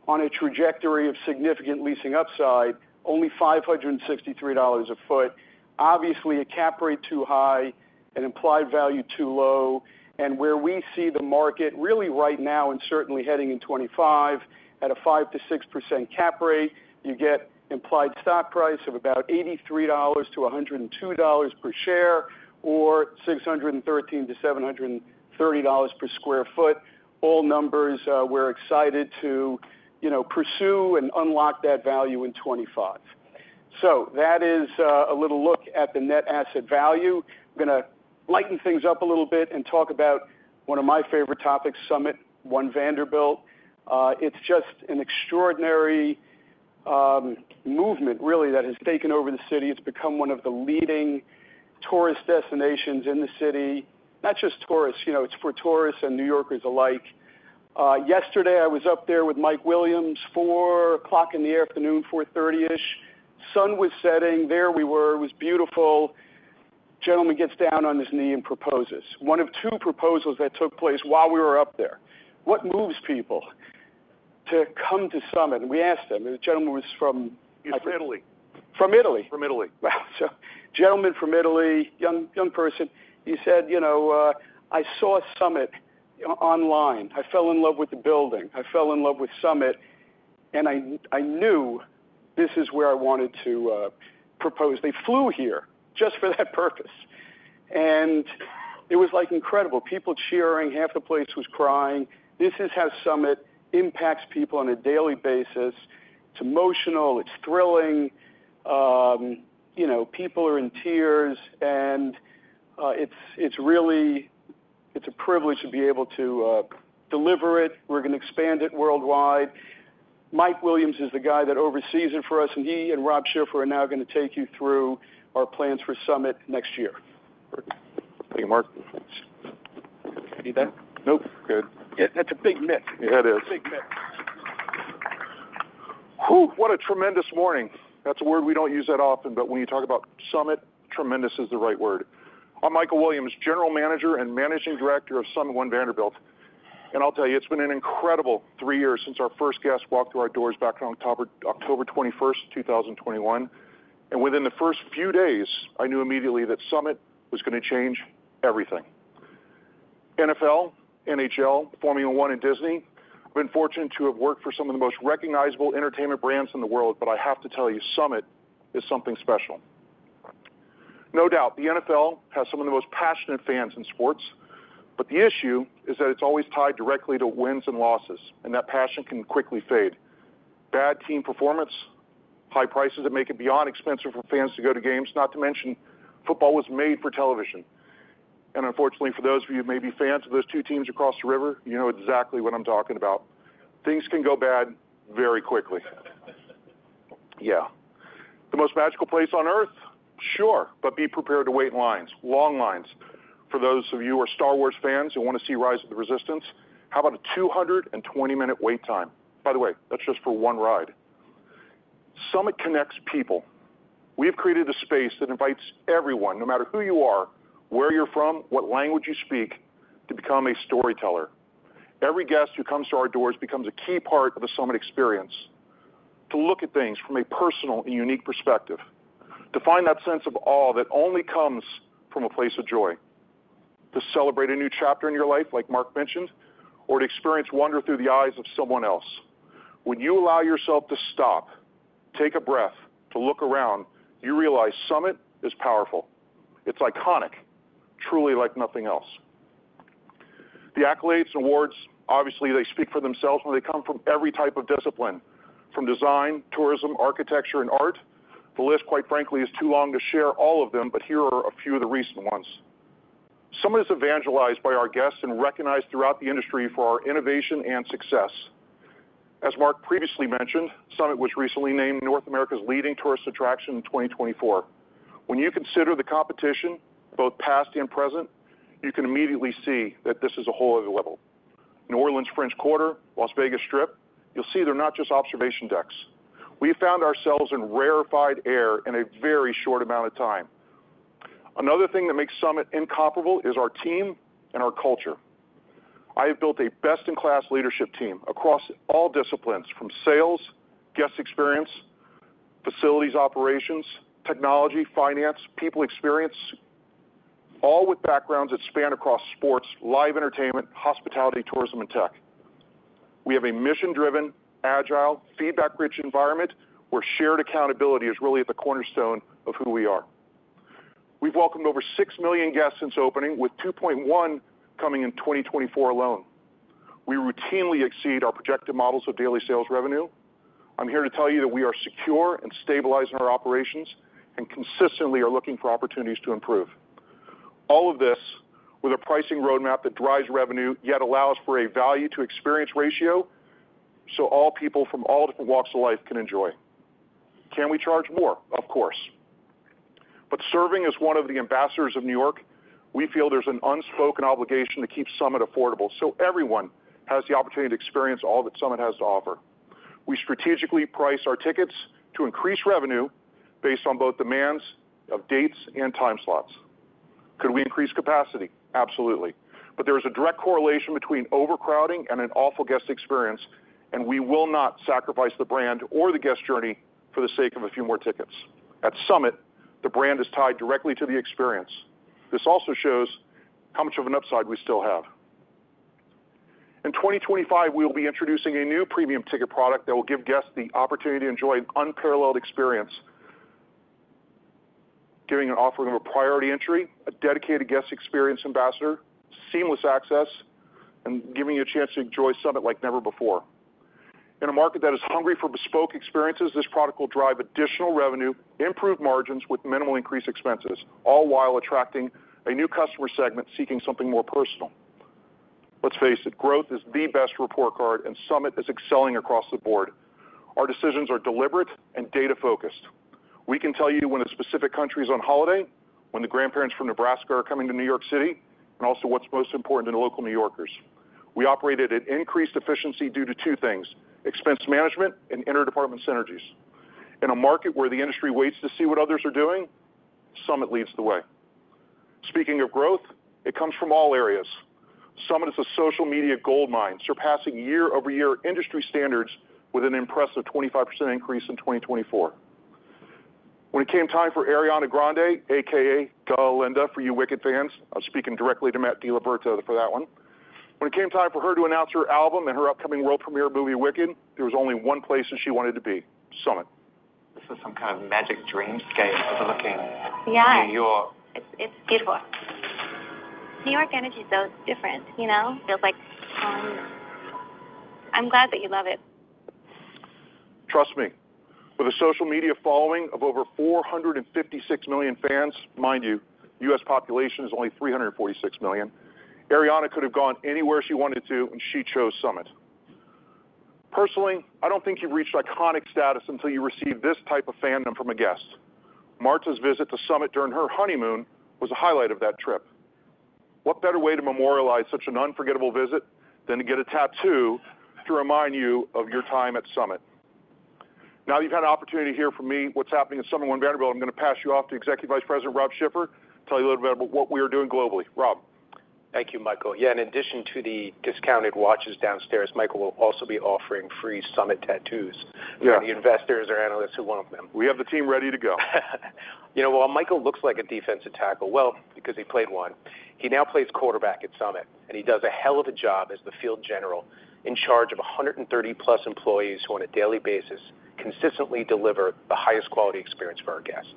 on a trajectory of significant leasing upside, only $563 a foot. Obviously, a cap rate too high, an implied value too low. And where we see the market really right now and certainly heading in 25 at a 5%-6% cap rate, you get implied stock price of about $83-$102 per share or $613-$730 per sq ft. All numbers we're excited to pursue and unlock that value in 25. So that is a little look at the net asset value. I'm going to lighten things up a little bit and talk about one of my favorite topics, SUMMIT One Vanderbilt. It's just an extraordinary movement, really, that has taken over the city. It's become one of the leading tourist destinations in the city, not just tourists. It's for tourists and New Yorkers alike. Yesterday, I was up there with Mike Williams at 4:00 P.M. in the afternoon, 4:30-ish P.M. Sun was setting. There we were. It was beautiful. Gentleman gets down on his knee and proposes. One of two proposals that took place while we were up there. What moves people to come to SUMMIT? And we asked him. The gentleman was from Italy. From Italy? From Italy. Wow. So, a gentleman from Italy, young person. He said, "I saw SUMMIT online. I fell in love with the building. I fell in love with SUMMIT, and I knew this is where I wanted to propose." They flew here just for that purpose, and it was like incredible. People cheering. Half the place was crying. This is how SUMMIT impacts people on a daily basis. It's emotional. It's thrilling. People are in tears, and it's a privilege to be able to deliver it. We're going to expand it worldwide. Mike Williams is the guy that oversees it for us, and he and Rob Schiffer are now going to take you through our plans for SUMMIT next year. Hey, Marc. You need help? Nope. Good. That's a big myth. Yeah, it is. Big myth. Whoo, what a tremendous morning. That's a word we don't use that often, but when you talk about SUMMIT, tremendous is the right word. I'm Michael Williams, General Manager and Managing Director of SUMMIT One Vanderbilt. And I'll tell you, it's been an incredible three years since our first guest walked through our doors back on October 21st, 2021. And within the first few days, I knew immediately that SUMMIT was going to change everything. NFL, NHL, Formula 1, and Disney. I've been fortunate to have worked for some of the most recognizable entertainment brands in the world, but I have to tell you, SUMMIT is something special. No doubt, the NFL has some of the most passionate fans in sports, but the issue is that it's always tied directly to wins and losses, and that passion can quickly fade. Bad team performance, high prices that make it beyond expensive for fans to go to games, not to mention football was made for television, and unfortunately, for those of you who may be fans of those two teams across the river, you know exactly what I'm talking about. Things can go bad very quickly. Yeah. The most magical place on earth, sure, but be prepared to wait in lines, long lines. For those of you who are Star Wars fans who want to see Rise of the Resistance, how about a 220-minute wait time? By the way, that's just for one ride. SUMMIT connects people. We have created a space that invites everyone, no matter who you are, where you're from, what language you speak, to become a storyteller. Every guest who comes to our doors becomes a key part of the SUMMIT experience to look at things from a personal and unique perspective, to find that sense of awe that only comes from a place of joy, to celebrate a new chapter in your life, like Marc mentioned, or to experience wonder through the eyes of someone else. When you allow yourself to stop, take a breath, to look around, you realize SUMMIT is powerful. It's iconic, truly like nothing else. The accolades and awards, obviously, they speak for themselves when they come from every type of discipline, from design, tourism, architecture, and art. The list, quite frankly, is too long to share all of them, but here are a few of the recent ones. SUMMIT is evangelized by our guests and recognized throughout the industry for our innovation and success. As Marc previously mentioned, SUMMIT was recently named North America's leading tourist attraction in 2024. When you consider the competition, both past and present, you can immediately see that this is a whole other level. New Orleans, French Quarter, Las Vegas Strip, you'll see they're not just observation decks. We found ourselves in rarefied air in a very short amount of time. Another thing that makes SUMMIT incomparable is our team and our culture. I have built a best-in-class leadership team across all disciplines, from sales, guest experience, facilities, operations, technology, finance, people experience, all with backgrounds that span across sports, live entertainment, hospitality, tourism, and tech. We have a mission-driven, agile, feedback-rich environment where shared accountability is really at the cornerstone of who we are. We've welcomed over 6 million guests since opening, with 2.1 coming in 2024 alone. We routinely exceed our projected models of daily sales revenue. I'm here to tell you that we are secure and stabilizing our operations and consistently are looking for opportunities to improve. All of this with a pricing roadmap that drives revenue, yet allows for a value-to-experience ratio so all people from all different walks of life can enjoy. Can we charge more? Of course. But serving as one of the ambassadors of New York, we feel there's an unspoken obligation to keep SUMMIT affordable so everyone has the opportunity to experience all that SUMMIT has to offer. We strategically price our tickets to increase revenue based on both demands of dates and time slots. Could we increase capacity? Absolutely. But there is a direct correlation between overcrowding and an awful guest experience, and we will not sacrifice the brand or the guest journey for the sake of a few more tickets. At SUMMIT, the brand is tied directly to the experience. This also shows how much of an upside we still have. In 2025, we will be introducing a new premium ticket product that will give guests the opportunity to enjoy an unparalleled experience, giving an offering of a priority entry, a dedicated guest experience ambassador, seamless access, and giving you a chance to enjoy SUMMIT like never before. In a market that is hungry for bespoke experiences, this product will drive additional revenue, improve margins with minimal increased expenses, all while attracting a new customer segment seeking something more personal. Let's face it, growth is the best report card, and SUMMIT is excelling across the board. Our decisions are deliberate and data-focused. We can tell you when a specific country is on holiday, when the grandparents from Nebraska are coming to New York City, and also what's most important to local New Yorkers. We operate at an increased efficiency due to two things: expense management and interdepartment synergies. In a market where the industry waits to see what others are doing, SUMMIT leads the way. Speaking of growth, it comes from all areas. SUMMIT is a social media goldmine, surpassing year-over-year industry standards with an impressive 25% increase in 2024. When it came time for Ariana Grande, aka Glinda for you Wicked fans, I'm speaking directly to Matthew DiLiberto for that one. When it came time for her to announce her album and her upcoming world premiere movie Wicked, there was only one place that she wanted to be: SUMMIT. This is some kind of magic dreamscape overlooking New York. Yeah. It's beautiful. New York energy is so different, you know? Feels like home. I'm glad that you love it. Trust me, with a social media following of over 456 million fans, mind you, U.S. population is only 346 million. Ariana could have gone anywhere she wanted to when she chose SUMMIT. Personally, I don't think you reached iconic status until you received this type of fandom from a guest. Marta's visit to SUMMIT during her honeymoon was a highlight of that trip. What better way to memorialize such an unforgettable visit than to get a tattoo to remind you of your time at SUMMIT? Now that you've had an opportunity to hear from me what's happening at SUMMIT One Vanderbilt, I'm going to pass you off to Executive Vice President Rob Schiffer to tell you a little bit about what we are doing globally. Rob. Thank you, Michael. Yeah, in addition to the discounted watches downstairs, Michael will also be offering free SUMMIT tattoos. Yeah. For the investors or analysts who want them. We have the team ready to go. You know, while Michael looks like a defensive tackle, well, because he played one, he now plays quarterback at SUMMIT, and he does a hell of a job as the field general in charge of 130-plus employees who, on a daily basis, consistently deliver the highest quality experience for our guests.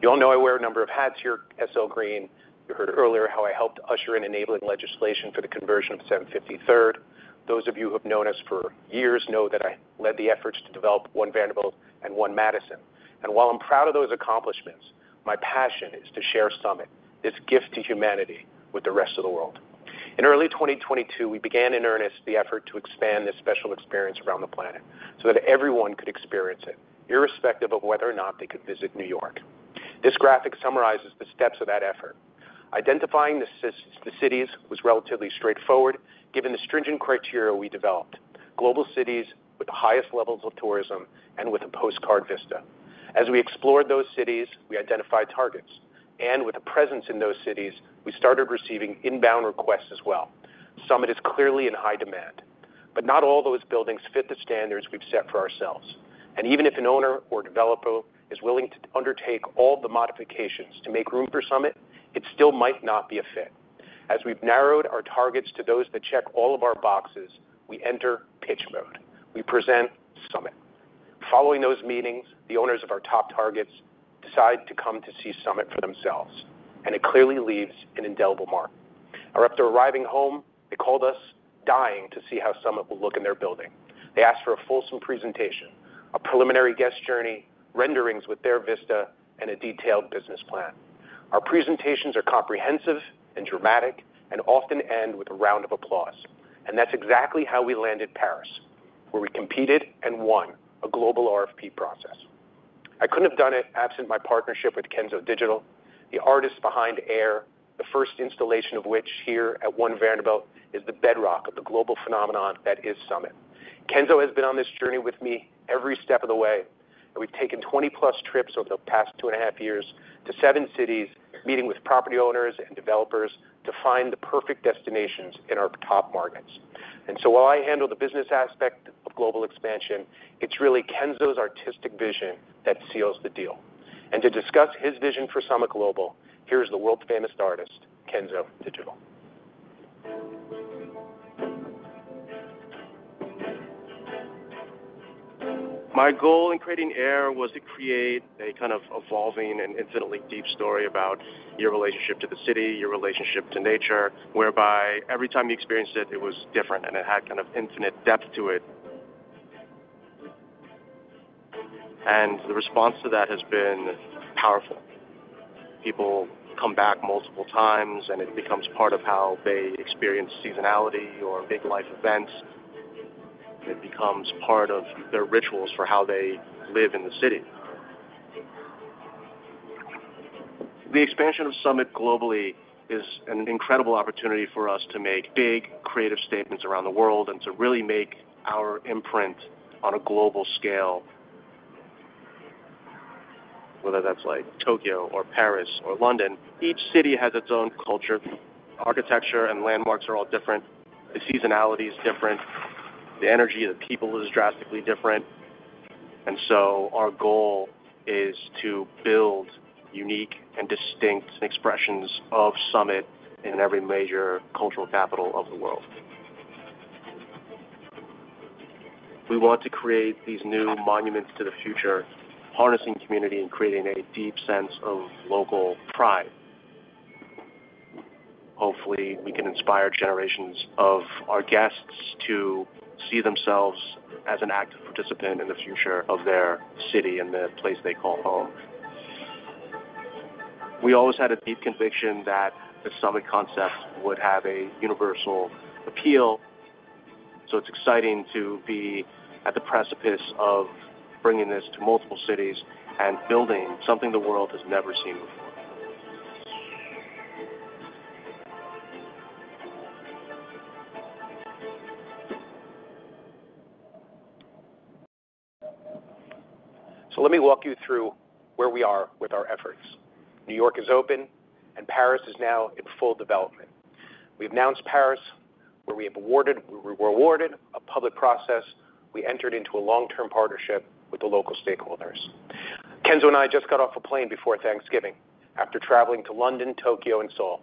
You all know I wear a number of hats here, SL Green. You heard earlier how I helped usher in enabling legislation for the conversion of 750 Third Avenue. Those of you who have known us for years know that I led the efforts to develop One Vanderbilt and One Madison. And while I'm proud of those accomplishments, my passion is to share SUMMIT, this gift to humanity, with the rest of the world. In early 2022, we began in earnest the effort to expand this special experience around the planet so that everyone could experience it, irrespective of whether or not they could visit New York. This graphic summarizes the steps of that effort. Identifying the cities was relatively straightforward, given the stringent criteria we developed: global cities with the highest levels of tourism and with a postcard vista. As we explored those cities, we identified targets. And with a presence in those cities, we started receiving inbound requests as well. SUMMIT is clearly in high demand, but not all those buildings fit the standards we've set for ourselves. And even if an owner or developer is willing to undertake all the modifications to make room for SUMMIT, it still might not be a fit. As we've narrowed our targets to those that check all of our boxes, we enter pitch mode. We present SUMMIT. Following those meetings, the owners of our top targets decide to come to see SUMMIT for themselves, and it clearly leaves an indelible mark. After arriving home, they called us, dying to see how SUMMIT will look in their building. They asked for a fulsome presentation, a preliminary guest journey, renderings with their vista, and a detailed business plan. Our presentations are comprehensive and dramatic and often end with a round of applause. And that's exactly how we landed Paris, where we competed and won a global RFP process. I couldn't have done it absent my partnership with Kenzo Digital, the artist behind Air, the first installation of which here at One Vanderbilt is the bedrock of the global phenomenon that is SUMMIT. Kenzo has been on this journey with me every step of the way, and we've taken 20-plus trips over the past two and a half years to seven cities, meeting with property owners and developers to find the perfect destinations in our top markets. And so while I handle the business aspect of global expansion, it's really Kenzo's artistic vision that seals the deal. And to discuss his vision for SUMMIT Global, here's the world-famous artist, Kenzo Digital. My goal in creating Air was to create a kind of evolving and infinitely deep story about your relationship to the city, your relationship to nature, whereby every time you experienced it, it was different, and it had kind of infinite depth to it. And the response to that has been powerful. People come back multiple times, and it becomes part of how they experience seasonality or big life events. It becomes part of their rituals for how they live in the city. The expansion of SUMMIT globally is an incredible opportunity for us to make big creative statements around the world and to really make our imprint on a global scale. Whether that's like Tokyo or Paris or London, each city has its own culture. Architecture and landmarks are all different. The seasonality is different. The energy of the people is drastically different. And so our goal is to build unique and distinct expressions of SUMMIT in every major cultural capital of the world. We want to create these new monuments to the future, harnessing community and creating a deep sense of local pride. Hopefully, we can inspire generations of our guests to see themselves as an active participant in the future of their city and the place they call home. We always had a deep conviction that the SUMMIT concept would have a universal appeal. So it's exciting to be at the precipice of bringing this to multiple cities and building something the world has never seen before. So let me walk you through where we are with our efforts. New York is open, and Paris is now in full development. We've announced Paris, where we were awarded a public process. We entered into a long-term partnership with the local stakeholders. Kenzo and I just got off a plane before Thanksgiving after traveling to London, Tokyo, and Seoul,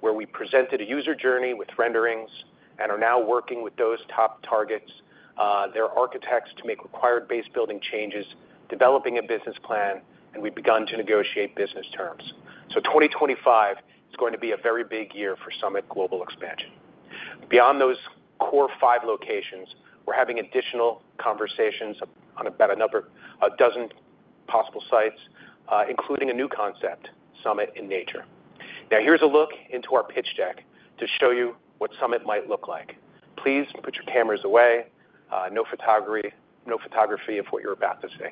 where we presented a user journey with renderings and are now working with those top targets, their architects to make required base building changes, developing a business plan, and we've begun to negotiate business terms. So 2025 is going to be a very big year for SUMMIT global expansion. Beyond those core five locations, we're having additional conversations on about a dozen possible sites, including a new concept, SUMMIT in Nature. Now, here's a look into our pitch deck to show you what SUMMIT might look like. Please put your cameras away. No photography of what you're about to see.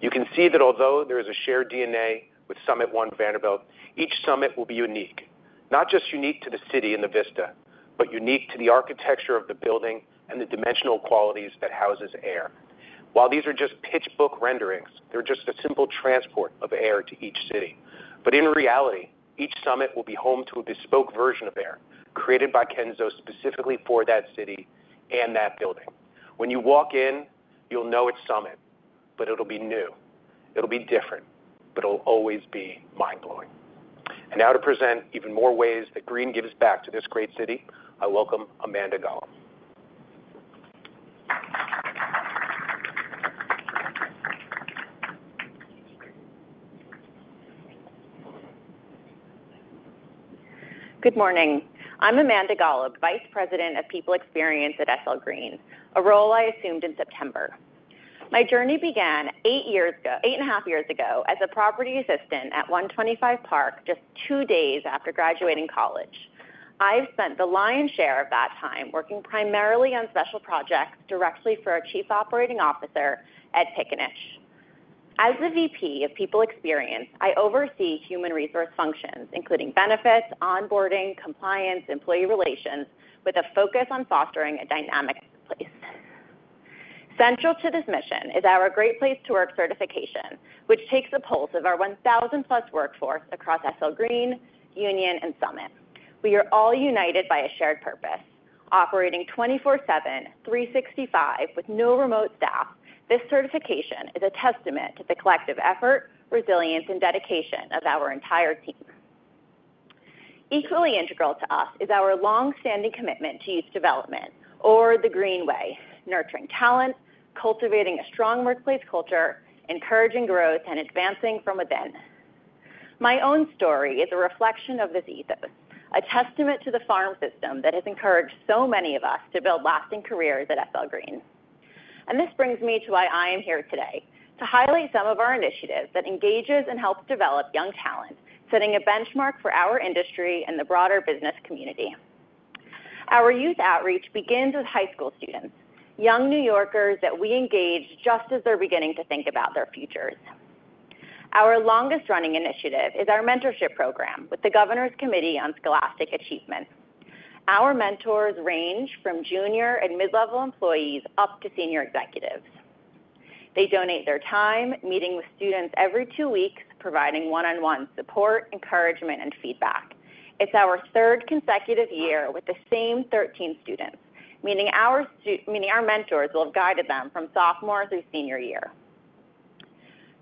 You can see that although there is a shared DNA with SUMMIT One Vanderbilt, each SUMMIT will be unique. Not just unique to the city and the vista, but unique to the architecture of the building and the dimensional qualities that houses Air. While these are just pitch book renderings, they're just a simple transport of Air to each city. But in reality, each SUMMIT will be home to a bespoke version of Air created by Kenzo specifically for that city and that building. When you walk in, you'll know it's SUMMIT, but it'll be new. It'll be different, but it'll always be mind-blowing, and now to present even more ways that Green gives back to this great city, I welcome Amanda Golub. Good morning. I'm Amanda Golub, Vice President of People Experience at SL Green, a role I assumed in September. My journey began eight and a half years ago as a property assistant at 125 Park, just two days after graduating college. I've spent the lion's share of that time working primarily on special projects directly for our Chief Operating Officer, Edward Piccinich. As the VP of People Experience, I oversee human resources functions, including benefits, onboarding, compliance, employee relations, with a focus on fostering a dynamic place. Central to this mission is our Great Place to Work certification, which takes a pulse of our 1,000-plus workforce across SL Green, Union, and SUMMIT. We are all united by a shared purpose. Operating 24/7, 365, with no remote staff, this certification is a testament to the collective effort, resilience, and dedication of our entire team. Equally integral to us is our long-standing commitment to youth development, or the Green Way, nurturing talent, cultivating a strong workplace culture, encouraging growth, and advancing from within. My own story is a reflection of this ethos, a testament to the farm system that has encouraged so many of us to build lasting careers at SL Green, and this brings me to why I am here today, to highlight some of our initiatives that engage and help develop young talent, setting a benchmark for our industry and the broader business community. Our youth outreach begins with high school students, young New Yorkers that we engage just as they're beginning to think about their futures. Our longest-running initiative is our mentorship program with the Governor's Committee on Scholastic Achievement. Our mentors range from junior and mid-level employees up to senior executives. They donate their time, meeting with students every two weeks, providing one-on-one support, encouragement, and feedback. It's our third consecutive year with the same 13 students, meaning our mentors will have guided them from sophomore through senior year.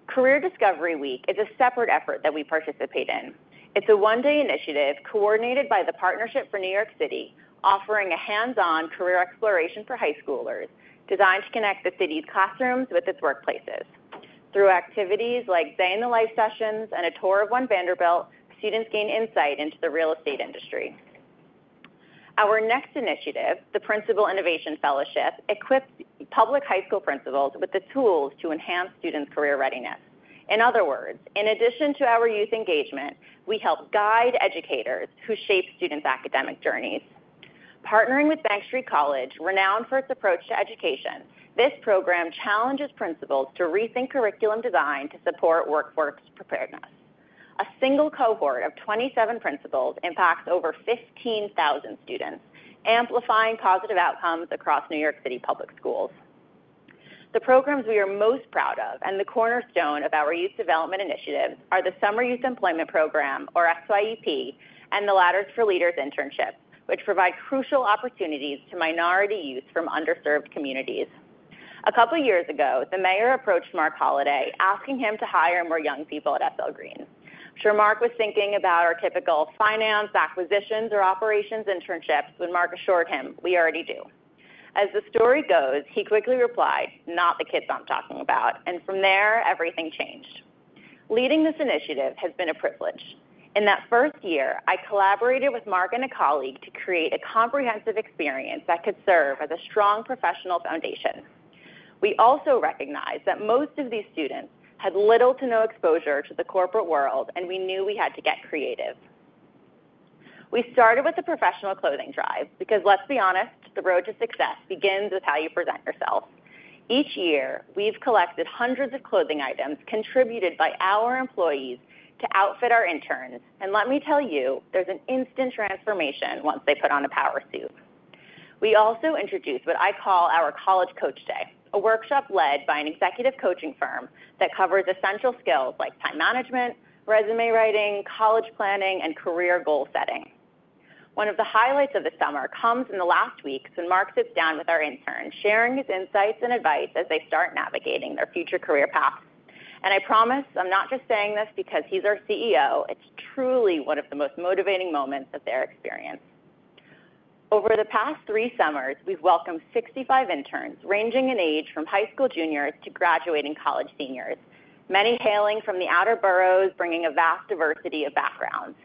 Career Discovery Week is a separate effort that we participate in. It's a one-day initiative coordinated by the Partnership for New York City, offering a hands-on career exploration for high schoolers designed to connect the city's classrooms with its workplaces. Through activities like day-in-the-life sessions and a tour of One Vanderbilt, students gain insight into the real estate industry. Our next initiative, the Principal Innovation Fellowship, equips public high school principals with the tools to enhance students' career readiness. In other words, in addition to our youth engagement, we help guide educators who shape students' academic journeys. Partnering with Bank Street College, renowned for its approach to education, this program challenges principals to rethink curriculum design to support workforce preparedness. A single cohort of 27 principals impacts over 15,000 students, amplifying positive outcomes across New York City public schools. The programs we are most proud of and the cornerstone of our youth development initiatives are the Summer Youth Employment Program, or SYEP, and the Ladders for Leaders internships, which provide crucial opportunities to minority youth from underserved communities. A couple of years ago, the mayor approached Marc Holliday, asking him to hire more young people at SL Green. Sure, Marc Holliday was thinking about our typical finance, acquisitions, or operations internships when Marc Holliday assured him we already do. As the story goes, he quickly replied, "Not the kids I'm talking about." And from there, everything changed. Leading this initiative has been a privilege. In that first year, I collaborated with Marc and a colleague to create a comprehensive experience that could serve as a strong professional foundation. We also recognized that most of these students had little to no exposure to the corporate world, and we knew we had to get creative. We started with a professional clothing drive because, let's be honest, the road to success begins with how you present yourself. Each year, we've collected hundreds of clothing items contributed by our employees to outfit our interns. And let me tell you, there's an instant transformation once they put on a power suit. We also introduced what I call our College Coach Day, a workshop led by an executive coaching firm that covers essential skills like time management, resume writing, college planning, and career goal setting. One of the highlights of the summer comes in the last weeks when Marc sits down with our interns, sharing his insights and advice as they start navigating their future career path. And I promise I'm not just saying this because he's our CEO. It's truly one of the most motivating moments of their experience. Over the past three summers, we've welcomed 65 interns ranging in age from high school juniors to graduating college seniors, many hailing from the outer boroughs, bringing a vast diversity of backgrounds.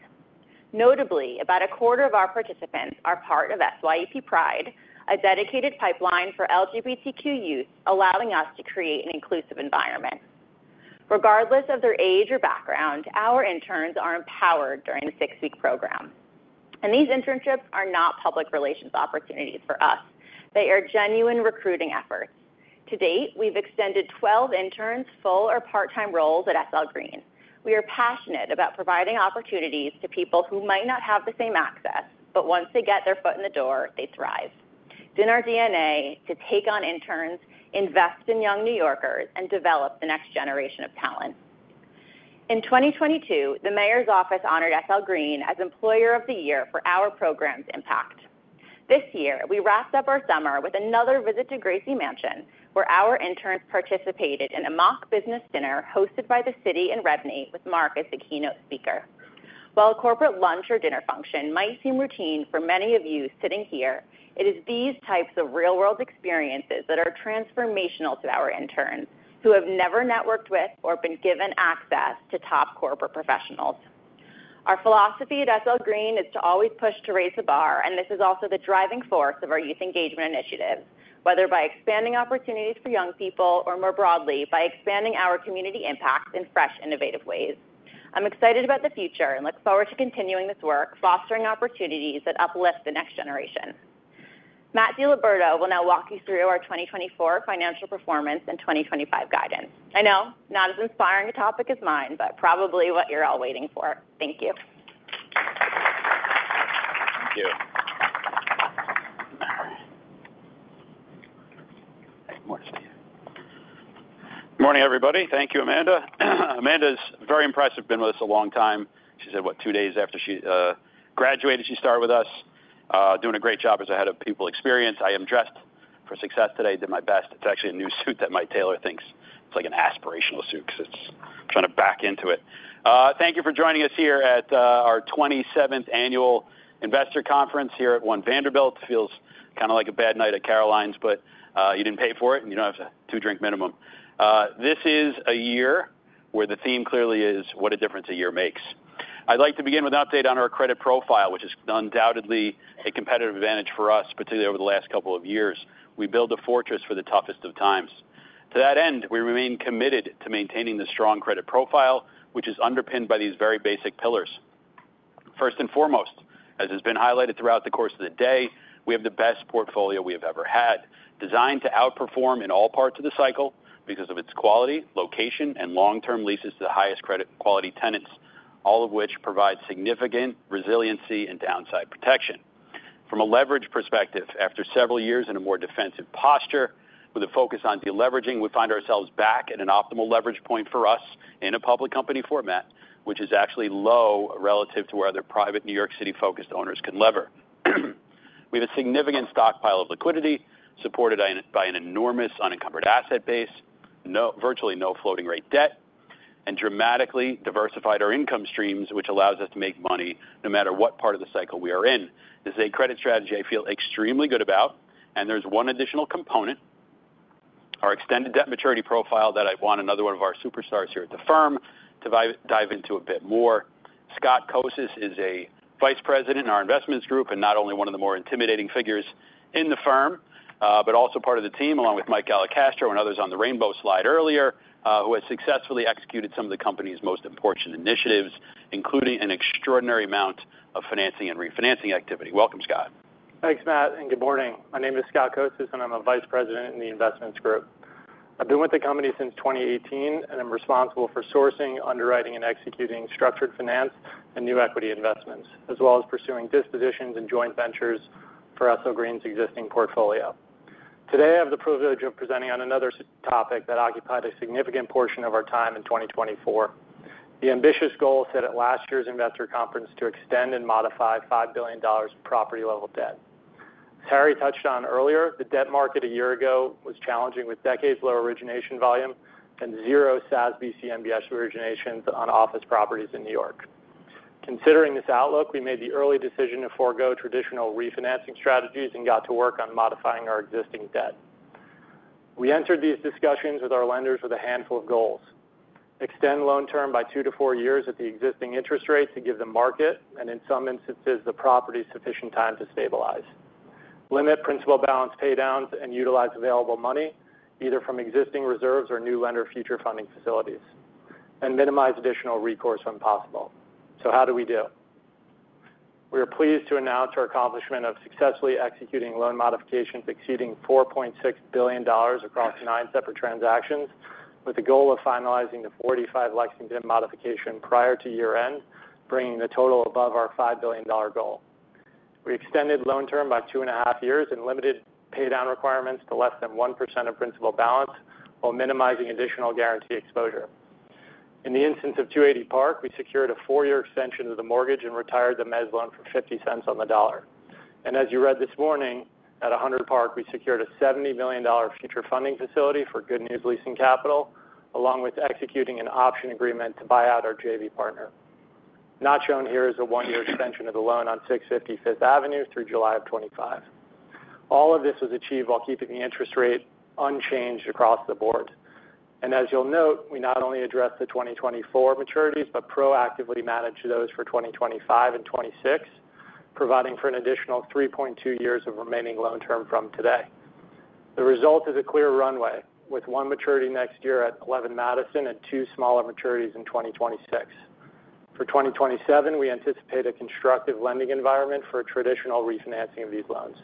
Notably, about a quarter of our participants are part of SYEP Pride, a dedicated pipeline for LGBTQ youth, allowing us to create an inclusive environment. Regardless of their age or background, our interns are empowered during the six-week program, and these internships are not public relations opportunities for us. They are genuine recruiting efforts. To date, we've extended 12 interns' full or part-time roles at SL Green. We are passionate about providing opportunities to people who might not have the same access, but once they get their foot in the door, they thrive. It's in our DNA to take on interns, invest in young New Yorkers, and develop the next generation of talent. In 2022, the mayor's office honored SL Green as Employer of the Year for our program's impact. This year, we wrapped up our summer with another visit to Gracie Mansion, where our interns participated in a mock business dinner hosted by the city and REBNY with Marc as the keynote speaker. While a corporate lunch or dinner function might seem routine for many of you sitting here, it is these types of real-world experiences that are transformational to our interns who have never networked with or been given access to top corporate professionals. Our philosophy at SL Green is to always push to raise the bar, and this is also the driving force of our youth engagement initiatives, whether by expanding opportunities for young people or more broadly, by expanding our community impact in fresh, innovative ways. I'm excited about the future and look forward to continuing this work, fostering opportunities that uplift the next generation. Matt DiLiberto will now walk you through our 2024 financial performance and 2025 guidance. I know, not as inspiring a topic as mine, but probably what you're all waiting for. Thank you. Thank you. Good morning, everybody. Thank you, Amanda. Amanda's very impressive. Been with us a long time. She said, what, two days after she graduated, she started with us, doing a great job as a Head of People Experience. I am dressed for success today. Did my best. It's actually a new suit that my tailor thinks it's like an aspirational suit because it's trying to back into it. Thank you for joining us here at our 27th annual investor conference here at One Vanderbilt. Feels kind of like a bad night at Carolines, but you didn't pay for it, and you don't have to do a drink minimum. This is a year where the theme clearly is, what a difference a year makes. I'd like to begin with an update on our credit profile, which is undoubtedly a competitive advantage for us, particularly over the last couple of years. We build a fortress for the toughest of times. To that end, we remain committed to maintaining the strong credit profile, which is underpinned by these very basic pillars. First and foremost, as has been highlighted throughout the course of the day, we have the best portfolio we have ever had, designed to outperform in all parts of the cycle because of its quality, location, and long-term leases to the highest credit quality tenants, all of which provide significant resiliency and downside protection. From a leverage perspective, after several years in a more defensive posture, with a focus on deleveraging, we find ourselves back at an optimal leverage point for us in a public company format, which is actually low relative to where other private New York City-focused owners can lever. We have a significant stockpile of liquidity supported by an enormous unencumbered asset base, virtually no floating-rate debt, and dramatically diversified our income streams, which allows us to make money no matter what part of the cycle we are in. This is a credit strategy I feel extremely good about. And there's one additional component, our extended debt maturity profile that I want another one of our superstars here at the firm to dive into a bit more. Scott Kocis is a vice president in our investments group and not only one of the more intimidating figures in the firm, but also part of the team, along with Mike Alicastro and others on the rainbow slide earlier, who has successfully executed some of the company's most important initiatives, including an extraordinary amount of financing and refinancing activity. Welcome, Scott. Thanks, Matt. And good morning. My name is Scott Kocis, and I'm a vice president in the investments group. I've been with the company since 2018, and I'm responsible for sourcing, underwriting, and executing structured finance and new equity investments, as well as pursuing dispositions and joint ventures for SL Green's existing portfolio. Today, I have the privilege of presenting on another topic that occupied a significant portion of our time in 2024, the ambitious goal set at last year's investor conference to extend and modify $5 billion property-level debt. As Harry touched on earlier, the debt market a year ago was challenging with decades-long origination volume and zero SASB CMBS originations on office properties in New York. Considering this outlook, we made the early decision to forgo traditional refinancing strategies and got to work on modifying our existing debt. We entered these discussions with our lenders with a handful of goals: extend loan term by two to four years at the existing interest rate to give the market, and in some instances, the property, sufficient time to stabilize. Limit principal balance paydowns and utilize available money, either from existing reserves or new lender future funding facilities. And minimize additional recourse when possible. How do we do? We are pleased to announce our accomplishment of successfully executing loan modifications exceeding $4.6 billion across nine separate transactions, with the goal of finalizing the 485 Lexington modification prior to year-end, bringing the total above our $5 billion goal. We extended loan term by two and a half years and limited paydown requirements to less than 1% of principal balance while minimizing additional guarantee exposure. In the instance of 280 Park, we secured a four-year extension of the mortgage and retired the mezzanine loan for 50 cents on the dollar. And as you read this morning, at 100 Park, we secured a $70 million future funding facility for Good News Leasing Capital, along with executing an option agreement to buy out our JV partner. Not shown here is a one-year extension of the loan on 650 Fifth Avenue through July of 2025. All of this was achieved while keeping the interest rate unchanged across the board. And as you'll note, we not only addressed the 2024 maturities, but proactively managed those for 2025 and 2026, providing for an additional 3.2 years of remaining loan term from today. The result is a clear runway, with one maturity next year at 11 Madison and two smaller maturities in 2026. For 2027, we anticipate a constructive lending environment for traditional refinancing of these loans.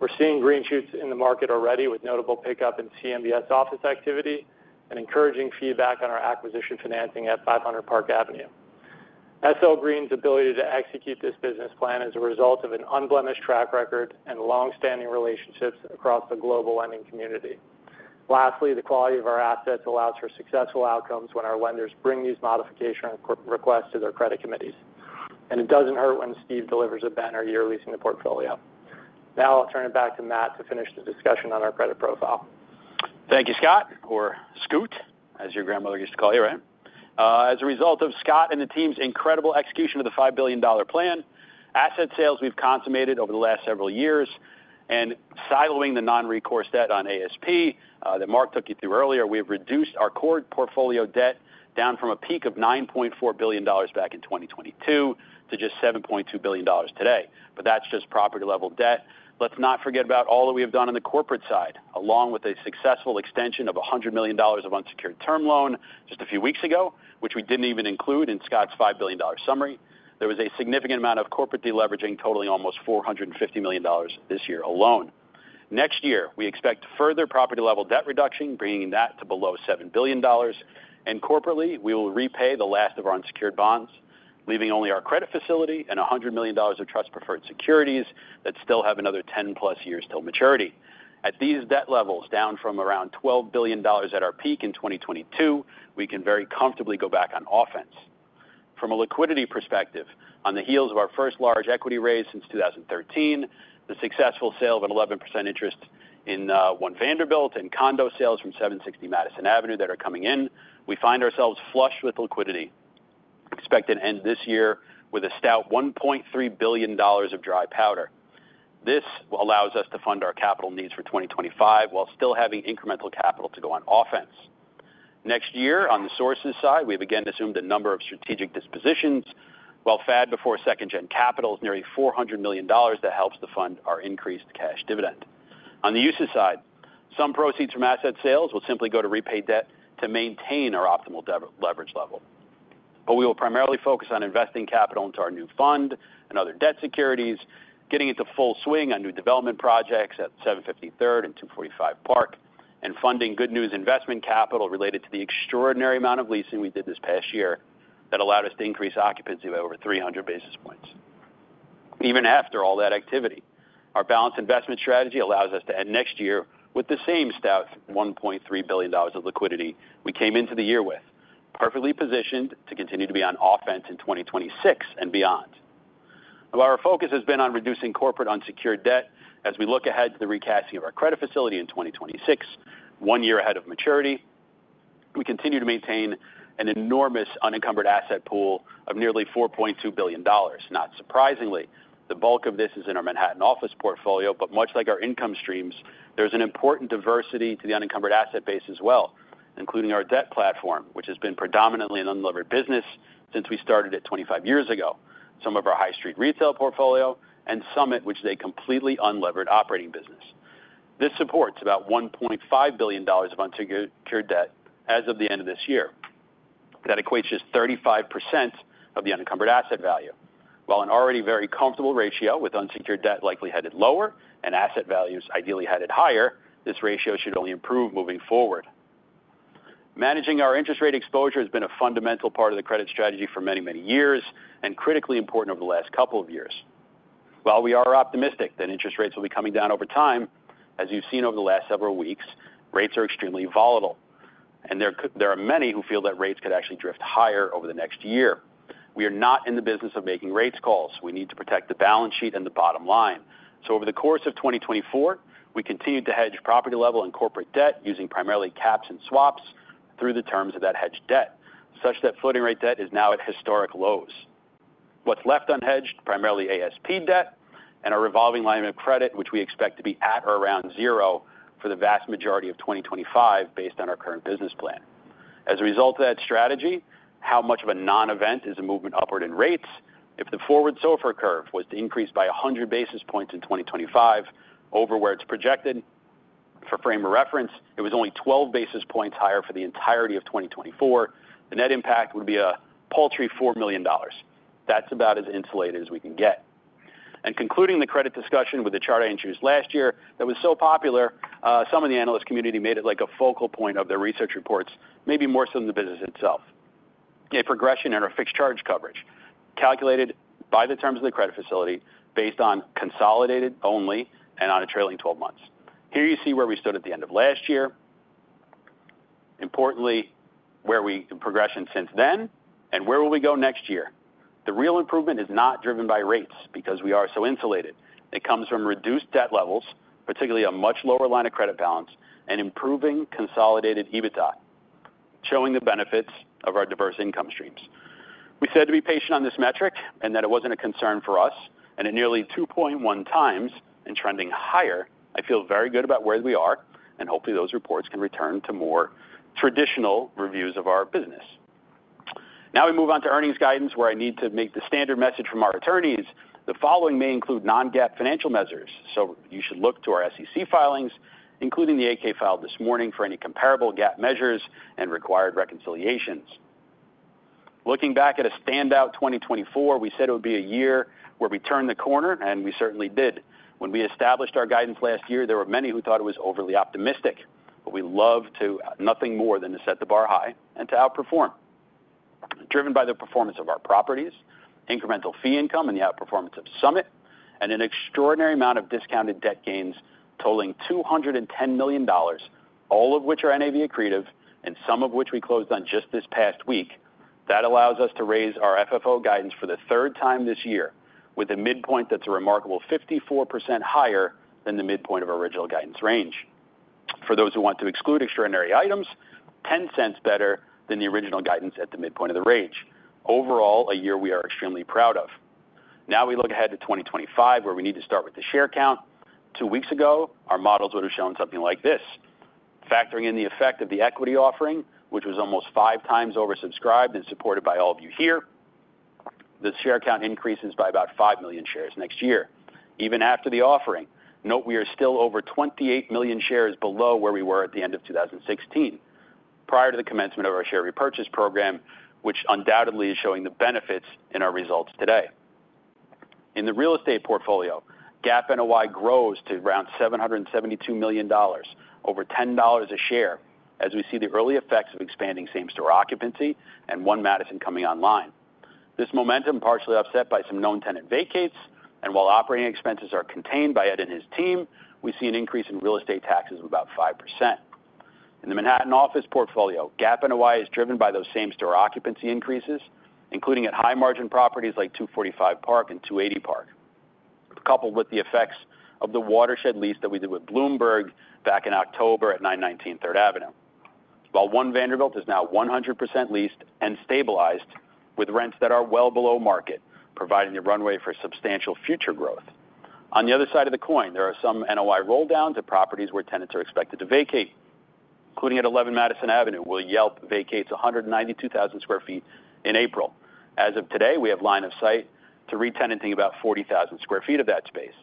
We're seeing green shoots in the market already, with notable pickup in CMBS office activity and encouraging feedback on our acquisition financing at 500 Park Avenue. SL Green's ability to execute this business plan is a result of an unblemished track record and long-standing relationships across the global lending community. Lastly, the quality of our assets allows for successful outcomes when our lenders bring these modification requests to their credit committees, and it doesn't hurt when Steve delivers a banner year-leasing the portfolio. Now I'll turn it back to Matt to finish the discussion on our credit profile. Thank you, Scott. Or Scoot, as your grandmother used to call you, right? As a result of Scott and the team's incredible execution of the $5 billion plan, asset sales we've consummated over the last several years, and siloing the non-recourse debt on ASP that Marc took you through earlier, we have reduced our core portfolio debt down from a peak of $9.4 billion back in 2022 to just $7.2 billion today. But that's just property-level debt. Let's not forget about all that we have done on the corporate side, along with a successful extension of $100 million of unsecured term loan just a few weeks ago, which we didn't even include in Scott's $5 billion summary. There was a significant amount of corporate deleveraging totaling almost $450 million this year alone. Next year, we expect further property-level debt reduction, bringing that to below $7 billion. Corporately, we will repay the last of our unsecured bonds, leaving only our credit facility and $100 million of trust-preferred securities that still have another 10-plus years till maturity. At these debt levels, down from around $12 billion at our peak in 2022, we can very comfortably go back on offense. From a liquidity perspective, on the heels of our first large equity raise since 2013, the successful sale of an 11% interest in One Vanderbilt and condo sales from 760 Madison Avenue that are coming in, we find ourselves flush with liquidity. We expect to end this year with a stout $1.3 billion of dry powder. This allows us to fund our capital needs for 2025 while still having incremental capital to go on offense. Next year, on the sources side, we have again assumed a number of strategic dispositions, while FFO before second-gen capital is nearly $400 million that helps to fund our increased cash dividend. On the usage side, some proceeds from asset sales will simply go to repay debt to maintain our optimal leverage level. But we will primarily focus on investing capital into our new fund and other debt securities, getting it to full swing on new development projects at 750 Third and 245 Park Avenue, and funding new investment capital related to the extraordinary amount of leasing we did this past year that allowed us to increase occupancy by over 300 basis points. Even after all that activity, our balanced investment strategy allows us to end next year with the same stout $1.3 billion of liquidity we came into the year with, perfectly positioned to continue to be on offense in 2026 and beyond. Our focus has been on reducing corporate unsecured debt as we look ahead to the recasting of our credit facility in 2026, one year ahead of maturity. We continue to maintain an enormous unencumbered asset pool of nearly $4.2 billion. Not surprisingly, the bulk of this is in our Manhattan office portfolio, but much like our income streams, there's an important diversity to the unencumbered asset base as well, including our debt platform, which has been predominantly an unlevered business since we started it 25 years ago, some of our high-street retail portfolio, and SUMMIT, which is a completely unlevered operating business. This supports about $1.5 billion of unsecured debt as of the end of this year. That equates to 35% of the unencumbered asset value. While an already very comfortable ratio with unsecured debt likely headed lower and asset values ideally headed higher, this ratio should only improve moving forward. Managing our interest rate exposure has been a fundamental part of the credit strategy for many, many years and critically important over the last couple of years. While we are optimistic that interest rates will be coming down over time, as you've seen over the last several weeks, rates are extremely volatile, and there are many who feel that rates could actually drift higher over the next year. We are not in the business of making rates calls. We need to protect the balance sheet and the bottom line. So over the course of 2024, we continued to hedge property level and corporate debt using primarily caps and swaps through the terms of that hedged debt, such that floating-rate debt is now at historic lows. What's left unhedged? Primarily ASP debt and a revolving line of credit, which we expect to be at or around zero for the vast majority of 2025 based on our current business plan. As a result of that strategy, how much of a non-event is a movement upward in rates? If the forward SOFR curve was to increase by 100 basis points in 2025 over where it's projected, for frame of reference, it was only 12 basis points higher for the entirety of 2024. The net impact would be a paltry $4 million. That's about as insulated as we can get. And concluding the credit discussion with the chart I introduced last year that was so popular. Some of the analyst community made it like a focal point of their research reports, maybe more so than the business itself. Yeah for progression and a fixed charge coverage calculated by the terms of the credit facility based on consolidated only and on a trailing 12 months. Here you see where we stood at the end of last year, importantly, where we've progressed since then, and where will we go next year? The real improvement is not driven by rates because we are so insulated. It comes from reduced debt levels, particularly a much lower line of credit balance, and improving consolidated EBITDA, showing the benefits of our diverse income streams. We said to be patient on this metric and that it wasn't a concern for us. And at nearly 2.1 times and trending higher, I feel very good about where we are, and hopefully those reports can return to more traditional reviews of our business. Now we move on to earnings guidance, where I need to make the standard message from our attorneys. The following may include non-GAAP financial measures, so you should look to our SEC filings, including the 10-K filed this morning for any comparable GAAP measures and required reconciliations. Looking back at a standout 2024, we said it would be a year where we turned the corner, and we certainly did. When we established our guidance last year, there were many who thought it was overly optimistic, but we love nothing more than to set the bar high and to outperform. Driven by the performance of our properties, incremental fee income and the outperformance of SUMMIT, and an extraordinary amount of discounted debt gains totaling $210 million, all of which are NAV accretive, and some of which we closed on just this past week, that allows us to raise our FFO guidance for the third time this year, with a midpoint that's a remarkable 54% higher than the midpoint of our original guidance range. For those who want to exclude extraordinary items, 10 cents better than the original guidance at the midpoint of the range. Overall, a year we are extremely proud of. Now we look ahead to 2025, where we need to start with the share count. Two weeks ago, our models would have shown something like this. Factoring in the effect of the equity offering, which was almost five times oversubscribed and supported by all of you here, the share count increases by about five million shares next year. Even after the offering, note we are still over 28 million shares below where we were at the end of 2016, prior to the commencement of our share repurchase program, which undoubtedly is showing the benefits in our results today. In the real estate portfolio, GAAP NOI grows to around $772 million, over $10 a share, as we see the early effects of expanding same-store occupancy and One Madison coming online. This momentum partially upset by some known tenant vacates, and while operating expenses are contained by Ed and his team, we see an increase in real estate taxes of about 5%. In the Manhattan office portfolio, GAAP NOI is driven by those same-store occupancy increases, including at high-margin properties like 245 Park and 280 Park, coupled with the effects of the watershed lease that we did with Bloomberg back in October at 919 Third Avenue. While One Vanderbilt is now 100% leased and stabilized with rents that are well below market, providing the runway for substantial future growth. On the other side of the coin, there are some NOI roll-downs at properties where tenants are expected to vacate, including at 11 Madison Avenue, where Yelp vacates 192,000 sq ft in April. As of today, we have line of sight to re-tenanting about 40,000 sq ft of that space.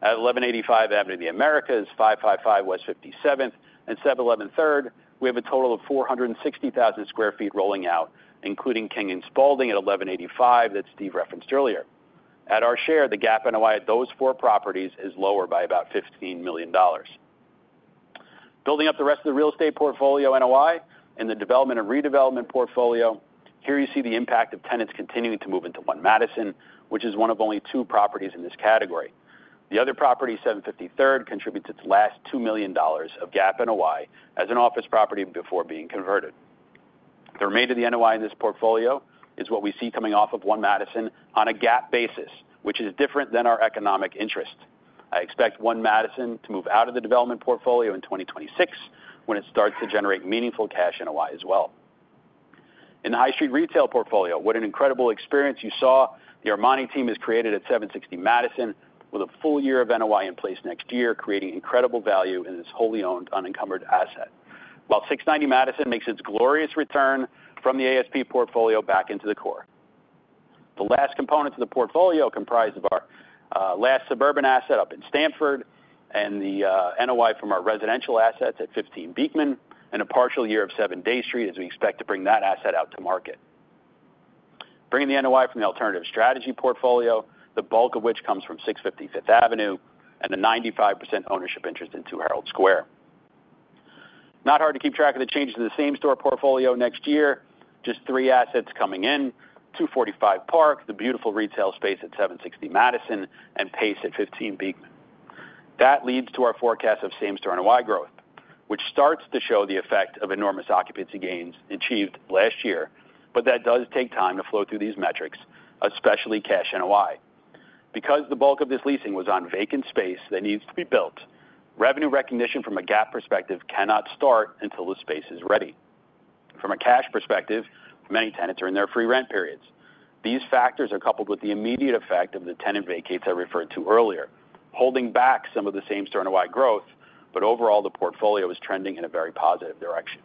At 1185 Avenue of the Americas, 555 West 57th, and 711 Third, we have a total of 460,000 sq ft rolling out, including King & Spalding at 1185 that Steve referenced earlier. At our share, the GAAP NOI at those four properties is lower by about $15 million. Building up the rest of the real estate portfolio NOI and the development and redevelopment portfolio, here you see the impact of tenants continuing to move into One Madison, which is one of only two properties in this category. The other property, 750 Third Avenue, contributes its last $2 million of GAAP NOI as an office property before being converted. The remainder of the NOI in this portfolio is what we see coming off of One Madison on a GAAP basis, which is different than our economic interest. I expect One Madison to move out of the development portfolio in 2026 when it starts to generate meaningful cash NOI as well. In the high-street retail portfolio, what an incredible experience you saw, the Armani team has created at 760 Madison with a full year of NOI in place next year, creating incredible value in this wholly owned unencumbered asset. While 690 Madison makes its glorious return from the ASP portfolio back into the core. The last components of the portfolio comprised of our last suburban asset up in Stamford and the NOI from our residential assets at 15 Beekman and a partial year of 7 Dey Street as we expect to bring that asset out to market. Bringing the NOI from the alternative strategy portfolio, the bulk of which comes from 655 Fifth Avenue and a 95% ownership interest in 2 Herald Square. Not hard to keep track of the changes in the same-store portfolio next year, just three assets coming in: 245 Park, the beautiful retail space at 760 Madison, and Pace at 15 Beekman. That leads to our forecast of same-store NOI growth, which starts to show the effect of enormous occupancy gains achieved last year, but that does take time to flow through these metrics, especially cash NOI. Because the bulk of this leasing was on vacant space that needs to be built, revenue recognition from a GAAP perspective cannot start until the space is ready. From a cash perspective, many tenants are in their free rent periods. These factors are coupled with the immediate effect of the tenant vacates I referred to earlier, holding back some of the same-store NOI growth, but overall, the portfolio is trending in a very positive direction.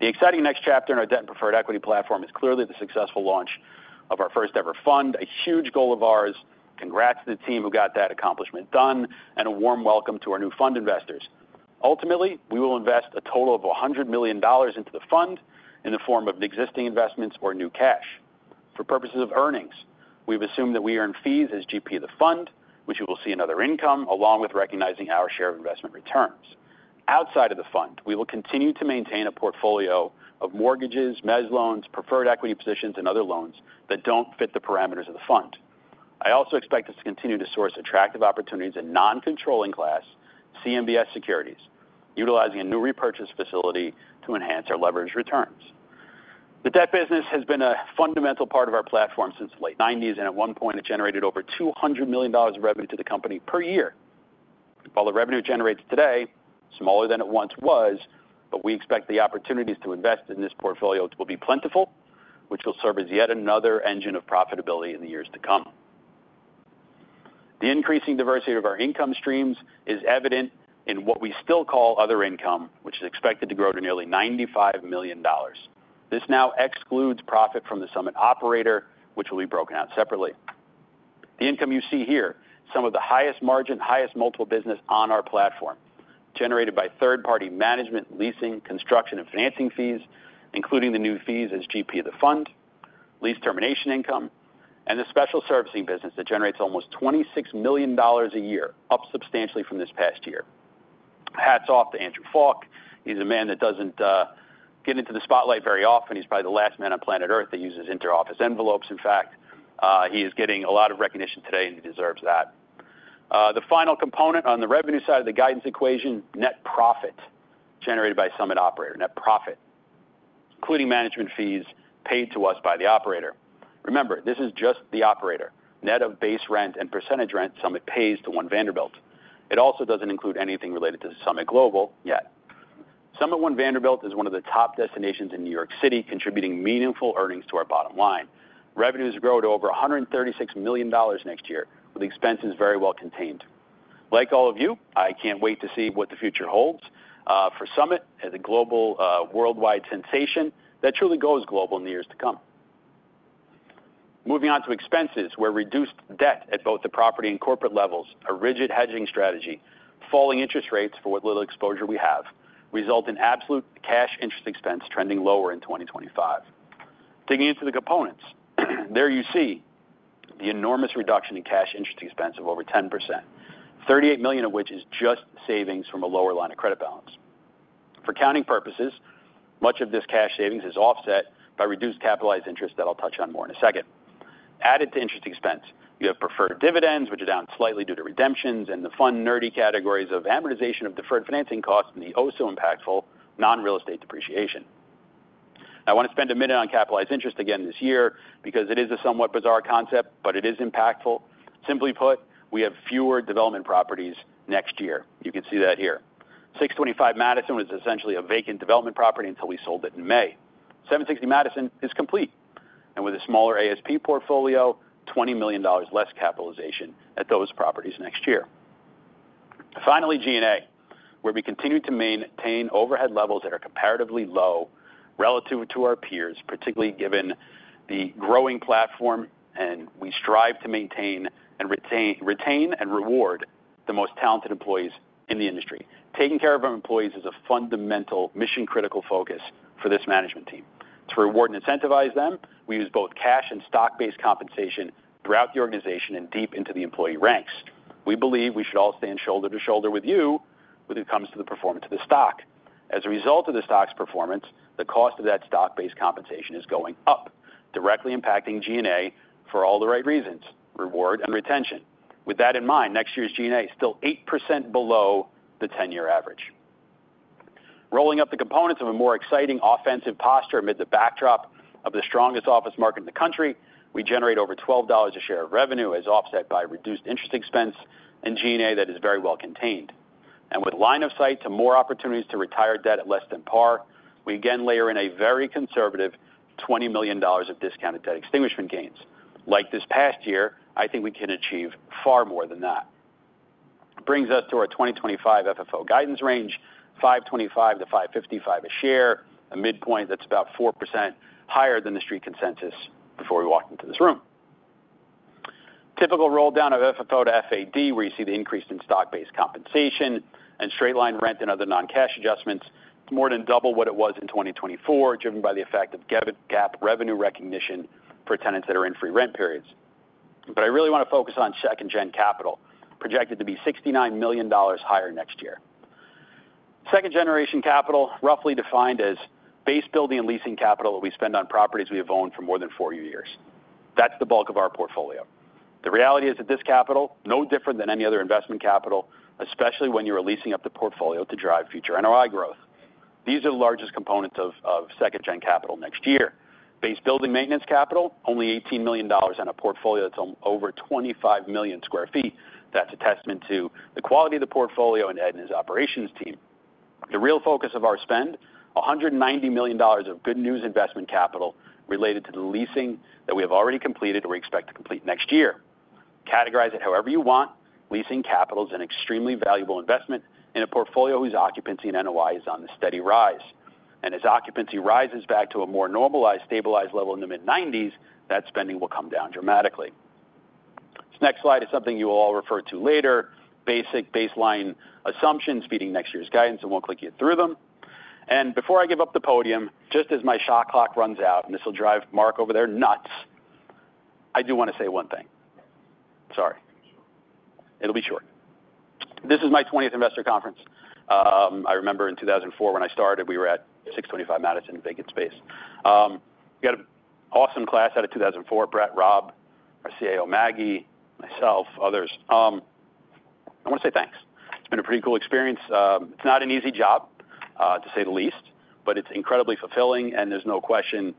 The exciting next chapter in our debt and preferred equity platform is clearly the successful launch of our first-ever fund, a huge goal of ours. Congrats to the team who got that accomplishment done, and a warm welcome to our new fund investors. Ultimately, we will invest a total of $100 million into the fund in the form of existing investments or new cash. For purposes of earnings, we've assumed that we earn fees as GP of the fund, which we will see another income along with recognizing our share of investment returns. Outside of the fund, we will continue to maintain a portfolio of mortgages, mezz loans, preferred equity positions, and other loans that don't fit the parameters of the fund. I also expect us to continue to source attractive opportunities in non-controlling class CMBS securities, utilizing a new repurchase facility to enhance our leveraged returns. The debt business has been a fundamental part of our platform since the late '90s, and at one point, it generated over $200 million of revenue to the company per year. While the revenue generates today, smaller than it once was, but we expect the opportunities to invest in this portfolio will be plentiful, which will serve as yet another engine of profitability in the years to come. The increasing diversity of our income streams is evident in what we still call other income, which is expected to grow to nearly $95 million. This now excludes profit from the SUMMIT operator, which will be broken out separately. The income you see here, some of the highest margin, highest multiple business on our platform, generated by third-party management, leasing, construction, and financing fees, including the new fees as GP of the fund, lease termination income, and the special servicing business that generates almost $26 million a year, up substantially from this past year. Hats off to Andrew Falk. He's a man that doesn't get into the spotlight very often. He's probably the last man on planet Earth that uses inter-office envelopes. In fact, he is getting a lot of recognition today, and he deserves that. The final component on the revenue side of the guidance equation, net profit generated by SUMMIT operator, net profit, including management fees paid to us by the operator. Remember, this is just the operator. Net of base rent and percentage rent SUMMIT pays to One Vanderbilt. It also doesn't include anything related to SUMMIT Global yet. SUMMIT One Vanderbilt is one of the top destinations in New York City, contributing meaningful earnings to our bottom line. Revenues grow to over $136 million next year, with expenses very well contained. Like all of you, I can't wait to see what the future holds for SUMMIT as a global, worldwide sensation that truly goes global in the years to come. Moving on to expenses, where reduced debt at both the property and corporate levels, a rigid hedging strategy, falling interest rates for what little exposure we have, result in absolute cash interest expense trending lower in 2025. Digging into the components, there you see the enormous reduction in cash interest expense of over 10%, $38 million of which is just savings from a lower line of credit balance. For counting purposes, much of this cash savings is offset by reduced capitalized interest that I'll touch on more in a second. Added to interest expense, you have preferred dividends, which are down slightly due to redemptions and the sundry categories of amortization of deferred financing costs and the oh-so-impactful non-real estate depreciation. I want to spend a minute on capitalized interest again this year because it is a somewhat bizarre concept, but it is impactful. Simply put, we have fewer development properties next year. You can see that here. 625 Madison was essentially a vacant development property until we sold it in May. 760 Madison is complete, and with a smaller ASP portfolio, $20 million less capitalization at those properties next year. Finally, G&A, where we continue to maintain overhead levels that are comparatively low relative to our peers, particularly given the growing platform, and we strive to maintain and retain and reward the most talented employees in the industry. Taking care of our employees is a fundamental mission-critical focus for this management team. To reward and incentivize them, we use both cash and stock-based compensation throughout the organization and deep into the employee ranks. We believe we should all stand shoulder to shoulder with you when it comes to the performance of the stock. As a result of the stock's performance, the cost of that stock-based compensation is going up, directly impacting G&A for all the right reasons: reward and retention. With that in mind, next year's G&A is still 8% below the 10-year average. Rolling up the components of a more exciting offensive posture amid the backdrop of the strongest office market in the country, we generate over $12 a share of revenue as offset by reduced interest expense and G&A that is very well contained. And with line of sight to more opportunities to retire debt at less than par, we again layer in a very conservative $20 million of discounted debt extinguishment gains. Like this past year, I think we can achieve far more than that. Brings us to our 2025 FFO guidance range, 525-555 a share, a midpoint that's about 4% higher than the street consensus before we walked into this room. Typical roll-down of FFO to FAD, where you see the increase in stock-based compensation and straight-line rent and other non-cash adjustments, more than double what it was in 2024, driven by the effect of GAAP revenue recognition for tenants that are in free rent periods. But I really want to focus on second-gen capital, projected to be $69 million higher next year. Second-generation capital, roughly defined as base building and leasing capital that we spend on properties we have owned for more than 40 years. That's the bulk of our portfolio. The reality is that this capital, no different than any other investment capital, especially when you're leasing up the portfolio to drive future NOI growth. These are the largest components of second-gen capital next year. Base building maintenance capital, only $18 million on a portfolio that's over 25 million sq ft. That's a testament to the quality of the portfolio and Ed and his operations team. The real focus of our spend, $190 million of good news investment capital related to the leasing that we have already completed and we expect to complete next year. Categorize it however you want. Leasing capital is an extremely valuable investment in a portfolio whose occupancy and NOI is on the steady rise. And as occupancy rises back to a more normalized, stabilized level in the mid-90s, that spending will come down dramatically. This next slide is something you will all refer to later: basic baseline assumptions feeding next year's guidance. I won't click you through them. And before I give up the podium, just as my shot clock runs out, and this will drive Marc over there nuts, I do want to say one thing. Sorry. It'll be short. This is my 20th investor conference. I remember in 2004 when I started, we were at 625 Madison, vacant space. We had an awesome class out of 2004, Brett, Rob, our CIO Maggie, myself, others. I want to say thanks. It's been a pretty cool experience. It's not an easy job, to say the least, but it's incredibly fulfilling, and there's no question.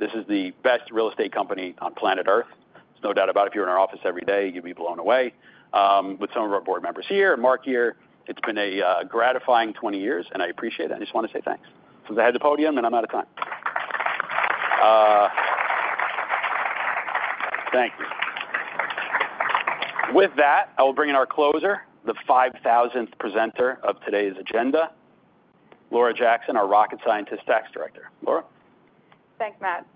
This is the best real estate company on planet Earth. There's no doubt about it. If you're in our office every day, you'd be blown away. With some of our board members here and Marc here, it's been a gratifying 20 years, and I appreciate it. I just want to say thanks. Since I had the podium, then I'm out of time. Thank you. With that, I will bring in our closer, the 5,000th presenter of today's agenda, Laura Jackson, our Rocket Scientist Tax Director. Laura? Thanks, Matt.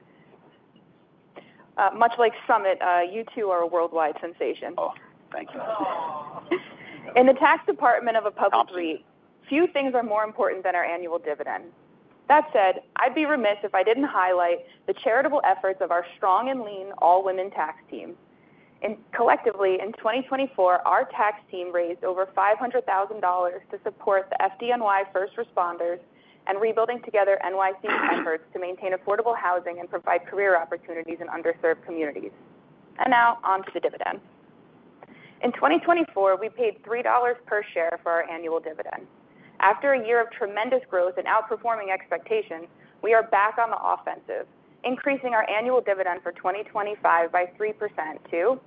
Much like SUMMIT, you too are a worldwide sensation. Oh, thank you. In the tax department of a public REIT, few things are more important than our annual dividend. That said, I'd be remiss if I didn't highlight the charitable efforts of our SL Green all-women tax team. Collectively, in 2024, our tax team raised over $500,000 to support the FDNY first responders and Rebuilding Together NYC efforts to maintain affordable housing and provide career opportunities in underserved communities. And now on to the dividend. In 2024, we paid $3 per share for our annual dividend. After a year of tremendous growth and outperforming expectations, we are back on the offensive, increasing our annual dividend for 2025 by 3% to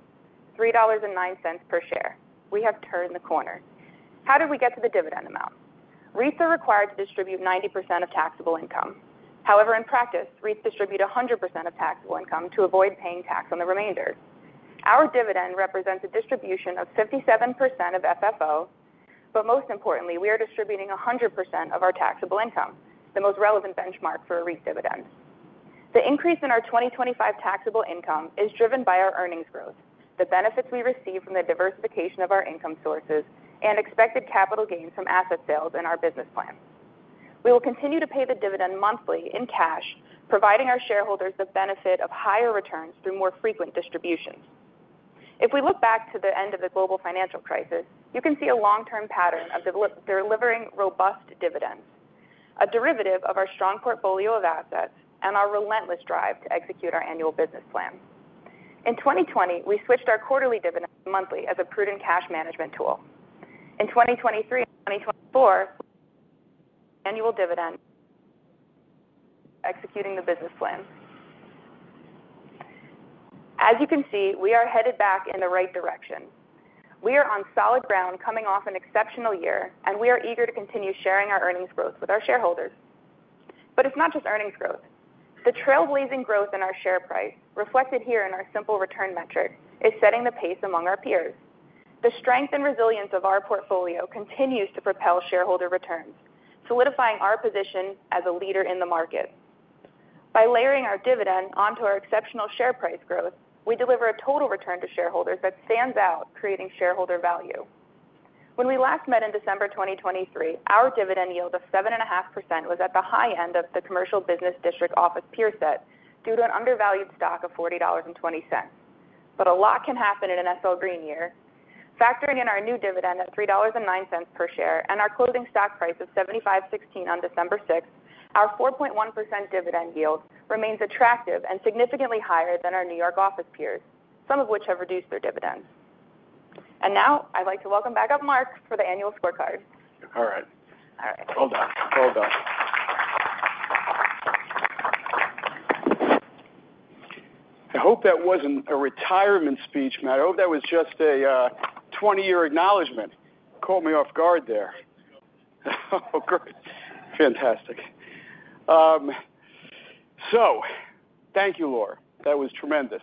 $3.09 per share. We have turned the corner. How did we get to the dividend amount? REITs are required to distribute 90% of taxable income. However, in practice, REITs distribute 100% of taxable income to avoid paying tax on the remainder. Our dividend represents a distribution of 57% of FFO, but most importantly, we are distributing 100% of our taxable income, the most relevant benchmark for a REIT dividend. The increase in our 2025 taxable income is driven by our earnings growth, the benefits we receive from the diversification of our income sources, and expected capital gains from asset sales in our business plan. We will continue to pay the dividend monthly in cash, providing our shareholders the benefit of higher returns through more frequent distributions. If we look back to the end of the global financial crisis, you can see a long-term pattern of delivering robust dividends, a derivative of our strong portfolio of assets and our relentless drive to execute our annual business plan. In 2020, we switched our quarterly dividend to monthly as a prudent cash management tool. In 2023 and 2024, annual dividend executing the business plan. As you can see, we are headed back in the right direction. We are on solid ground coming off an exceptional year, and we are eager to continue sharing our earnings growth with our shareholders. But it's not just earnings growth. The trailblazing growth in our share price, reflected here in our simple return metric, is setting the pace among our peers. The strength and resilience of our portfolio continues to propel shareholder returns, solidifying our position as a leader in the market. By layering our dividend onto our exceptional share price growth, we deliver a total return to shareholders that stands out, creating shareholder value. When we last met in December 2023, our dividend yield of 7.5% was at the high end of the commercial business district office peer set due to an undervalued stock of $40.20. But a lot can happen in an SL Green year. Factoring in our new dividend at $3.09 per share and our closing stock price of $75.16 on December 6, our 4.1% dividend yield remains attractive and significantly higher than our New York office peers, some of which have reduced their dividends. And now I'd like to welcome back, Marc, for the annual scorecard. All right. All right. Hold on. Hold on. I hope that wasn't a retirement speech, Matt. I hope that was just a 20-year acknowledgment. Caught me off guard there. Oh, great. Fantastic. So thank you, Laura. That was tremendous.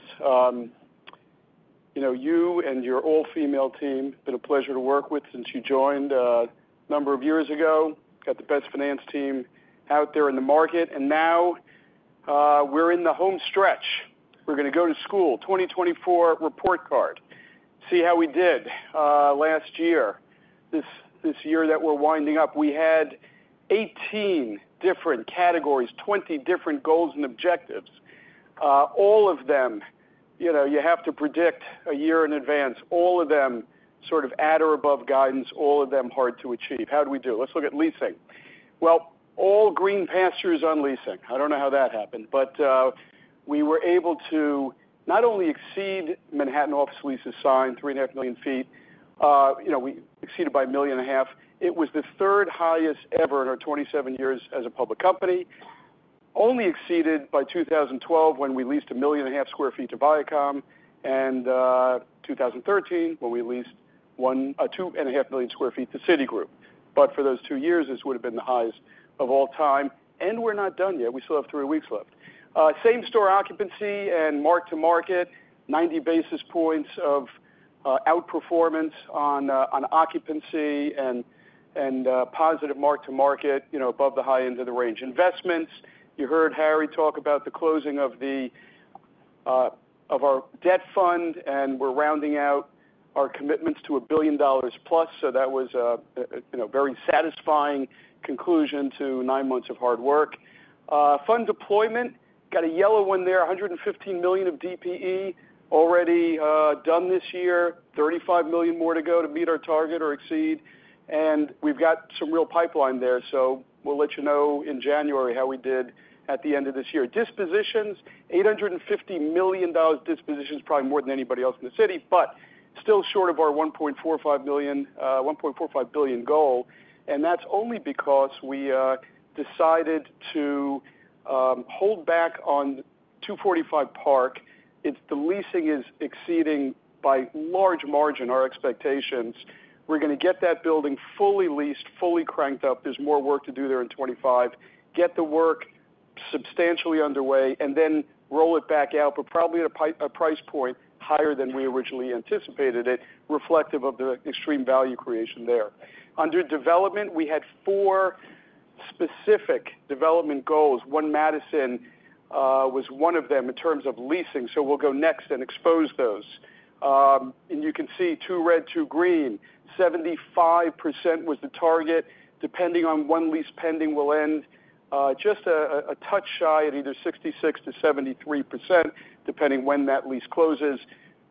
You and your all-female team, been a pleasure to work with since you joined a number of years ago. Got the best finance team out there in the market. And now we're in the home stretch. We're going to go to school, 2024 report card. See how we did last year. This year that we're winding up, we had 18 different categories, 20 different goals and objectives. All of them, you have to predict a year in advance. All of them sort of at or above guidance. All of them hard to achieve. How did we do? Let's look at leasing. Well, all green pastures on leasing. I don't know how that happened, but we were able to not only exceed Manhattan office leases signed 3.5 million sq ft. We exceeded by 1.5 million. It was the third highest ever in our 27 years as a public company. Only exceeded by 2012 when we leased 1.5 million sq ft to Viacom and 2013 when we leased 2.5 million sq ft to Citigroup. But for those two years, this would have been the highest of all time, and we're not done yet. We still have three weeks left. Same store occupancy and mark to market, 90 basis points of outperformance on occupancy and positive mark to market above the high end of the range. Investments. You heard Harry talk about the closing of our debt fund, and we're rounding out our commitments to $1 billion plus. So that was a very satisfying conclusion to nine months of hard work. Fund deployment, got a yellow one there, $115 million of DPE already done this year, $35 million more to go to meet our target or exceed. And we've got some real pipeline there. So we'll let you know in January how we did at the end of this year. Dispositions, $850 million dispositions, probably more than anybody else in the city, but still short of our $1.45 billion goal. And that's only because we decided to hold back on 245 Park. It's the leasing is exceeding by large margin our expectations. We're going to get that building fully leased, fully cranked up. There's more work to do there in 2025. Get the work substantially underway and then roll it back out, but probably at a price point higher than we originally anticipated it, reflective of the extreme value creation there. Under development, we had four specific development goals. One Madison was one of them in terms of leasing. So we'll go next and expose those. And you can see two red, two green. 75% was the target. Depending on one lease pending, we'll end just a touch shy at either 66%-73%, depending when that lease closes.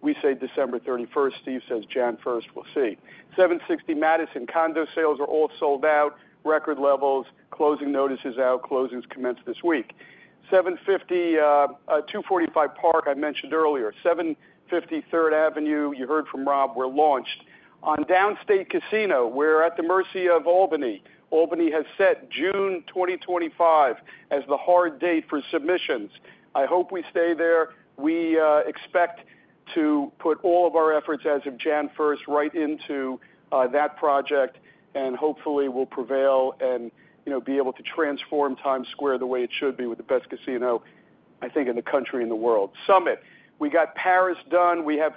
We say December 31st. Steve says January 1st. We'll see. 760 Madison, condo sales are all sold out. Record levels. Closing notices out. Closings commence this week. 245 Park, I mentioned earlier. 750 Third Avenue, you heard from Rob, we're launched. On Downstate Casino, we're at the mercy of Albany. Albany has set June 2025 as the hard date for submissions. I hope we stay there. We expect to put all of our efforts as of January 1st right into that project and hopefully will prevail and be able to transform Times Square the way it should be with the best casino, I think, in the country and the world. SUMMIT, we got Paris done. We have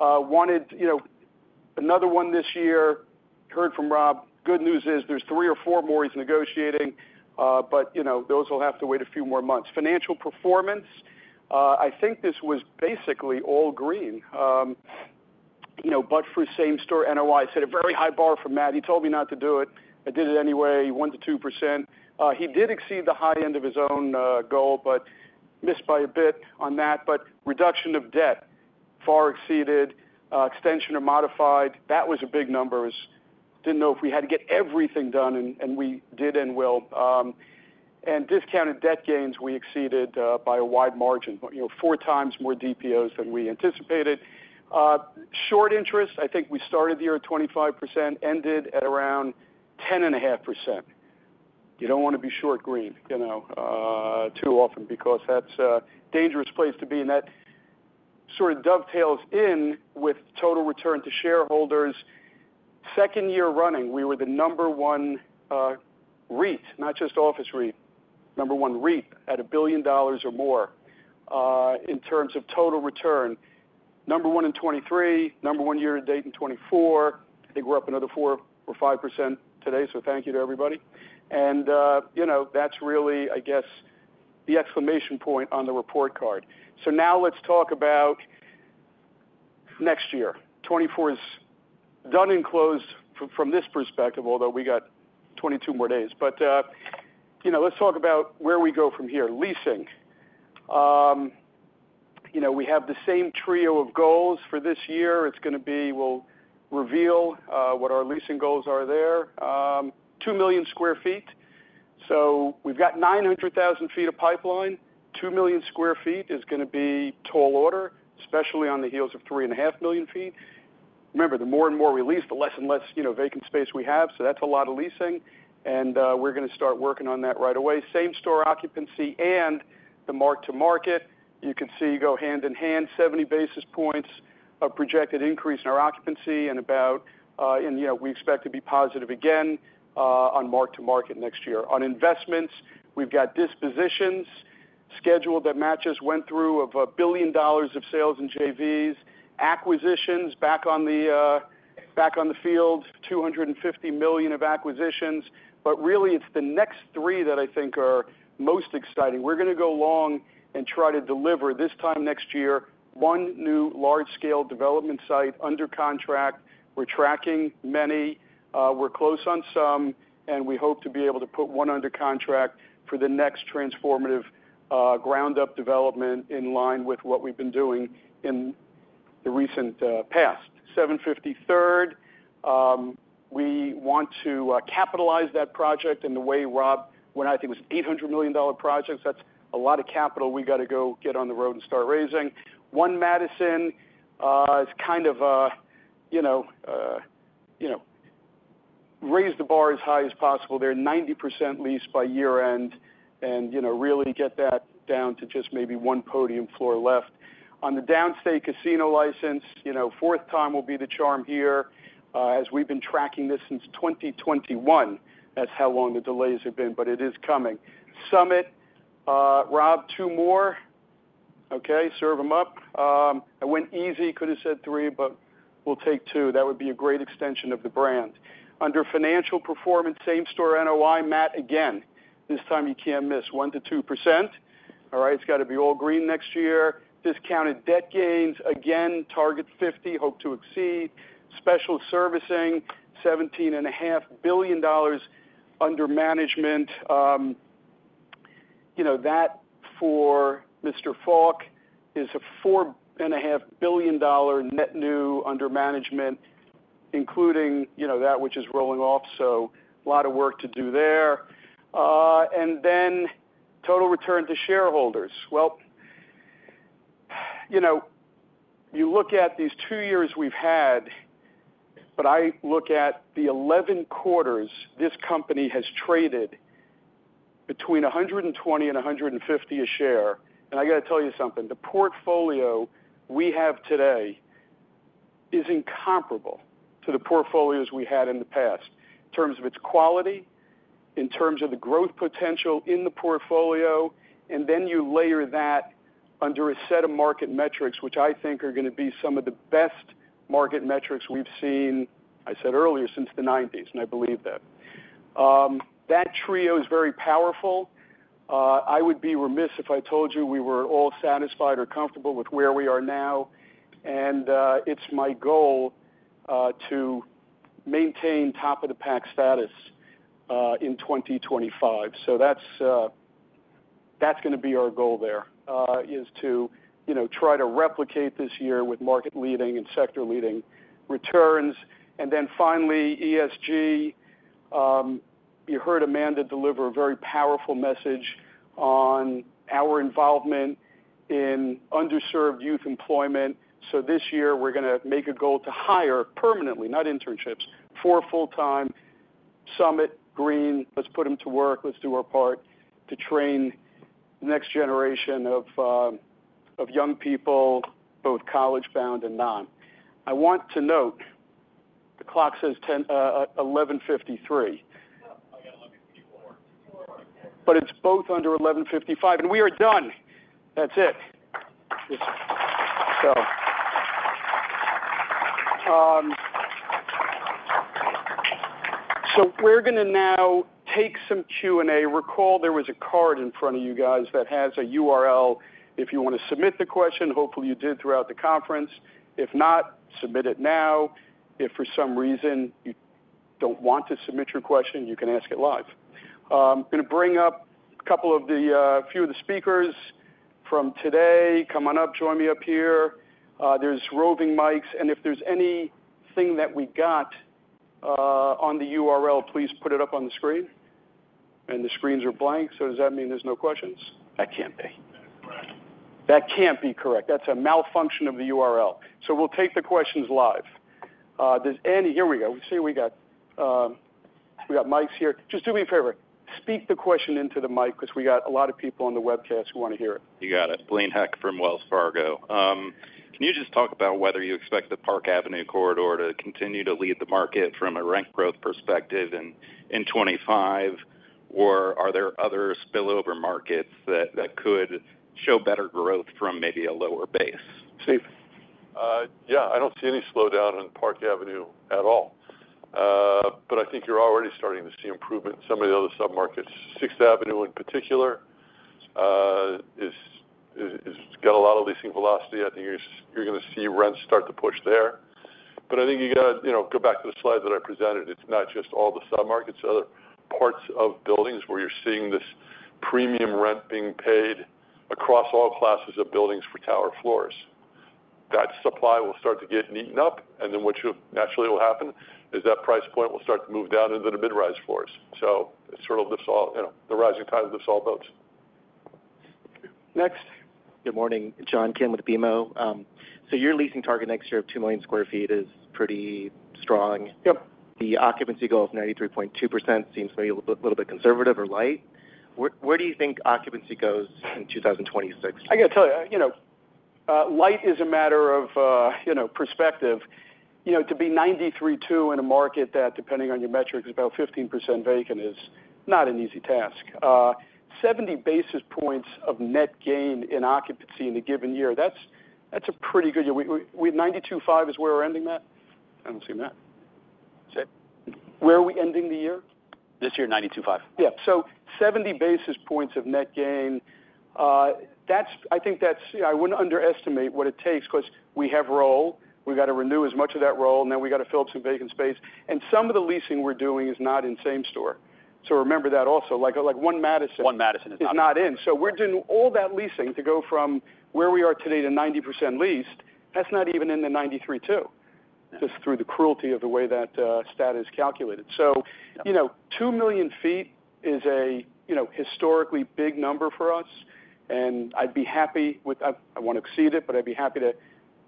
wanted another one this year. Heard from Rob. Good news is there's three or four more he's negotiating, but those will have to wait a few more months. Financial performance, I think this was basically all green. But for same store NOI, I set a very high bar for Matt. He told me not to do it. I did it anyway, 1%-2%. He did exceed the high end of his own goal, but missed by a bit on that. But reduction of debt, far exceeded. Extension or modified, that was a big number. Didn't know if we had to get everything done, and we did and will. And discounted debt gains, we exceeded by a wide margin, four times more DPOs than we anticipated. Short interest, I think we started the year at 25%, ended at around 10.5%. You don't want to be short Green too often because that's a dangerous place to be. And that sort of dovetails in with total return to shareholders. Second year running, we were the number one REIT, not just office REIT, number one REIT at a billion dollars or more in terms of total return. Number one in 2023, number one year to date in 2024. They grew up another 4 or 5% today. So thank you to everybody. And that's really, I guess, the exclamation point on the report card. So now let's talk about next year. 2024 is done and closed from this perspective, although we got 22 more days, but let's talk about where we go from here. Leasing. We have the same trio of goals for this year. It's going to be we'll reveal what our leasing goals are there. 2 million sq ft. So we've got 900,000 sq ft of pipeline. 2 million sq ft is going to be tall order, especially on the heels of 3.5 million sq ft. Remember, the more and more we lease, the less and less vacant space we have. So that's a lot of leasing. And we're going to start working on that right away. Same store occupancy and the mark to market. You can see go hand in hand, 70 basis points of projected increase in our occupancy and about we expect to be positive again on mark to market next year. On investments, we've got dispositions scheduled that matches went through of $1 billion of sales in JVs. Acquisitions back on the field, $250 million of acquisitions. But really, it's the next three that I think are most exciting. We're going to go long and try to deliver this time next year, one new large-scale development site under contract. We're tracking many. We're close on some, and we hope to be able to put one under contract for the next transformative ground-up development in line with what we've been doing in the recent past. 750 Third. We want to capitalize that project in the way Rob went, I think it was an $800 million project. That's a lot of capital we got to go get on the road and start raising. One Madison is kind of raise the bar as high as possible there. 90% lease by year-end and really get that down to just maybe one podium floor left. On the Downstate Casino license, fourth time will be the charm here. As we've been tracking this since 2021, that's how long the delays have been, but it is coming. SUMMIT. Rob, two more. Okay. Serve them up. I went easy. Could have said three, but we'll take two. That would be a great extension of the brand. Under financial performance, same store NOI, Matt again. This time you can't miss. 1%-2%. All right. It's got to be all green next year. Discounted debt gains, again, target 50, hope to exceed. Special servicing, $17.5 billion under management. That for Mr. Falk is a $4.5 billion net new under management, including that which is rolling off. So a lot of work to do there. And then total return to shareholders. You look at these two years we've had, but I look at the 11 quarters this company has traded between $120 and $150 a share. And I got to tell you something. The portfolio we have today is incomparable to the portfolios we had in the past in terms of its quality, in terms of the growth potential in the portfolio. And then you layer that under a set of market metrics, which I think are going to be some of the best market metrics we've seen, I said earlier, since the 1990s. And I believe that. That trio is very powerful. I would be remiss if I told you we were all satisfied or comfortable with where we are now. And it's my goal to maintain top-of-the-pack status in 2025. So that's going to be our goal there, is to try to replicate this year with market-leading and sector-leading returns. And then finally, ESG. You heard Amanda deliver a very powerful message on our involvement in underserved youth employment. So this year, we're going to make a goal to hire permanently, not internships, four full-time SL Green. Let's put them to work. Let's do our part to train the next generation of young people, both college-bound and non. I want to note the clock says 11:53 A.M. But it's both under 11:55 A.M. And we are done. That's it. So we're going to now take some Q&A. Recall there was a card in front of you guys that has a URL. If you want to submit the question, hopefully you did throughout the conference. If not, submit it now. If for some reason you don't want to submit your question, you can ask it live. I'm going to bring up a couple of the few of the speakers from today. Come on up, join me up here. There's roving mics. And if there's anything that we got on the URL, please put it up on the screen. And the screens are blank. So does that mean there's no questions? That can't be. That can't be correct. That's a malfunction of the URL. So we'll take the questions live. Here we go. See what we got. We got mics here. Just do me a favor. Speak the question into the mic because we got a lot of people on the webcast who want to hear it. You got it. Blaine Heck from Wells Fargo. Can you just talk about whether you expect the Park Avenue corridor to continue to lead the market from a rent growth perspective in 2025, or are there other spillover markets that could show better growth from maybe a lower base? Steve. Yeah. I don't see any slowdown on Park Avenue at all. But I think you're already starting to see improvement in some of the other submarkets. 6th Avenue in particular has got a lot of leasing velocity. I think you're going to see rents start to push there. But I think you got to go back to the slides that I presented. It's not just all the submarkets. Other parts of buildings where you're seeing this premium rent being paid across all classes of buildings for tower floors. That supply will start to get eaten up. And then what naturally will happen is that price point will start to move down into the mid-rise floors. So it sort of lifts all the rising tide lifts all boats. Next. Good morning. John Kim with BMO. So your leasing target next year of 2 million sq ft is pretty strong. Yeah. The occupancy goal of 93.2% seems maybe a little bit conservative or light. Where do you think occupancy goes in 2026? I got to tell you, light is a matter of perspective. To be 93.2% in a market that, depending on your metrics, is about 15% vacant is not an easy task. 70 basis points of net gain in occupancy in a given year, that's a pretty good year. 92.5% is where we're ending Matt? I don't see that. Where are we ending the year? This year, 92.5%. Yeah. So 70 basis points of net gain. I think that's. I wouldn't underestimate what it takes because we have roll. We got to renew as much of that roll. And then we got to fill up some vacant space. And some of the leasing we're doing is not in same store. So remember that also. One Madison. One Madison is not in. It's not in. So we're doing all that leasing to go from where we are today to 90% leased. That's not even in the 93.2%, just through the cruelty of the way that stat is calculated. So 2 million feet is a historically big number for us. And I'd be happy with. I won't exceed it, but I'd be happy to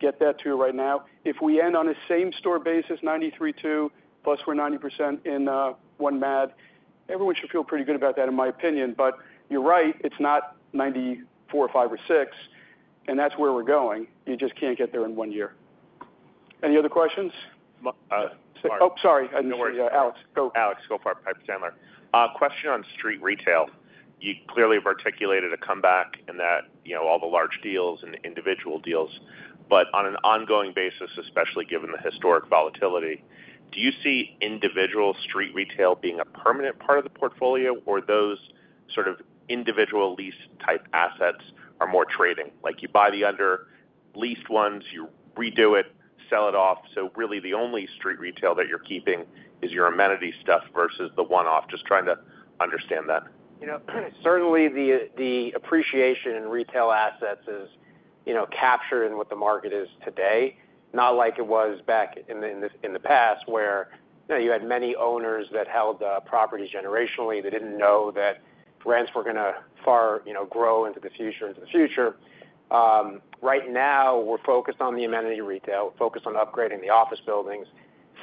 get that to you right now. If we end on a same store basis, 93.2%, plus we're 90% in One Mad, everyone should feel pretty good about that, in my opinion. But you're right. It's not 94.5 or 6, and that's where we're going. You just can't get there in one year. Any other questions? Oh, sorry. Alex, go. Alex Goldfarb, Piper Sandler. Question on street retail. You clearly have articulated a comeback in that all the large deals and individual deals. But on an ongoing basis, especially given the historic volatility, do you see individual street retail being a permanent part of the portfolio, or those sort of individual lease-type assets are more trading? You buy the under-leased ones, you redo it, sell it off. So really, the only street retail that you're keeping is your amenity stuff versus the one-off. Just trying to understand that. Certainly, the appreciation in retail assets is captured in what the market is today, not like it was back in the past, where you had many owners that held properties generationally that didn't know that rents were going to grow far into the future, into the future. Right now, we're focused on the amenity retail, focused on upgrading the office buildings.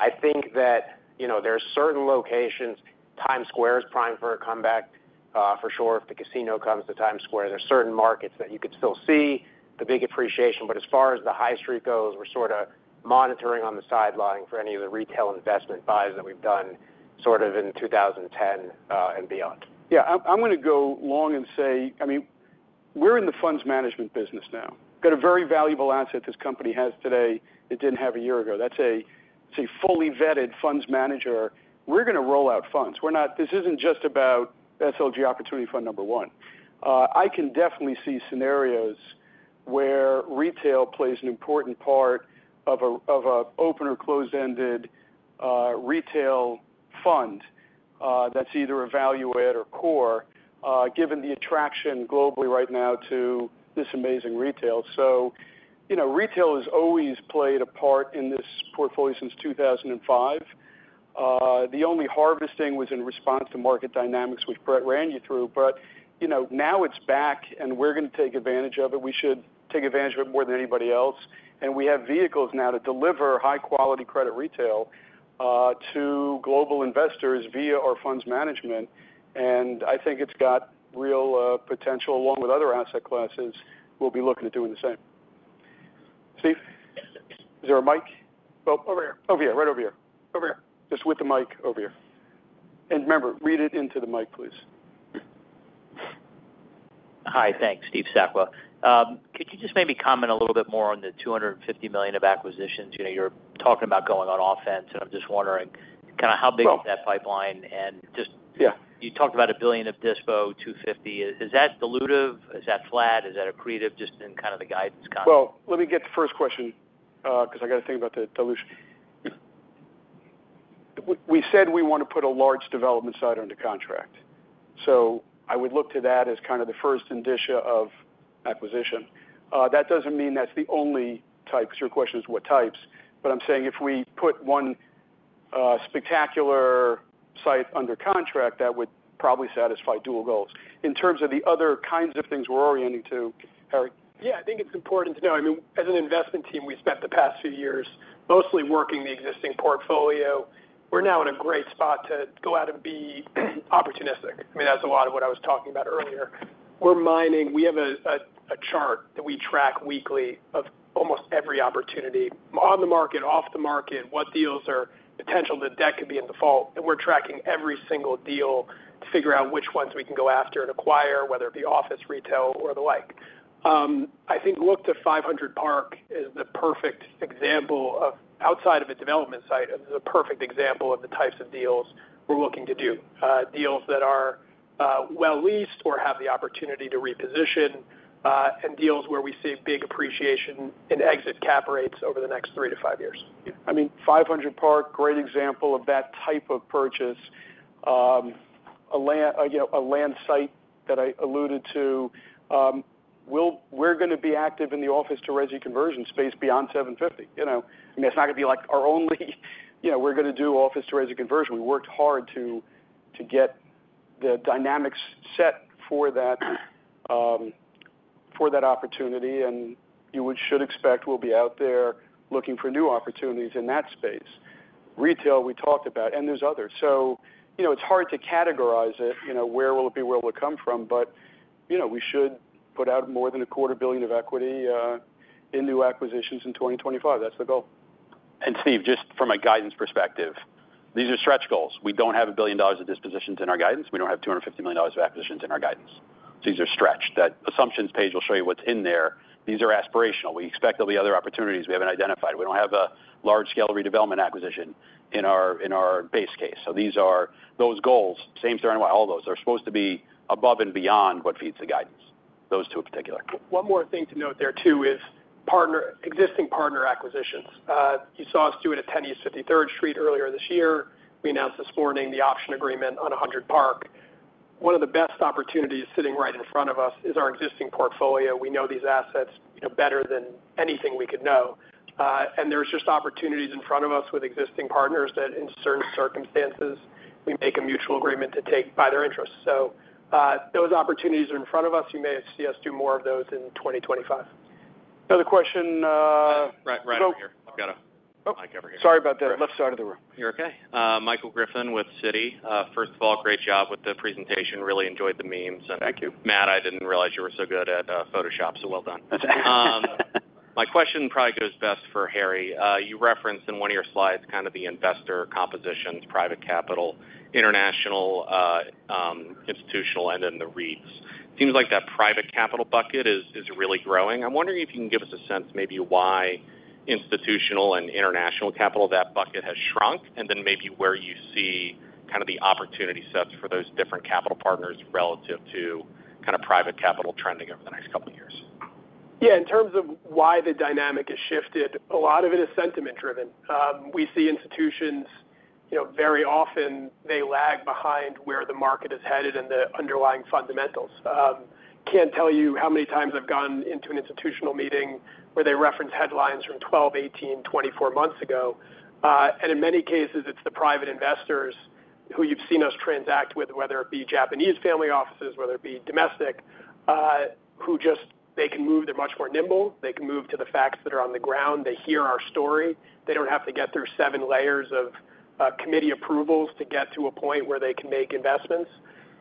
I think that there are certain locations. Times Square is prime for a comeback for sure if the casino comes to Times Square. There are certain markets that you could still see the big appreciation. But as far as the high street goes, we're sort of monitoring on the sidelines for any of the retail investment buys that we've done sort of in 2010 and beyond. Yeah. I'm going to go long and say, I mean, we're in the funds management business now. got a very valuable asset this company has today that didn't have a year ago. That's a fully vetted funds manager. We're going to roll out funds. This isn't just about SLG Opportunity Fund number one. I can definitely see scenarios where retail plays an important part of an open or closed-ended retail fund that's either a value add or core, given the attraction globally right now to this amazing retail. So retail has always played a part in this portfolio since 2005. The only harvesting was in response to market dynamics, which Brett ran you through. But now it's back, and we're going to take advantage of it. We should take advantage of it more than anybody else. And we have vehicles now to deliver high-quality credit retail to global investors via our funds management. And I think it's got real potential, along with other asset classes. We'll be looking at doing the same. Steve, is there a mic? Oh, over here. Over here. Right over here. Over here. Just with the mic over here. And remember, read it into the mic, please. Hi. Thanks, Steve Sakwa. Could you just maybe comment a little bit more on the $250 million of acquisitions? You're talking about going on offense, and I'm just wondering kind of how big is that pipeline? And just. Yeah. You talked about a billion of dispo $250 million. Is that dilutive? Is that flat? Is that accretive? Just in kind of the guidance kind of. Well, let me get the first question because I got to think about the dilution. We said we want to put a large development site under contract. So I would look to that as kind of the first indicia of acquisition. That doesn't mean that's the only type. Your question is what types. But I'm saying if we put one spectacular site under contract, that would probably satisfy dual goals. In terms of the other kinds of things we're orienting to, Harry. Yeah. I think it's important to know. I mean, as an investment team, we spent the past few years mostly working the existing portfolio. We're now in a great spot to go out and be opportunistic. I mean, that's a lot of what I was talking about earlier. We have a chart that we track weekly of almost every opportunity on the market, off the market, what deals are potential that could be in default. And we're tracking every single deal to figure out which ones we can go after and acquire, whether it be office, retail, or the like. I think, look to 500 Park as the perfect example of outside of a development site. It's a perfect example of the types of deals we're looking to do. Deals that are well-leased or have the opportunity to reposition, and deals where we see big appreciation in exit cap rates over the next three to five years. I mean, 500 Park, great example of that type of purchase. A land site that I alluded to. We're going to be active in the office-to-resident conversion space beyond 750. I mean, it's not going to be like our only we're going to do office-to-resident conversion. We worked hard to get the dynamics set for that opportunity. And you should expect we'll be out there looking for new opportunities in that space. Retail, we talked about. And there's others. So it's hard to categorize it. Where will it be? Where will it come from? But we should put out more than $250 million of equity in new acquisitions in 2025. That's the goal. And Steve, just from a guidance perspective, these are stretch goals. We don't have $1 billion of dispositions in our guidance. We don't have $250 million of acquisitions in our guidance. So these are stretched. That assumptions page will show you what's in there. These are aspirational. We expect there'll be other opportunities we haven't identified. We don't have a large-scale redevelopment acquisition in our base case. So those goals, same story, y'know, all those, are supposed to be above and beyond what feeds the guidance. Those two in particular. One more thing to note there too is existing partner acquisitions. You saw us do it at 10 East 53rd Street earlier this year. We announced this morning the option agreement on 100 Park Avenue. One of the best opportunities sitting right in front of us is our existing portfolio. We know these assets better than anything we could know, and there's just opportunities in front of us with existing partners that, in certain circumstances, we make a mutual agreement to take by their interest. So those opportunities are in front of us. You may see us do more of those in 2025. Another question. Right here. I've got a mic over here. Sorry about that. Left side of the room. You're okay? Michael Griffin with Citi. First of all, great job with the presentation. Really enjoyed the memes. Thank you. Matt, I didn't realize you were so good at Photoshop, so well done. My question probably goes best for Harry. You referenced in one of your slides kind of the investor compositions, private capital, international, institutional, and then the REITs. It seems like that private capital bucket is really growing. I'm wondering if you can give us a sense, maybe, why institutional and international capital, that bucket has shrunk, and then maybe where you see kind of the opportunity sets for those different capital partners relative to kind of private capital trending over the next couple of years. Yeah. In terms of why the dynamic has shifted, a lot of it is sentiment-driven. We see institutions very often, they lag behind where the market is headed and the underlying fundamentals. Can't tell you how many times I've gone into an institutional meeting where they reference headlines from 12, 18, 24 months ago. And in many cases, it's the private investors who you've seen us transact with, whether it be Japanese family offices, whether it be domestic, who just they can move. They're much more nimble. They can move to the facts that are on the ground. They hear our story. They don't have to get through seven layers of committee approvals to get to a point where they can make investments.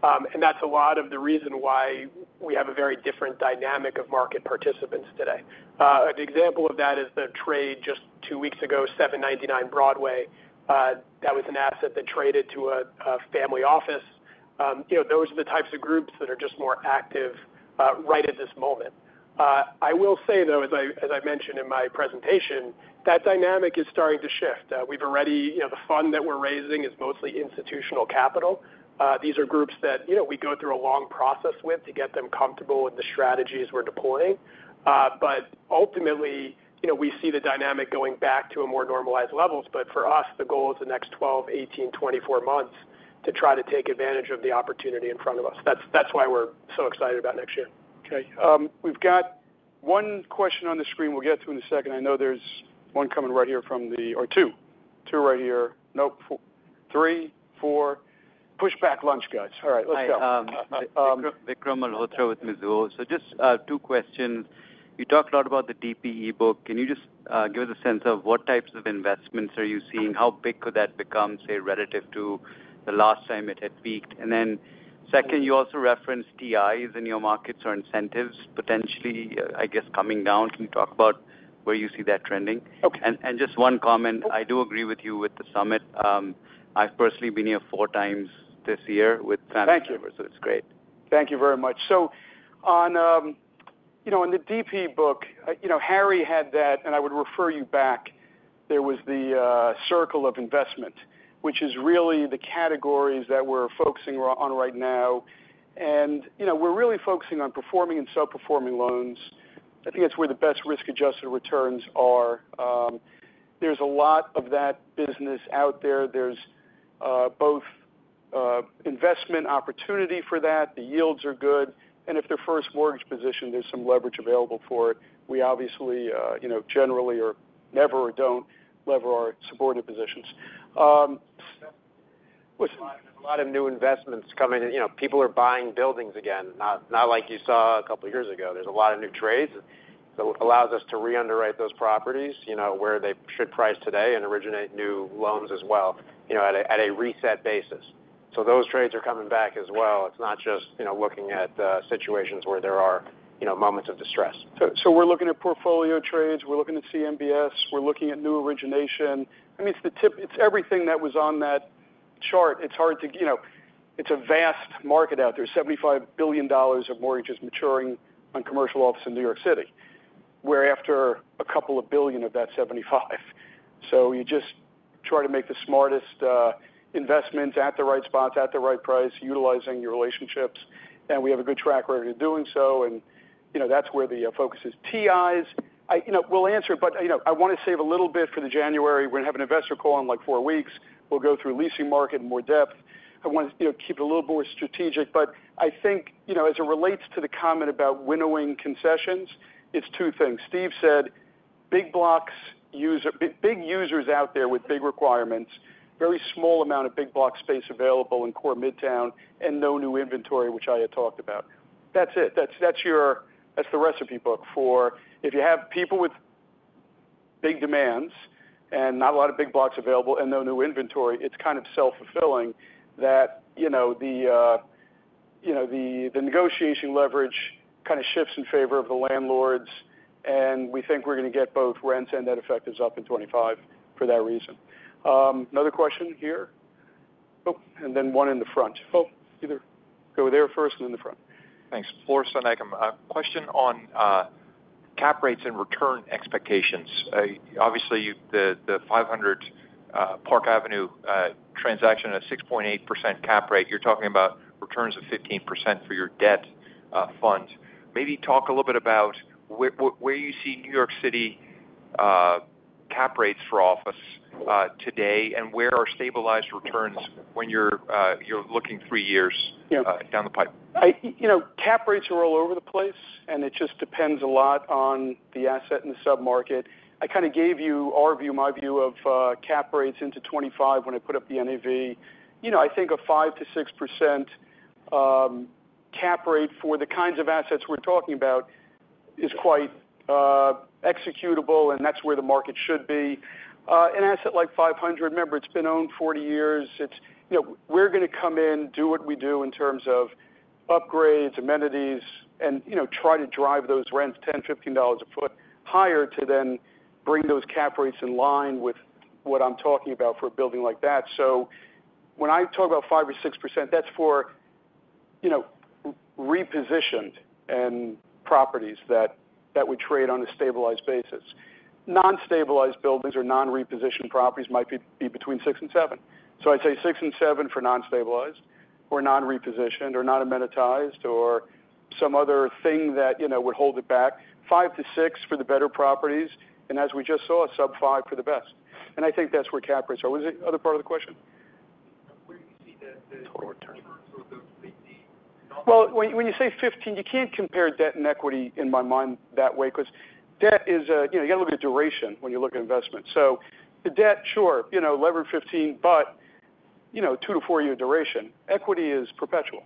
And that's a lot of the reason why we have a very different dynamic of market participants today. An example of that is the trade just two weeks ago, 799 Broadway. That was an asset that traded to a family office. Those are the types of groups that are just more active right at this moment. I will say, though, as I mentioned in my presentation, that dynamic is starting to shift. We've already the fund that we're raising is mostly institutional capital. These are groups that we go through a long process with to get them comfortable with the strategies we're deploying. But ultimately, we see the dynamic going back to a more normalized level. But for us, the goal is the next 12, 18, 24 months to try to take advantage of the opportunity in front of us. That's why we're so excited about next year. Okay. We've got one question on the screen. We'll get to it in a second. I know there's one coming right here from the or two. Two right here. Nope. Three, four. Pushback lunch guys. All right. Let's go. Hi. Vikram Malhotra with Mizuho. So just two questions. You talked a lot about the DPE book. Can you just give us a sense of what types of investments are you seeing? How big could that become, say, relative to the last time it had peaked? And then second, you also referenced TIs in your markets or incentives potentially, I guess, coming down. Can you talk about where you see that trending? Okay. And just one comment. I do agree with you with the SUMMIT. I've personally been here four times this year with family members. Thank you. So it's great. Thank you very much. So on the DP book, Harry had that, and I would refer you back. There was the circle of investment, which is really the categories that we're focusing on right now. And we're really focusing on performing and self-performing loans. I think it's where the best risk-adjusted returns are. There's a lot of that business out there. There's both investment opportunity for that. The yields are good. And if they're first mortgage positioned, there's some leverage available for it. We obviously generally never lever our subordinate positions. A lot of new investments coming in. People are buying buildings again, not like you saw a couple of years ago. There's a lot of new trades that allows us to re-underwrite those properties where they should price today and originate new loans as well at a reset basis. So those trades are coming back as well. It's not just looking at situations where there are moments of distress. So we're looking at portfolio trades. We're looking at CMBS. We're looking at new origination. I mean, it's everything that was on that chart. It's hard. It's a vast market out there. $75 billion of mortgages maturing on commercial office in New York City, where, after a couple of billion of that 75. So you just try to make the smartest investments at the right spots, at the right price, utilizing your relationships. And we have a good track record of doing so. And that's where the focus is. TIs, we'll answer. But I want to save a little bit for the January. We're going to have an investor call in like four weeks. We'll go through leasing market in more depth. I want to keep it a little more strategic. But I think as it relates to the comment about winnowing concessions, it's two things. Steve said big blocks, big users out there with big requirements, very small amount of big block space available in core Midtown, and no new inventory, which I had talked about. That's it. That's the recipe book for if you have people with big demands and not a lot of big blocks available and no new inventory, it's kind of self-fulfilling that the negotiation leverage kind of shifts in favor of the landlords. And we think we're going to get both rents and net effective up in 2025 for that reason. Another question here? Oh, and then one in the front. Oh, either. Go there first and then the front. Thanks. [Flores and Ekham]. Question on cap rates and return expectations. Obviously, the 500 Park Avenue transaction at a 6.8% cap rate, you're talking about returns of 15% for your debt fund. Maybe talk a little bit about where you see New York City cap rates for office today and where are stabilized returns when you're looking three years down the pipe? Cap rates are all over the place, and it just depends a lot on the asset and the submarket. I kind of gave you our view, my view of cap rates into 2025 when I put up the NAV. I think a 5%-6% cap rate for the kinds of assets we're talking about is quite executable, and that's where the market should be. An asset like 500. Remember, it's been owned 40 years. We're going to come in, do what we do in terms of upgrades, amenities, and try to drive those rents $10, $15 a foot higher to then bring those cap rates in line with what I'm talking about for a building like that. So when I talk about 5% or 6%, that's for repositioned properties that we trade on a stabilized basis. Non-stabilized buildings or non-repositioned properties might be between 6% and 7%. So I'd say 6% and 7% for non-stabilized or non-repositioned or non-amenitized or some other thing that would hold it back. 5%-6% for the better properties. And as we just saw, sub-5% for the best. And I think that's where cap rates are. Was it the other part of the question? Where do you see the returns for those? When you say 15, you can't compare debt and equity in my mind that way because debt is a you got to look at duration when you look at investment. So the debt, sure, levered 15, but 2-4-year duration. Equity is perpetual.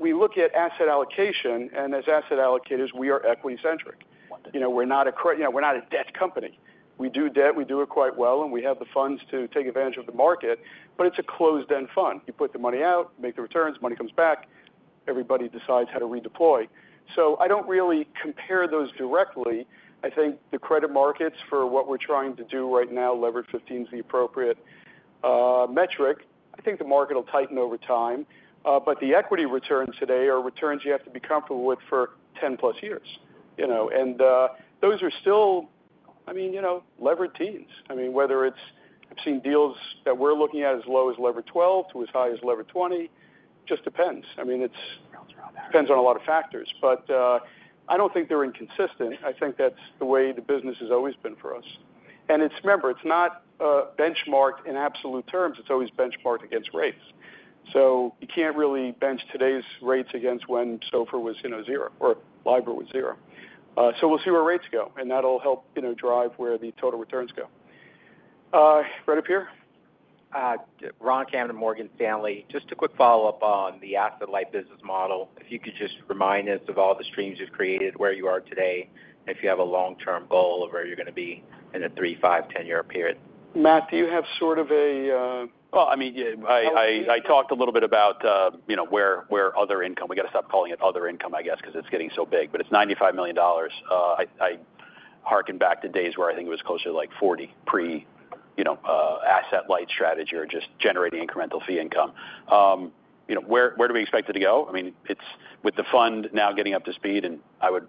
We look at asset allocation. As asset allocators, we are equity-centric. We're not a debt company. We do debt. We do it quite well. We have the funds to take advantage of the market. It's a closed-end fund. You put the money out, make the returns. Money comes back. Everybody decides how to redeploy. I don't really compare those directly. I think the credit markets for what we're trying to do right now, levered 15 is the appropriate metric. I think the market will tighten over time. But the equity returns today are returns you have to be comfortable with for 10-plus years. And those are still, I mean, levered teens. I mean, whether it's I've seen deals that we're looking at as low as levered 12 to as high as levered 20. It just depends. I mean, it depends on a lot of factors. But I don't think they're inconsistent. I think that's the way the business has always been for us. And remember, it's not benchmarked in absolute terms. It's always benchmarked against rates. So you can't really bench today's rates against when SOFR was zero or LIBOR was zero. So we'll see where rates go. And that'll help drive where the total returns go. Right up here? Ron Kamdem, Morgan Stanley, just a quick follow-up on the asset-light business model. If you could just remind us of all the streams you've created, where you are today, and if you have a long-term goal of where you're going to be in a 3, 5, 10-year period. Matt, do you have sort of a. Well, I mean, I talked a little bit about where other income we got to stop calling it other income, I guess, because it's getting so big? But it's $95 million. I hearken back to days where I think it was closer to like 40 pre-asset-light strategy or just generating incremental fee income. Where do we expect it to go? I mean, with the fund now getting up to speed, and I would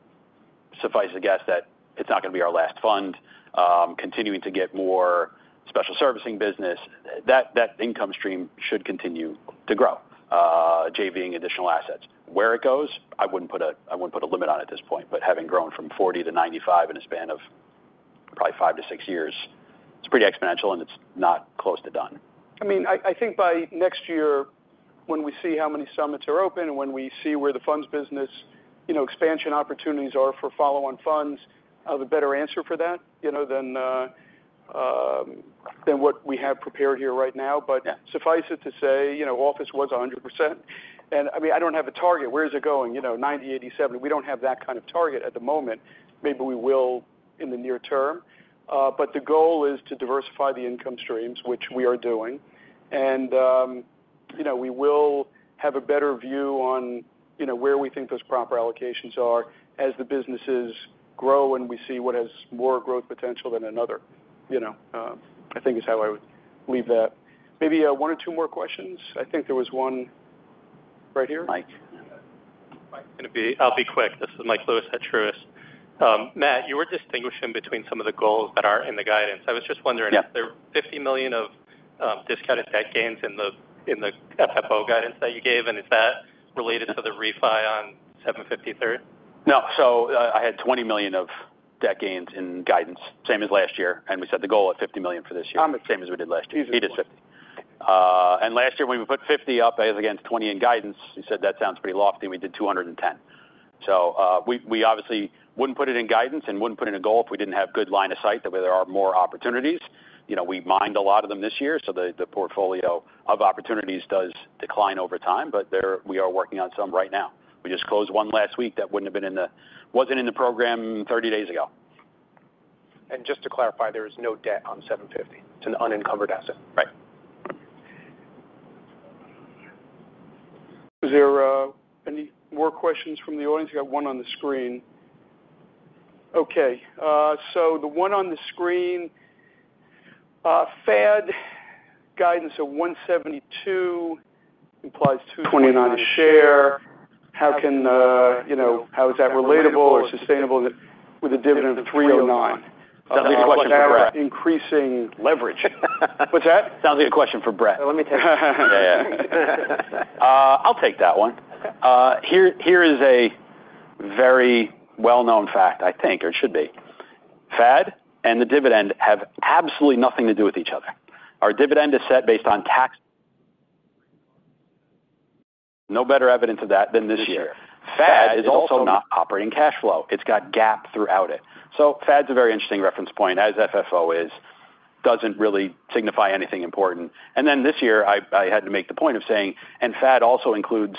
suffice to guess that it's not going to be our last fund, continuing to get more special servicing business, that income stream should continue to grow, JVing additional assets. Where it goes, I wouldn't put a limit on it at this point. But having grown from 40 to 95 in a span of probably five to six years, it's pretty exponential, and it's not close to done. I mean, I think by next year, when we see how many SUMMITs are open and when we see where the funds business expansion opportunities are for follow-on funds, I have a better answer for that than what we have prepared here right now. But Yeah. suffice it to say, office was 100%. And I mean, I don't have a target. Where is it going? 90%, 80%, 70%. We don't have that kind of target at the moment. Maybe we will in the near term. But the goal is to diversify the income streams, which we are doing. And we will have a better view on where we think those proper allocations are as the businesses grow and we see what has more growth potential than another. I think is how I would leave that. Maybe one or two more questions. I think there was one right here. Mike. I'll be quick. This is Mike Lewis at Truist. Matt, you were distinguishing between some of the goals that are in the guidance. I was just wondering. Yeah. There are $50 million of discounted debt gains in the FFO guidance that you gave. And is that related to the refi on 750 Third? No. So I had $20 million of debt gains in guidance, same as last year. And we set the goal at $50 million for this year, same as we did last year. Indeed, it's 50. Last year, when we put 50 up against 20 in guidance, he said, "That sounds pretty lofty." We did 210. We obviously wouldn't put it in guidance and wouldn't put it in a goal if we didn't have good line of sight that there are more opportunities. We mined a lot of them this year. The portfolio of opportunities does decline over time. We are working on some right now. We just closed one last week that wouldn't have been in the program 30 days ago. Just to clarify, there is no debt on 750. It's an unencumbered asset. Right. Is there any more questions from the audience? We got one on the screen. Okay. The one on the screen, FAD guidance of 172 implies 209 a share. How is that relatable or sustainable with a dividend of 309? Does that leave a question for Brett? Increasing leverage. What's that? Sounds like a question for Brett. Let me take that. Yeah, yeah. I'll take that one. Here is a very well-known fact, I think, or it should be. FAD and the dividend have absolutely nothing to do with each other. Our dividend is set based on tax. No better evidence of that than this year. FAD is also not operating cash flow. It's got GAAP throughout it. So FAD's a very interesting reference point, as FFO is. It doesn't really signify anything important. And then this year, I had to make the point of saying, and FAD also includes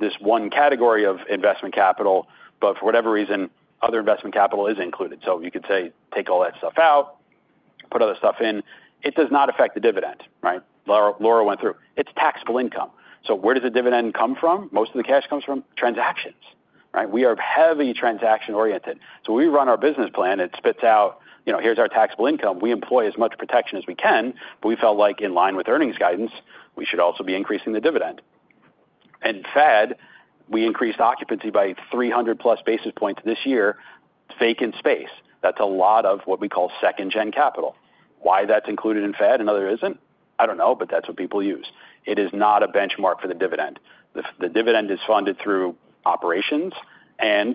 this one category of investment capital, but for whatever reason, other investment capital is included. So you could say, "Take all that stuff out, put other stuff in." It does not affect the dividend, right? Laura went through. It's taxable income. So where does the dividend come from? Most of the cash comes from transactions, right? We are heavy transaction-oriented. So when we run our business plan, it spits out, "Here's our taxable income." We employ as much protection as we can, but we felt like in line with earnings guidance, we should also be increasing the dividend. And FAD, we increased occupancy by 300-plus basis points this year. It's vacant space. That's a lot of what we call second-gen capital. Why that's included in FAD and other isn't? I don't know, but that's what people use. It is not a benchmark for the dividend. The dividend is funded through operations and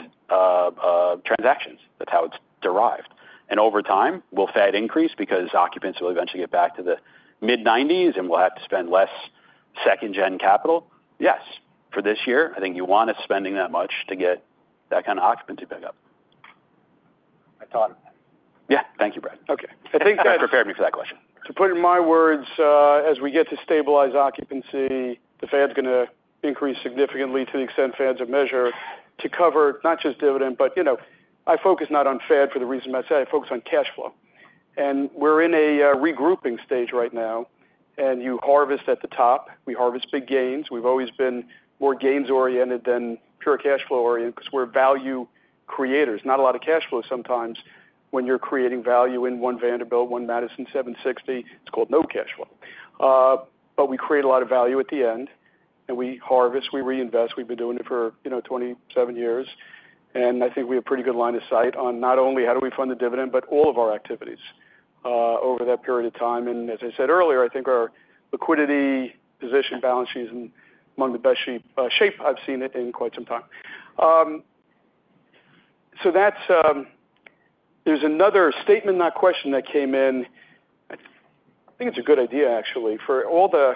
transactions. That's how it's derived. And over time, will FAD increase because occupants will eventually get back to the mid-90s and we'll have to spend less second-gen capital? Yes. For this year, I think you want us spending that much to get that kind of occupancy back up. I taught him. Yeah. Thank you, Brett. Okay. I think that. He prepared me for that question. To put it in my words, as we get to stabilize occupancy, the FAD's going to increase significantly to the extent FADs are measured to cover not just dividend, but I focus not on FAD for the reason I said I focus on cash flow. We're in a regrouping stage right now. You harvest at the top. We harvest big gains. We've always been more gains-oriented than pure cash flow-oriented because we're value creators. Not a lot of cash flow sometimes when you're creating value in One Vanderbilt, One Madison, 760. It's called no cash flow. But we create a lot of value at the end. We harvest, we reinvest. We've been doing it for 27 years, and I think we have a pretty good line of sight on not only how do we fund the dividend, but all of our activities over that period of time, and as I said earlier, I think our liquidity position balance sheet is among the best shape I've seen in quite some time, so there's another statement in that question that came in. I think it's a good idea, actually, for all the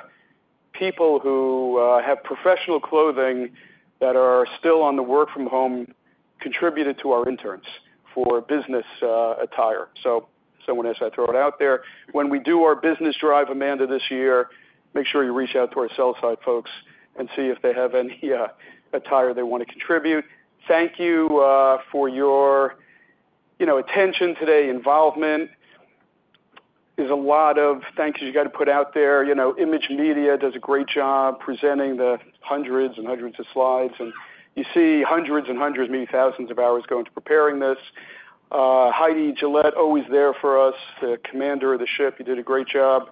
people who have professional clothing that are still on the work-from-home contributed to our interns for business attire, so if someone has to throw it out there, when we do our business drive, Amanda, this year, make sure you reach out to our sell-side folks and see if they have any attire they want to contribute. Thank you for your attention today, involvement. There's a lot of thanks you got to put out there. Image Media does a great job presenting the hundreds and hundreds of slides, and you see hundreds and hundreds, maybe thousands of hours go into preparing this. Heidi Gillette, always there for us, the commander of the ship. You did a great job.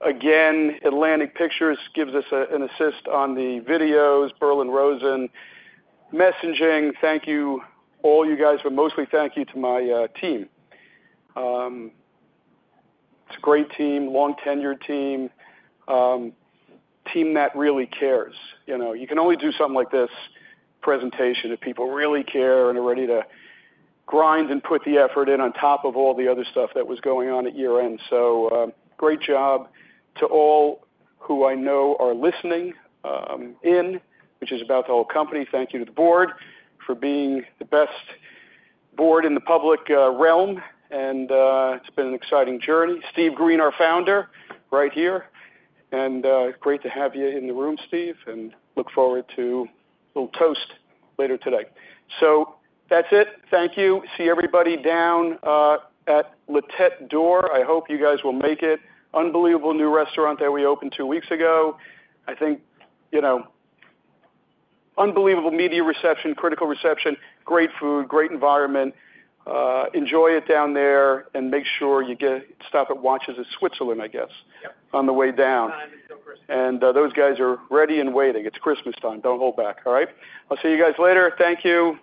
Again, Atlantic Pictures gives us an assist on the videos. Berlin Rosen, messaging. Thank you, all you guys, but mostly thank you to my team. It's a great team, long-tenured team, team that really cares. You can only do something like this presentation if people really care and are ready to grind and put the effort in on top of all the other stuff that was going on at year-end, so great job to all who I know are listening in, which is about the whole company. Thank you to the board for being the best board in the public realm. It's been an exciting journey. Steve Green, our founder, right here. Great to have you in the room, Steve. Look forward to a little toast later today. That's it. Thank you. See everybody down at La Tête d'Or. I hope you guys will make it. Unbelievable new restaurant that we opened two weeks ago. I think unbelievable media reception, critical reception, great food, great environment. Enjoy it down there and make sure you stop at Watches of Switzerland, I guess, on the way down. Those guys are ready and waiting. It's Christmas time. Don't hold back, all right? I'll see you guys later. Thank you.